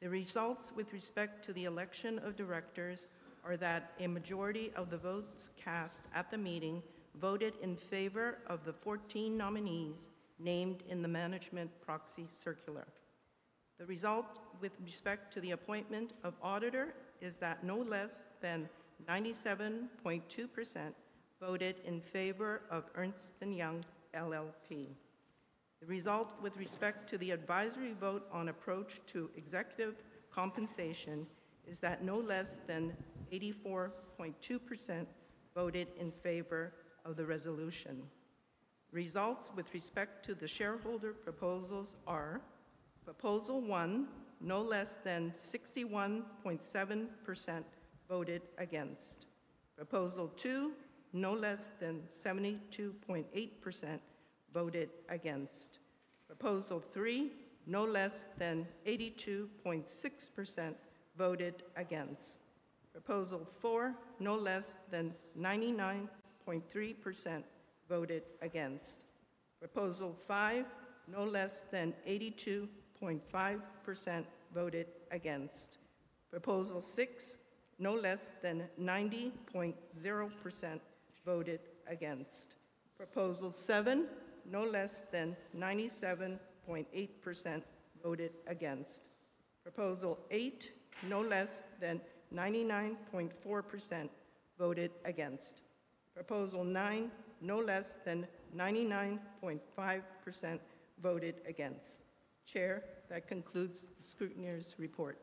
The results with respect to the election of directors are that a majority of the votes cast at the meeting voted in favor of the 14 nominees named in the management proxy circular. The result with respect to the appointment of auditor is that no less than 97.2% voted in favor of Ernst & Young LLP. The result with respect to the advisory vote on approach to executive compensation is that no less than 84.2% voted in favor of the resolution. Results with respect to the shareholder proposals are: Proposal 1, no less than 61.7% voted against. Proposal 2, no less than 72.8% voted against. Proposal 3, no less than 82.6% voted against. Proposal 4, no less than 99.3% voted against. Proposal 5, no less than 82.5% voted against. Proposal 6, no less than 90.0% voted against. Proposal 7, no less than 97.8% voted against. Proposal 8, no less than 99.4% voted against. Proposal 9, no less than 99.5% voted against. Chair, that concludes the scrutineer's report.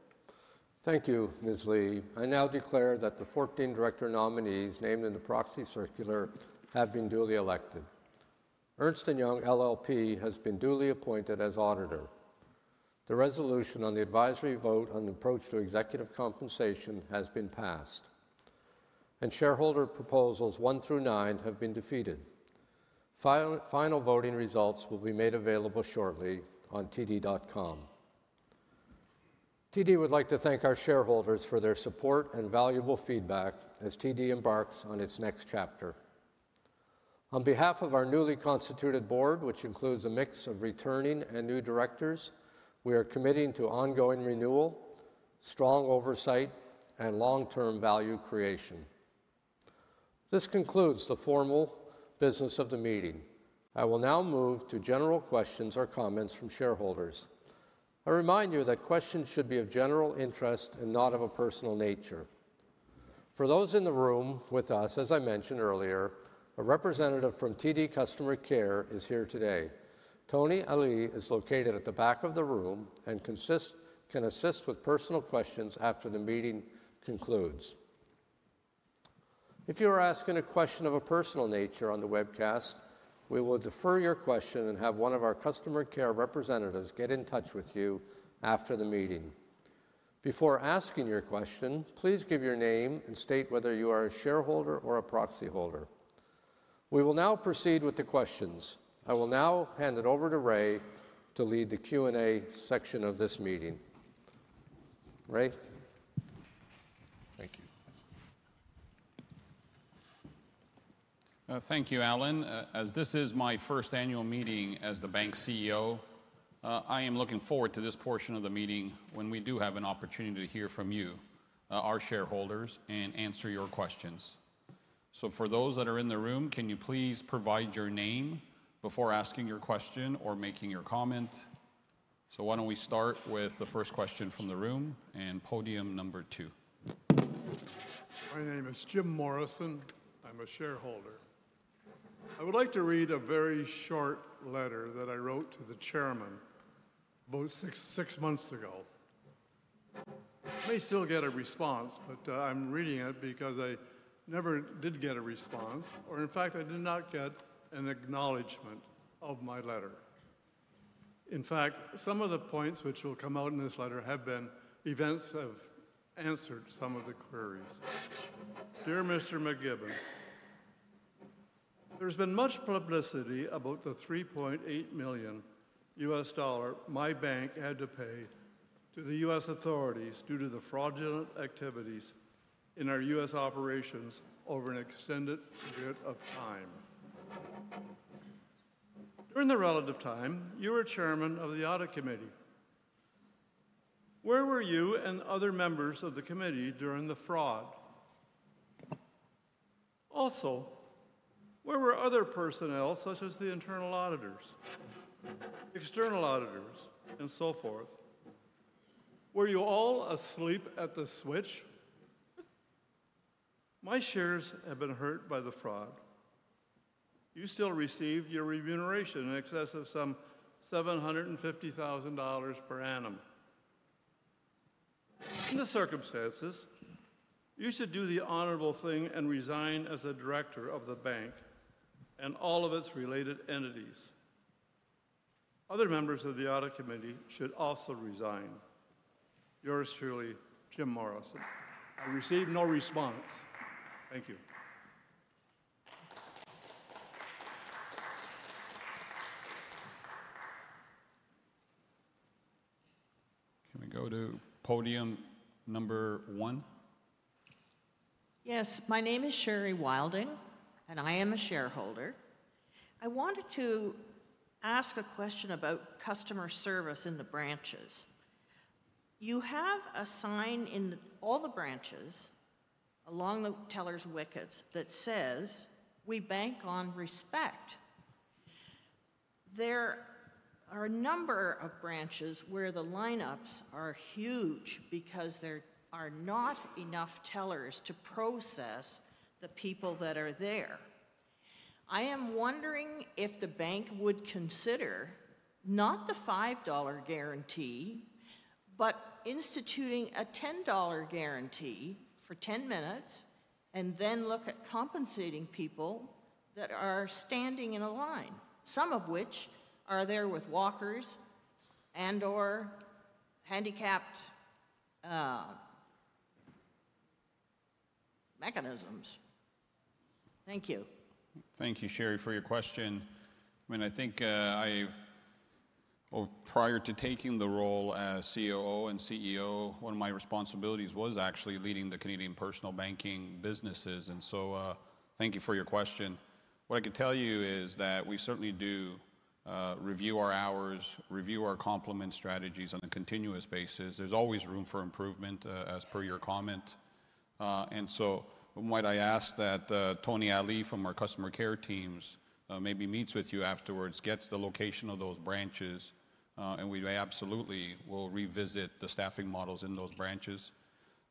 Thank you, Ms. Lee. I now declare that the 14 director nominees named in the proxy circular have been duly elected. Ernst & Young LLP has been duly appointed as auditor. The resolution on the advisory vote on approach to executive compensation has been passed, and shareholder proposals 1 through 9 have been defeated. Final voting results will be made available shortly on td.com. TD would like to thank our shareholders for their support and valuable feedback as TD embarks on its next chapter. On behalf of our newly constituted board, which includes a mix of returning and new directors, we are committing to ongoing renewal, strong oversight, and long-term value creation. This concludes the formal business of the meeting. I will now move to general questions or comments from shareholders. I remind you that questions should be of general interest and not of a personal nature. For those in the room with us, as I mentioned earlier, a representative from TD Customer Care is here today. Tony Ali is located at the back of the room and can assist with personal questions after the meeting concludes. If you are asking a question of a personal nature on the webcast, we will defer your question and have one of our customer care representatives get in touch with you after the meeting. Before asking your question, please give your name and state whether you are a shareholder or a proxy holder. We will now proceed with the questions. I will now hand it over to Ray to lead the Q&A section of this meeting. Ray. Thank you. Thank you, Alan. As this is my first annual meeting as the bank CEO, I am looking forward to this portion of the meeting when we do have an opportunity to hear from you, our shareholders, and answer your questions. For those that are in the room, can you please provide your name before asking your question or making your comment? Why don't we start with the first question from the room and podium number two? My name is Jim Morrison. I'm a shareholder. I would like to read a very short letter that I wrote to the chairman about six months ago. I may still get a response, but I'm reading it because I never did get a response, or in fact, I did not get an acknowledgment of my letter. In fact, some of the points which will come out in this letter have been events have answered some of the queries. Dear Mr. McKibben, there has been much publicity about the $3.8 million my bank had to pay to the U.S. authorities due to the fraudulent activities in our U.S. operations over an extended period of time. During the relative time, you were Chairman of the Audit Committee. Where were you and other members of the committee during the fraud? Also, where were other personnel such as the internal auditors, external auditors, and so forth? Were you all asleep at the switch? My shares have been hurt by the fraud. You still received your remuneration in excess of some $750,000 per annum. In these circumstances, you should do the honorable thing and resign as the director of the bank and all of its related entities. Other members of the audit committee should also resign. Yours truly, Jim Morrison. I received no response. Thank you. Can we go to podium number one? Yes. My name is Sherry Wilding, and I am a shareholder. I wanted to ask a question about customer service in the branches. You have a sign in all the branches along the Teller's Wickets that says, "We bank on respect." There are a number of branches where the lineups are huge because there are not enough tellers to process the people that are there. I am wondering if the bank would consider not the $5 guarantee, but instituting a $10 guarantee for 10 minutes and then look at compensating people that are standing in a line, some of which are there with walkers and/or handicapped mechanisms. Thank you. Thank you, Sherry, for your question. I mean, I think prior to taking the role as COO and CEO, one of my responsibilities was actually leading the Canadian Personal Banking businesses. Thank you for your question. What I can tell you is that we certainly do review our hours, review our complement strategies on a continuous basis. There is always room for improvement, as per your comment. I might ask that Tony Ali from our customer care teams maybe meets with you afterwards, gets the location of those branches, and we absolutely will revisit the staffing models in those branches.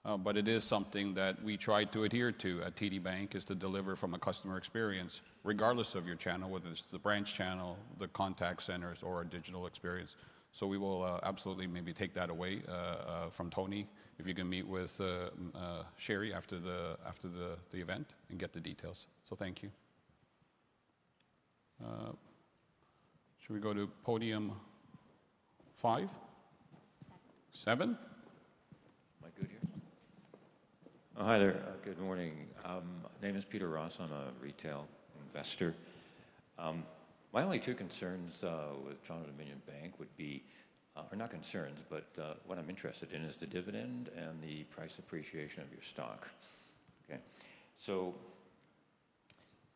It is something that we try to adhere to at TD Bank is to deliver from a customer experience, regardless of your channel, whether it's the branch channel, the contact centers, or a digital experience. We will absolutely maybe take that away from Tony if you can meet with Sherry after the event and get the details. Thank you. Should we go to podium five? Seven. Seven? Am I good here? Hi there. Good morning. My name is Peter Ross. I'm a retail investor. My only two concerns with Toronto Dominion Bank would be or not concerns, but what I'm interested in is the dividend and the price appreciation of your stock.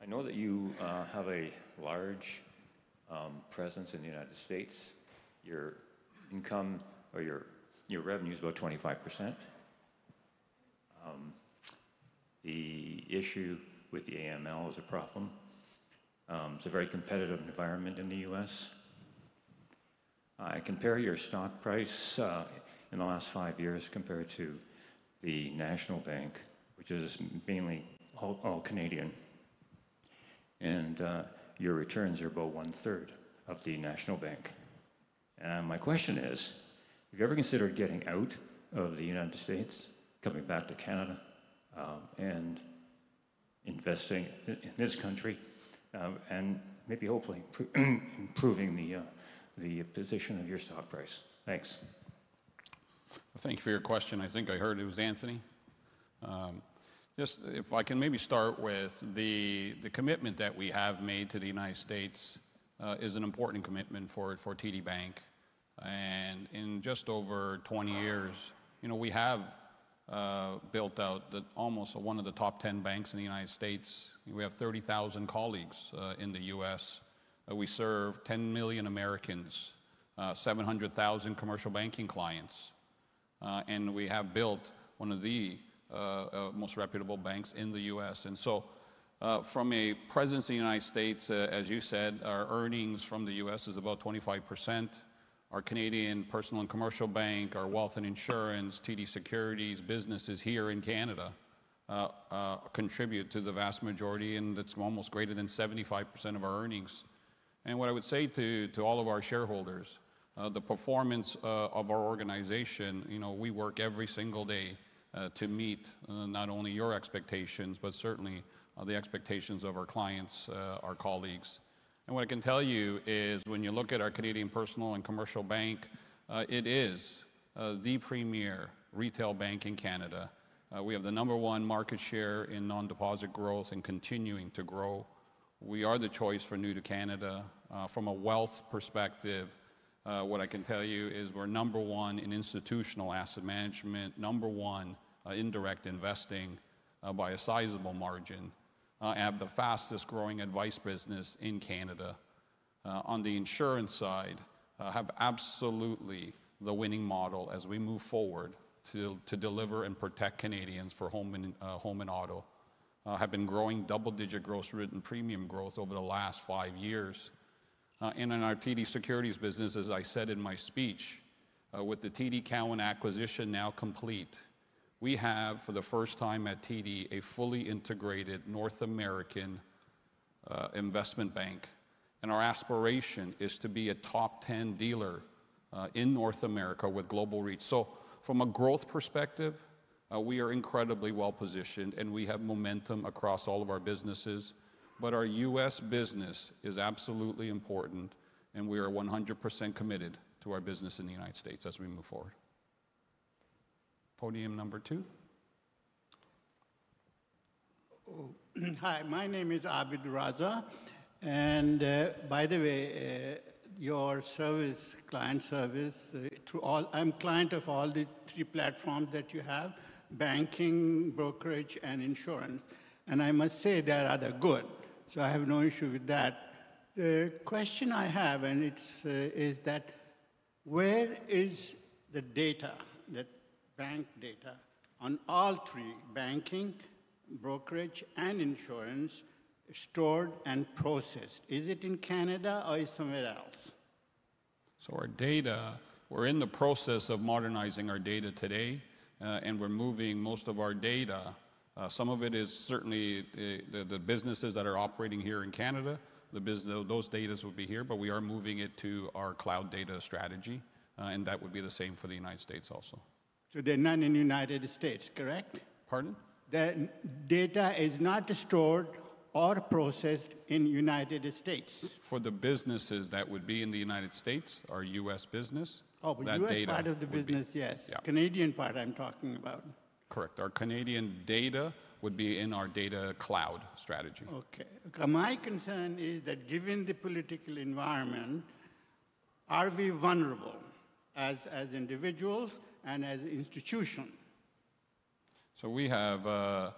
I know that you have a large presence in the United States. Your income or your revenue is about 25%. The issue with the AML is a problem. It's a very competitive environment in the U.S. I compare your stock price in the last five years compared to the National Bank, which is mainly all Canadian. Your returns are about one-third of the National Bank. My question is, have you ever considered getting out of the United States, coming back to Canada, and investing in this country and maybe, hopefully, improving the position of your stock price? Thanks. Thank you for your question. I think I heard it was Anthony. If I can maybe start with the commitment that we have made to the United States, it is an important commitment for TD Bank. In just over 20 years, we have built out almost one of the top 10 banks in the United States. We have 30,000 colleagues in the U.S. We serve 10 million Americans, 700,000 commercial banking clients. We have built one of the most reputable banks in the U.S. From a presence in the United States, as you said, our earnings from the U.S. is about 25%. Our Canadian personal and commercial bank, our wealth and insurance, TD Securities, businesses here in Canada contribute to the vast majority, and it is almost greater than 75% of our earnings. What I would say to all of our shareholders, the performance of our organization, we work every single day to meet not only your expectations, but certainly the expectations of our clients, our colleagues. What I can tell you is when you look at our Canadian personal and commercial bank, it is the premier retail bank in Canada. We have the number one market share in non-deposit growth and continuing to grow. We are the choice for new to Canada. From a wealth perspective, what I can tell you is we're number one in institutional asset management, number one in direct investing by a sizable margin, have the fastest growing advice business in Canada. On the insurance side, have absolutely the winning model as we move forward to deliver and protect Canadians for home and auto. Have been growing double-digit gross written premium growth over the last five years. In our TD Securities business, as I said in my speech, with the TD Cowen acquisition now complete, we have for the first time at TD a fully integrated North American investment bank. Our aspiration is to be a top 10 dealer in North America with global reach. From a growth perspective, we are incredibly well positioned and we have momentum across all of our businesses. Our US business is absolutely important, and we are 100% committed to our business in the United States as we move forward. Podium number two. Hi. My name is Abid Raza. By the way, your service, client service, I'm client of all the three platforms that you have, banking, brokerage, and insurance. I must say they are rather good. I have no issue with that. The question I have, and it is that where is the data, the bank data on all three, banking, brokerage, and insurance, stored and processed? Is it in Canada or is it somewhere else? Our data, we're in the process of modernizing our data today, and we're moving most of our data. Some of it is certainly the businesses that are operating here in Canada. Those data will be here, but we are moving it to our cloud data strategy. That would be the same for the United States also. They're not in the United States, correct? Pardon? The data is not stored or processed in the United States. For the businesses that would be in the United States, our U.S. business. Oh, we do have part of the business, yes. Canadian part I'm talking about. Correct. Our Canadian data would be in our data cloud strategy. Okay. My concern is that given the political environment, are we vulnerable as individuals and as an institution? We have a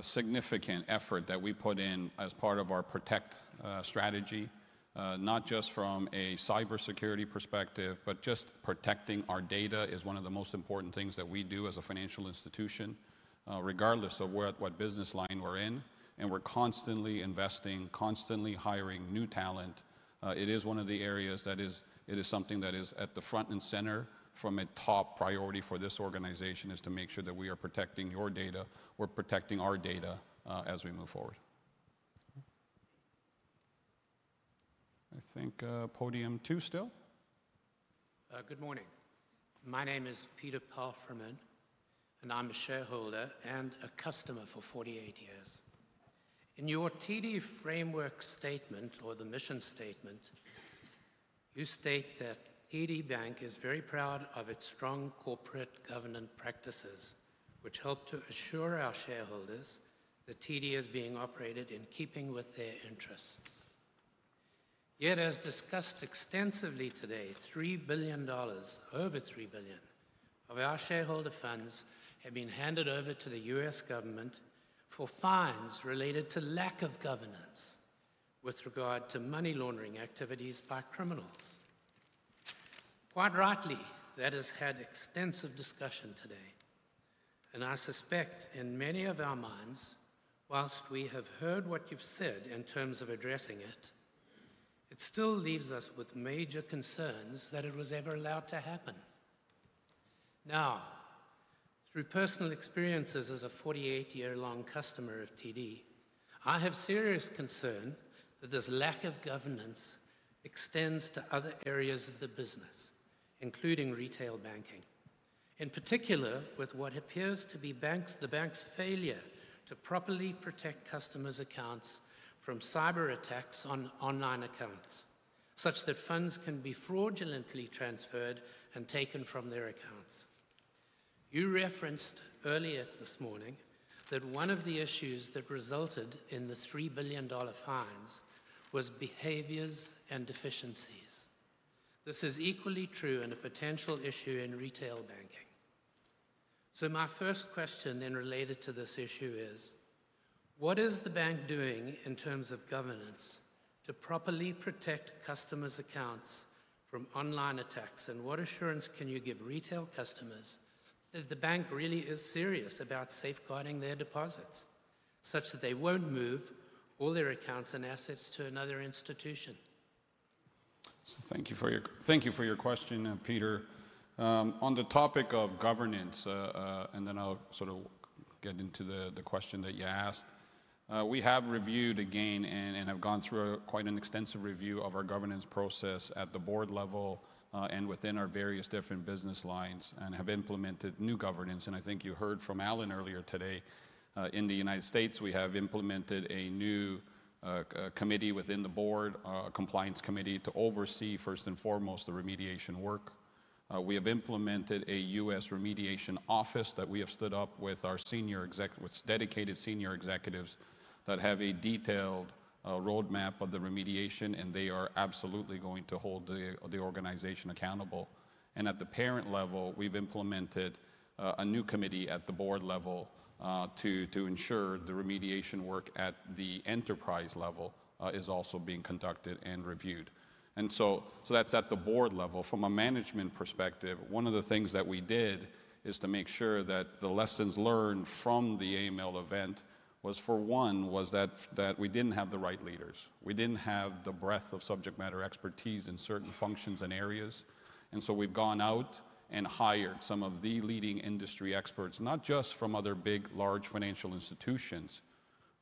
significant effort that we put in as part of our protect strategy, not just from a cybersecurity perspective, but just protecting our data is one of the most important things that we do as a financial institution, regardless of what business line we're in. We're constantly investing, constantly hiring new talent. It is one of the areas that is something that is at the front and center from a top priority for this organization to make sure that we are protecting your data. We are protecting our data as we move forward. I think podium two still. Good morning. My name is Peter Perlfreman, and I am a shareholder and a customer for 48 years. In your TD Framework Statement or the mission statement, you state that TD Bank is very proud of its strong corporate governance practices, which help to assure our shareholders that TD is being operated in keeping with their interests. Yet, as discussed extensively today, $3 billion, over $3 billion, of our shareholder funds have been handed over to the U.S. government for fines related to lack of governance with regard to money laundering activities by criminals. Quite rightly, that has had extensive discussion today. I suspect in many of our minds, whilst we have heard what you've said in terms of addressing it, it still leaves us with major concerns that it was ever allowed to happen. Now, through personal experiences as a 48-year-long customer of TD, I have serious concern that this lack of governance extends to other areas of the business, including retail banking. In particular, with what appears to be the bank's failure to properly protect customers' accounts from cyber attacks on online accounts, such that funds can be fraudulently transferred and taken from their accounts. You referenced earlier this morning that one of the issues that resulted in the $3 billion fines was behaviors and deficiencies. This is equally true in a potential issue in retail banking. My first question then related to this issue is, what is the bank doing in terms of governance to properly protect customers' accounts from online attacks? What assurance can you give retail customers that the bank really is serious about safeguarding their deposits such that they won't move all their accounts and assets to another institution? Thank you for your question, Peter. On the topic of governance, and then I'll sort of get into the question that you asked, we have reviewed again and have gone through quite an extensive review of our governance process at the board level and within our various different business lines and have implemented new governance. I think you heard from Alan earlier today. In the United States, we have implemented a new committee within the board, a compliance committee to oversee, first and foremost, the remediation work. We have implemented a U.S. remediation office that we have stood up with our dedicated senior executives that have a detailed roadmap of the remediation, and they are absolutely going to hold the organization accountable. At the parent level, we have implemented a new committee at the board level to ensure the remediation work at the enterprise level is also being conducted and reviewed. That is at the board level. From a management perspective, one of the things that we did is to make sure that the lessons learned from the AML event was, for one, that we did not have the right leaders. We did not have the breadth of subject matter expertise in certain functions and areas. We have gone out and hired some of the leading industry experts, not just from other big, large financial institutions,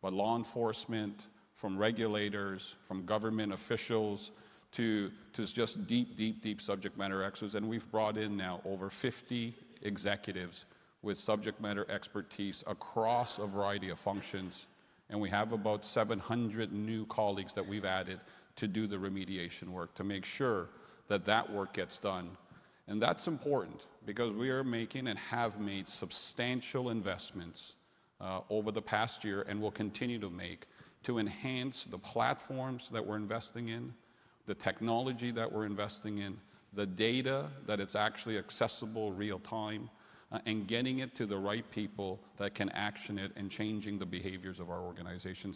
but law enforcement, from regulators, from government officials to just deep, deep, deep subject matter experts. We have brought in now over 50 executives with subject matter expertise across a variety of functions. We have about 700 new colleagues that we have added to do the remediation work to make sure that work gets done. That is important because we are making and have made substantial investments over the past year and will continue to make to enhance the platforms that we are investing in, the technology that we are investing in, the data that is actually accessible real-time, and getting it to the right people that can action it and changing the behaviors of our organization.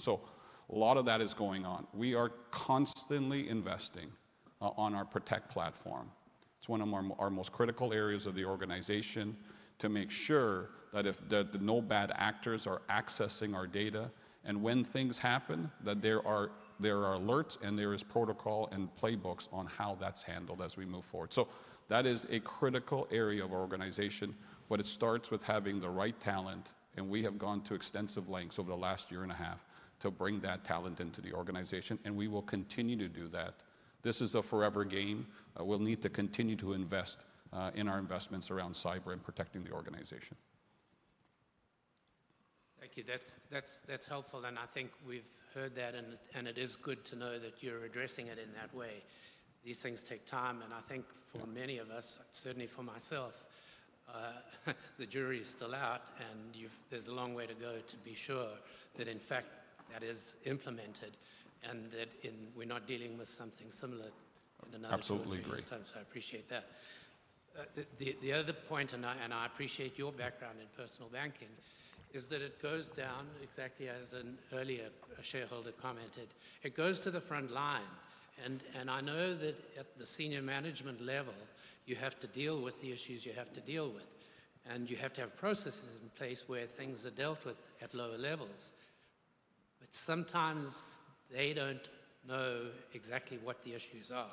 A lot of that is going on. We are constantly investing on our protect platform. It's one of our most critical areas of the organization to make sure that if no bad actors are accessing our data and when things happen, that there are alerts and there is protocol and playbooks on how that's handled as we move forward. That is a critical area of our organization. It starts with having the right talent. We have gone to extensive lengths over the last year and a half to bring that talent into the organization. We will continue to do that. This is a forever game. We'll need to continue to invest in our investments around cyber and protecting the organization. Thank you. That's helpful. I think we've heard that, and it is good to know that you're addressing it in that way. These things take time. I think for many of us, certainly for myself, the jury is still out. There is a long way to go to be sure that, in fact, that is implemented and that we are not dealing with something similar in another country next time. I appreciate that. The other point, and I appreciate your background in personal banking, is that it goes down exactly as an earlier shareholder commented. It goes to the front line. I know that at the senior management level, you have to deal with the issues you have to deal with. You have to have processes in place where things are dealt with at lower levels. Sometimes they do not know exactly what the issues are.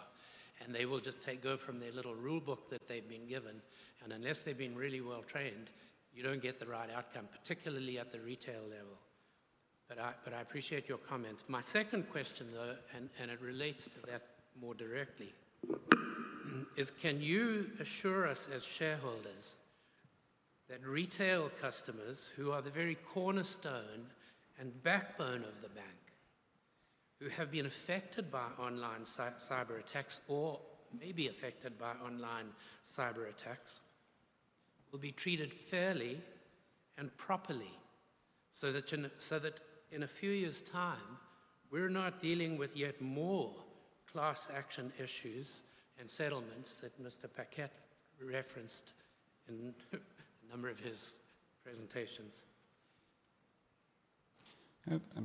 They will just go from their little rule book that they have been given. Unless they've been really well trained, you don't get the right outcome, particularly at the retail level. I appreciate your comments. My second question, though, and it relates to that more directly, is can you assure us as shareholders that retail customers who are the very cornerstone and backbone of the bank, who have been affected by online cyber attacks or may be affected by online cyber attacks, will be treated fairly and properly so that in a few years' time, we're not dealing with yet more class action issues and settlements that Mr. Paquet referenced in a number of his presentations?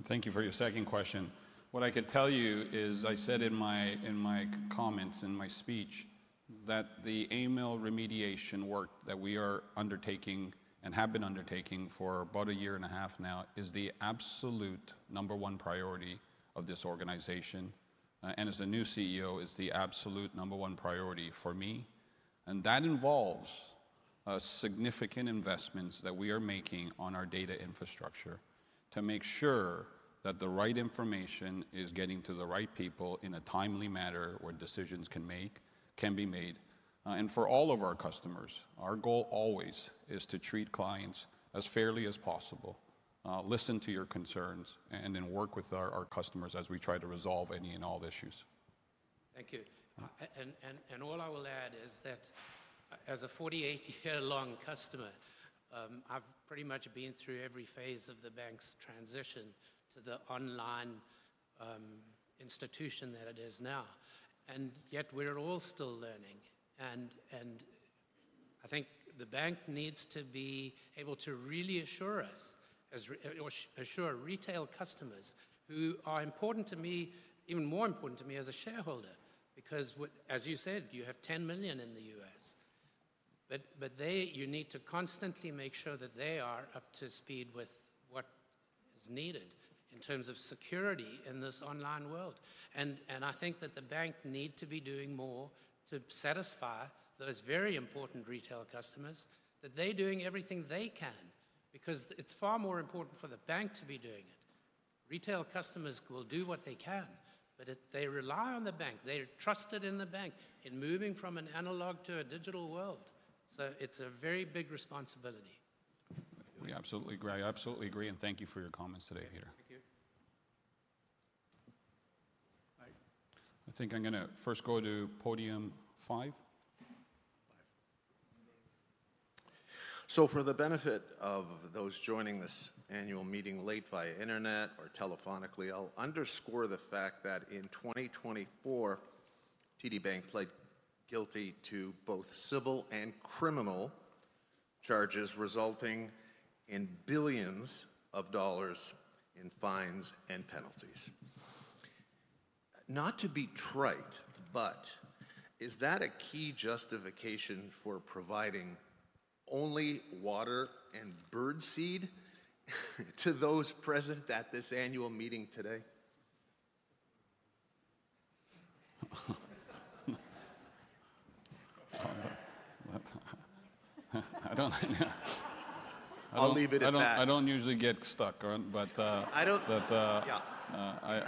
Thank you for your second question. What I can tell you is I said in my comments, in my speech, that the AML remediation work that we are undertaking and have been undertaking for about a year and a half now is the absolute number one priority of this organization. As a new CEO, it's the absolute number one priority for me. That involves significant investments that we are making on our data infrastructure to make sure that the right information is getting to the right people in a timely manner where decisions can be made. For all of our customers, our goal always is to treat clients as fairly as possible, listen to your concerns, and then work with our customers as we try to resolve any and all issues. Thank you. All I will add is that as a 48-year-long customer, I've pretty much been through every phase of the bank's transition to the online institution that it is now. Yet we're all still learning. I think the bank needs to be able to really assure us or assure retail customers who are important to me, even more important to me as a shareholder, because as you said, you have 10 million in the U.S. You need to constantly make sure that they are up to speed with what is needed in terms of security in this online world. I think that the bank needs to be doing more to satisfy those very important retail customers, that they're doing everything they can because it's far more important for the bank to be doing it. Retail customers will do what they can, but they rely on the bank. They're trusted in the bank in moving from an analog to a digital world. It is a very big responsibility. Absolutely agree. I absolutely agree. Thank you for your comments today, Peter. Thank you. I think I'm going to first go to podium five. For the benefit of those joining this annual meeting late via internet or telephonically, I'll underscore the fact that in 2024, TD Bank pled guilty to both civil and criminal charges resulting in billions of dollars in fines and penalties. Not to be trite, but is that a key justification for providing only water and birdseed to those present at this annual meeting today? I'll leave it at that. I don't usually get stuck, but.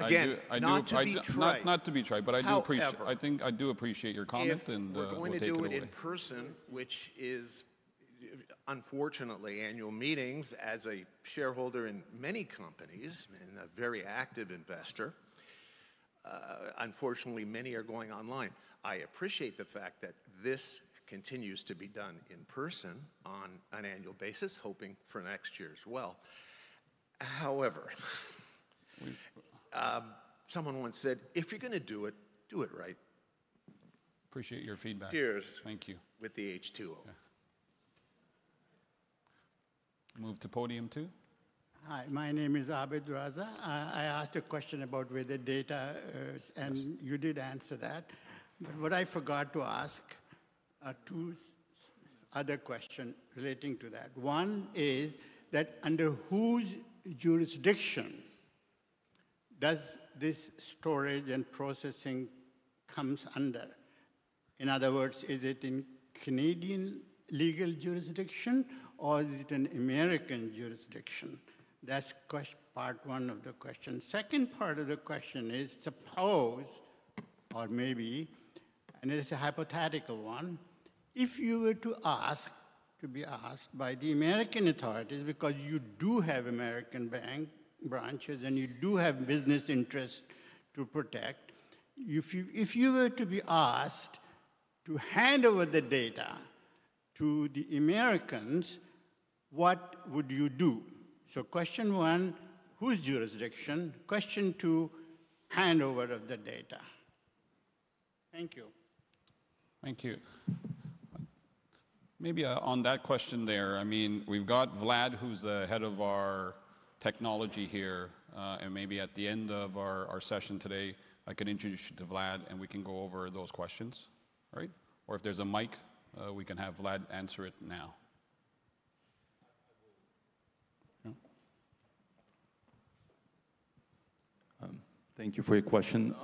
Again, not to be trite. Not to be trite, but I do appreciate your comment. When they do it in person, which is unfortunately annual meetings, as a shareholder in many companies and a very active investor, unfortunately, many are going online. I appreciate the fact that this continues to be done in person on an annual basis, hoping for next year as well. However, someone once said, "If you're going to do it, do it right." Appreciate your feedback. Cheers. Thank you. With the H2O. Move to podium two. Hi. My name is Abid Raza. I asked a question about whether data is, and you did answer that. What I forgot to ask are two other questions relating to that. One is that under whose jurisdiction does this storage and processing come under? In other words, is it in Canadian legal jurisdiction or is it an American jurisdiction? That's part one of the question. Second part of the question is, suppose, or maybe, and it is a hypothetical one, if you were to ask to be asked by the American authorities because you do have American bank branches and you do have business interests to protect, if you were to be asked to hand over the data to the Americans, what would you do? Question one, whose jurisdiction? Question two, handover of the data. Thank you. Thank you. Maybe on that question there, I mean, we've got Vlad, who's the head of our technology here. Maybe at the end of our session today, I can introduce you to Vlad, and we can go over those questions, right? If there's a mic, we can have Vlad answer it now. Thank you for your question.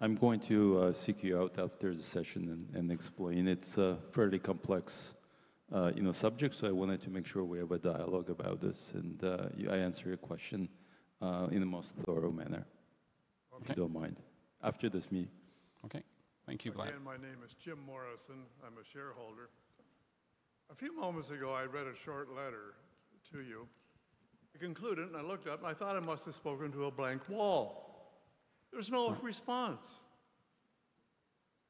I'm going to seek you out after the session and explain. It's a fairly complex subject, so I wanted to make sure we have a dialogue about this. I answer your question in the most thorough manner, if you don't mind, after this meeting. Okay. Thank you, Vlad. Again, my name is Jim Morrison. I'm a shareholder. A few moments ago, I read a short letter to you. I concluded and I looked up, and I thought I must have spoken to a blank wall. There's no response.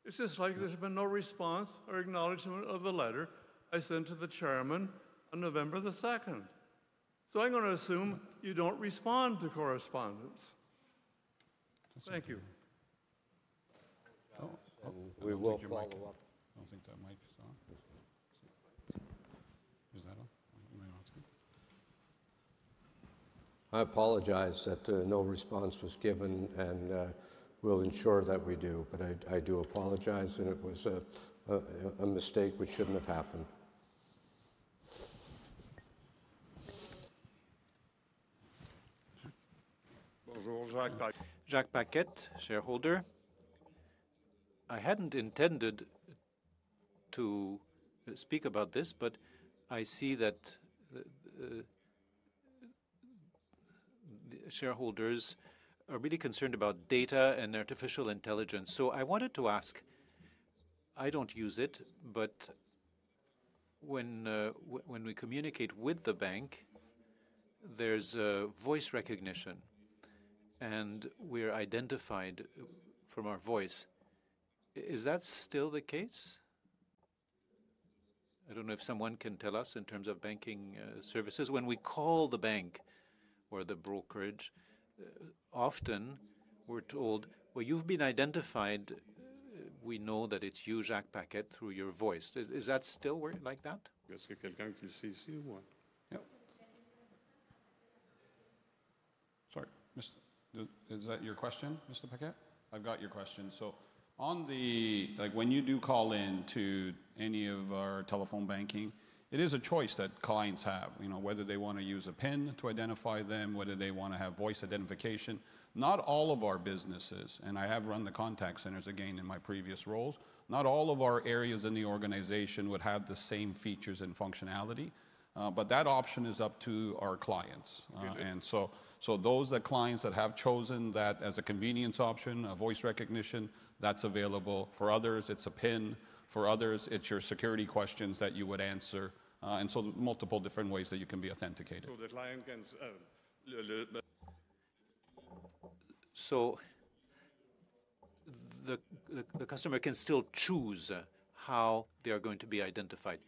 It's just like there's been no response or acknowledgment of the letter I sent to the chairman on November the 2nd. I am going to assume you don't respond to correspondence. Thank you. We will follow up. I don't think that mic is on. Is that on? Am I not? I apologize that no response was given, and we'll ensure that we do. I do apologize, and it was a mistake which shouldn't have happened. Bonjour, Jacques. Jacques Paquet, shareholder. I hadn't intended to speak about this, but I see that shareholders are really concerned about data and artificial intelligence. I wanted to ask. I don't use it, but when we communicate with the bank, there's voice recognition, and we're identified from our voice. Is that still the case? I don't know if someone can tell us in terms of banking services. When we call the bank or the brokerage, often we're told, "You've been identified. We know that it's you, Jacques Paquet, through your voice." Is that still like that? Est-ce que quelqu'un qui le sait ici, ou moi? Sorry. Is that your question, Mr. Paquet? I've got your question. When you do call into any of our telephone banking, it is a choice that clients have, whether they want to use a PIN to identify them, whether they want to have voice identification. Not all of our businesses, and I have run the contact centers again in my previous roles, not all of our areas in the organization would have the same features and functionality. That option is up to our clients. Those clients that have chosen that as a convenience option, a voice recognition, that's available. For others, it's a PIN. For others, it's your security questions that you would answer. Multiple different ways that you can be authenticated. The customer can still choose how they are going to be identified.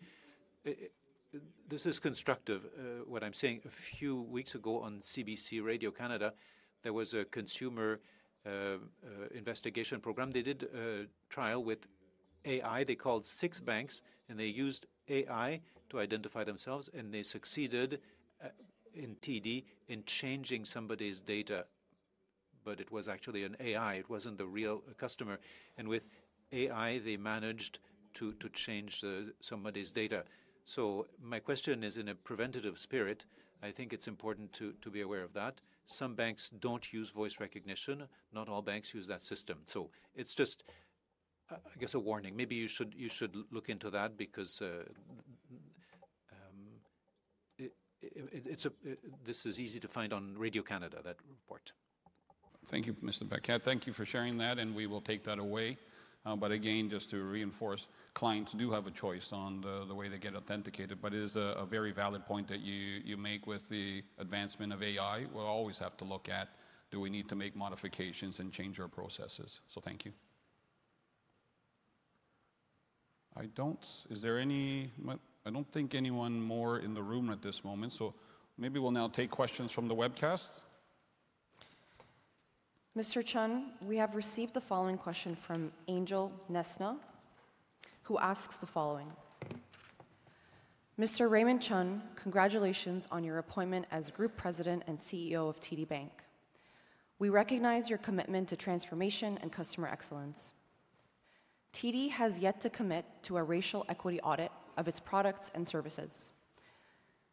This is constructive. What I'm saying, a few weeks ago on CBC Radio Canada, there was a consumer investigation program. They did a trial with AI. They called six banks, and they used AI to identify themselves. They succeeded in TD in changing somebody's data. It was actually an AI. It was not the real customer. With AI, they managed to change somebody's data. My question is in a preventative spirit. I think it is important to be aware of that. Some banks do not use voice recognition. Not all banks use that system. It is just, I guess, a warning. Maybe you should look into that because this is easy to find on Radio Canada, that report. Thank you, Mr. Paquet. Thank you for sharing that, and we will take that away. Again, just to reinforce, clients do have a choice on the way they get authenticated. It is a very valid point that you make with the advancement of AI. We'll always have to look at, do we need to make modifications and change our processes? Thank you. Is there any? I don't think anyone more in the room at this moment. Maybe we'll now take questions from the webcast. Mr. Chun, we have received the following question from Angel Nesna, who asks the following. Mr. Raymond Chun, congratulations on your appointment as Group President and CEO of TD Bank. We recognize your commitment to transformation and customer excellence. TD has yet to commit to a racial equity audit of its products and services.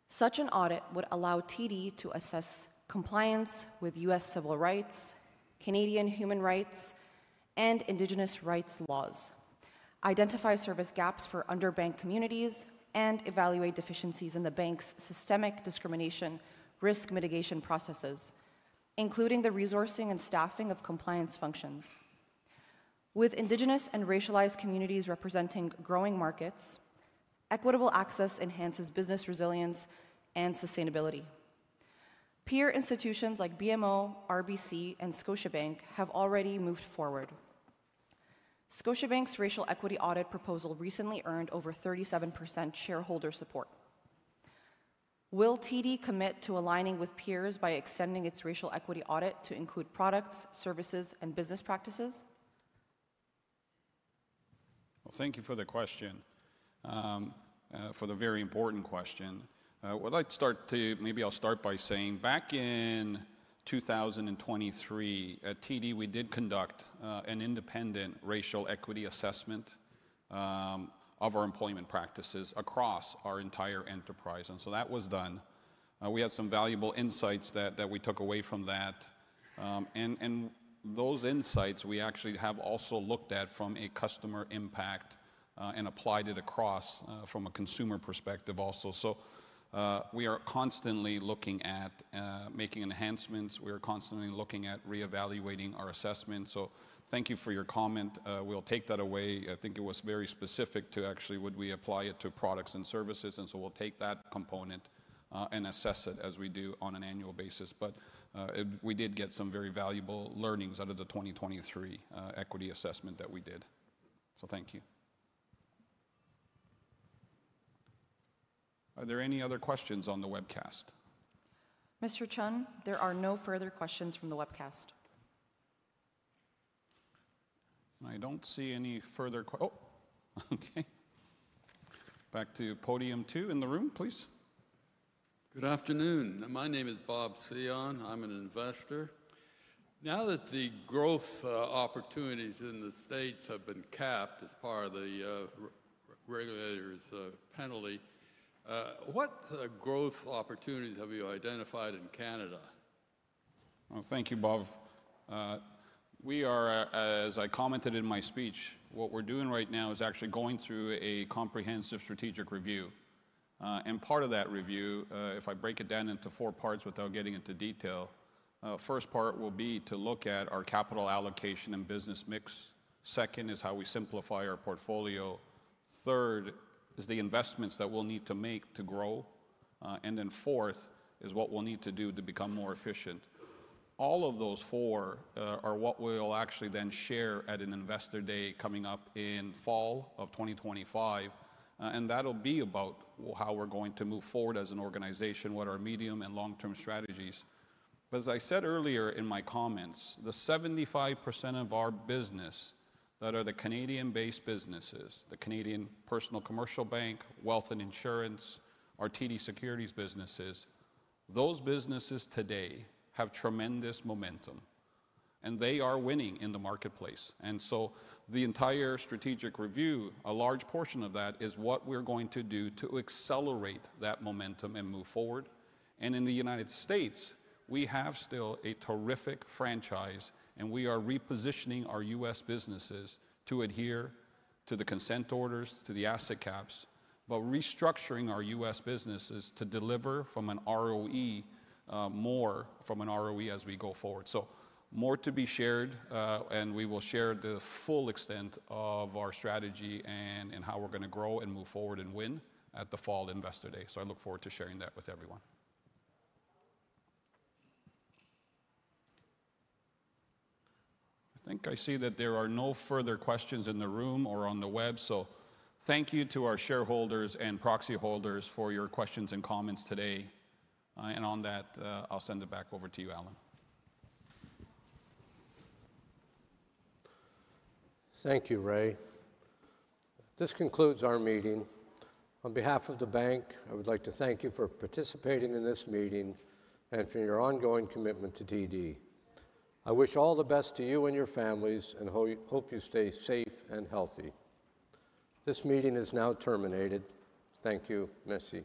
Such an audit would allow TD to assess compliance with U.S. civil rights, Canadian human rights, and indigenous rights laws, identify service gaps for underbanked communities, and evaluate deficiencies in the bank's systemic discrimination risk mitigation processes, including the resourcing and staffing of compliance functions. With Indigenous and racialized communities representing growing markets, equitable access enhances business resilience and sustainability. Peer institutions like BMO, RBC, and Scotiabank have already moved forward. Scotiabank's racial equity audit proposal recently earned over 37% shareholder support. Will TD commit to aligning with peers by extending its racial equity audit to include products, services, and business practices? Thank you for the question, for the very important question. I would like to start, maybe I'll start by saying back in 2023 at TD, we did conduct an independent racial equity assessment of our employment practices across our entire enterprise. That was done. We had some valuable insights that we took away from that. Those insights we actually have also looked at from a customer impact and applied it across from a consumer perspective also. We are constantly looking at making enhancements. We are constantly looking at reevaluating our assessments. Thank you for your comment. We'll take that away. I think it was very specific to actually would we apply it to products and services. We'll take that component and assess it as we do on an annual basis. We did get some very valuable learnings out of the 2023 equity assessment that we did. Thank you. Are there any other questions on the webcast? Mr. Chun, there are no further questions from the webcast. I do not see any further questions. Oh, okay. Back to podium two in the room, please. Good afternoon. My name is Bob Sion. I'm an investor. Now that the growth opportunities in the States have been capped as part of the regulators' penalty, what growth opportunities have you identified in Canada? Thank you, Bob. We are, as I commented in my speech, what we're doing right now is actually going through a comprehensive strategic review. Part of that review, if I break it down into four parts without getting into detail, the first part will be to look at our capital allocation and business mix. Second is how we simplify our portfolio. Third is the investments that we'll need to make to grow. Fourth is what we'll need to do to become more efficient. All of those four are what we'll actually then share at an investor day coming up in fall of 2025. That'll be about how we're going to move forward as an organization, what our medium and long-term strategies are. As I said earlier in my comments, the 75% of our business that are the Canadian-based businesses, the Canadian Personal Commercial Bank, Wealth and Insurance, our TD Securities businesses, those businesses today have tremendous momentum. They are winning in the marketplace. The entire strategic review, a large portion of that is what we're going to do to accelerate that momentum and move forward. In the U.S., we have still a terrific franchise, and we are repositioning our U.S. businesses to adhere to the consent orders, to the asset caps, but restructuring our U.S. businesses to deliver from an ROE, more from an ROE as we go forward. More to be shared, and we will share the full extent of our strategy and how we're going to grow and move forward and win at the fall investor day. I look forward to sharing that with everyone. I think I see that there are no further questions in the room or on the web. Thank you to our shareholders and proxy holders for your questions and comments today. On that, I'll send it back over to you, Alan. Thank you, Ray. This concludes our meeting. On behalf of the bank, I would like to thank you for participating in this meeting and for your ongoing commitment to TD. I wish all the best to you and your families, and hope you stay safe and healthy. This meeting is now terminated. Thank you, Missy.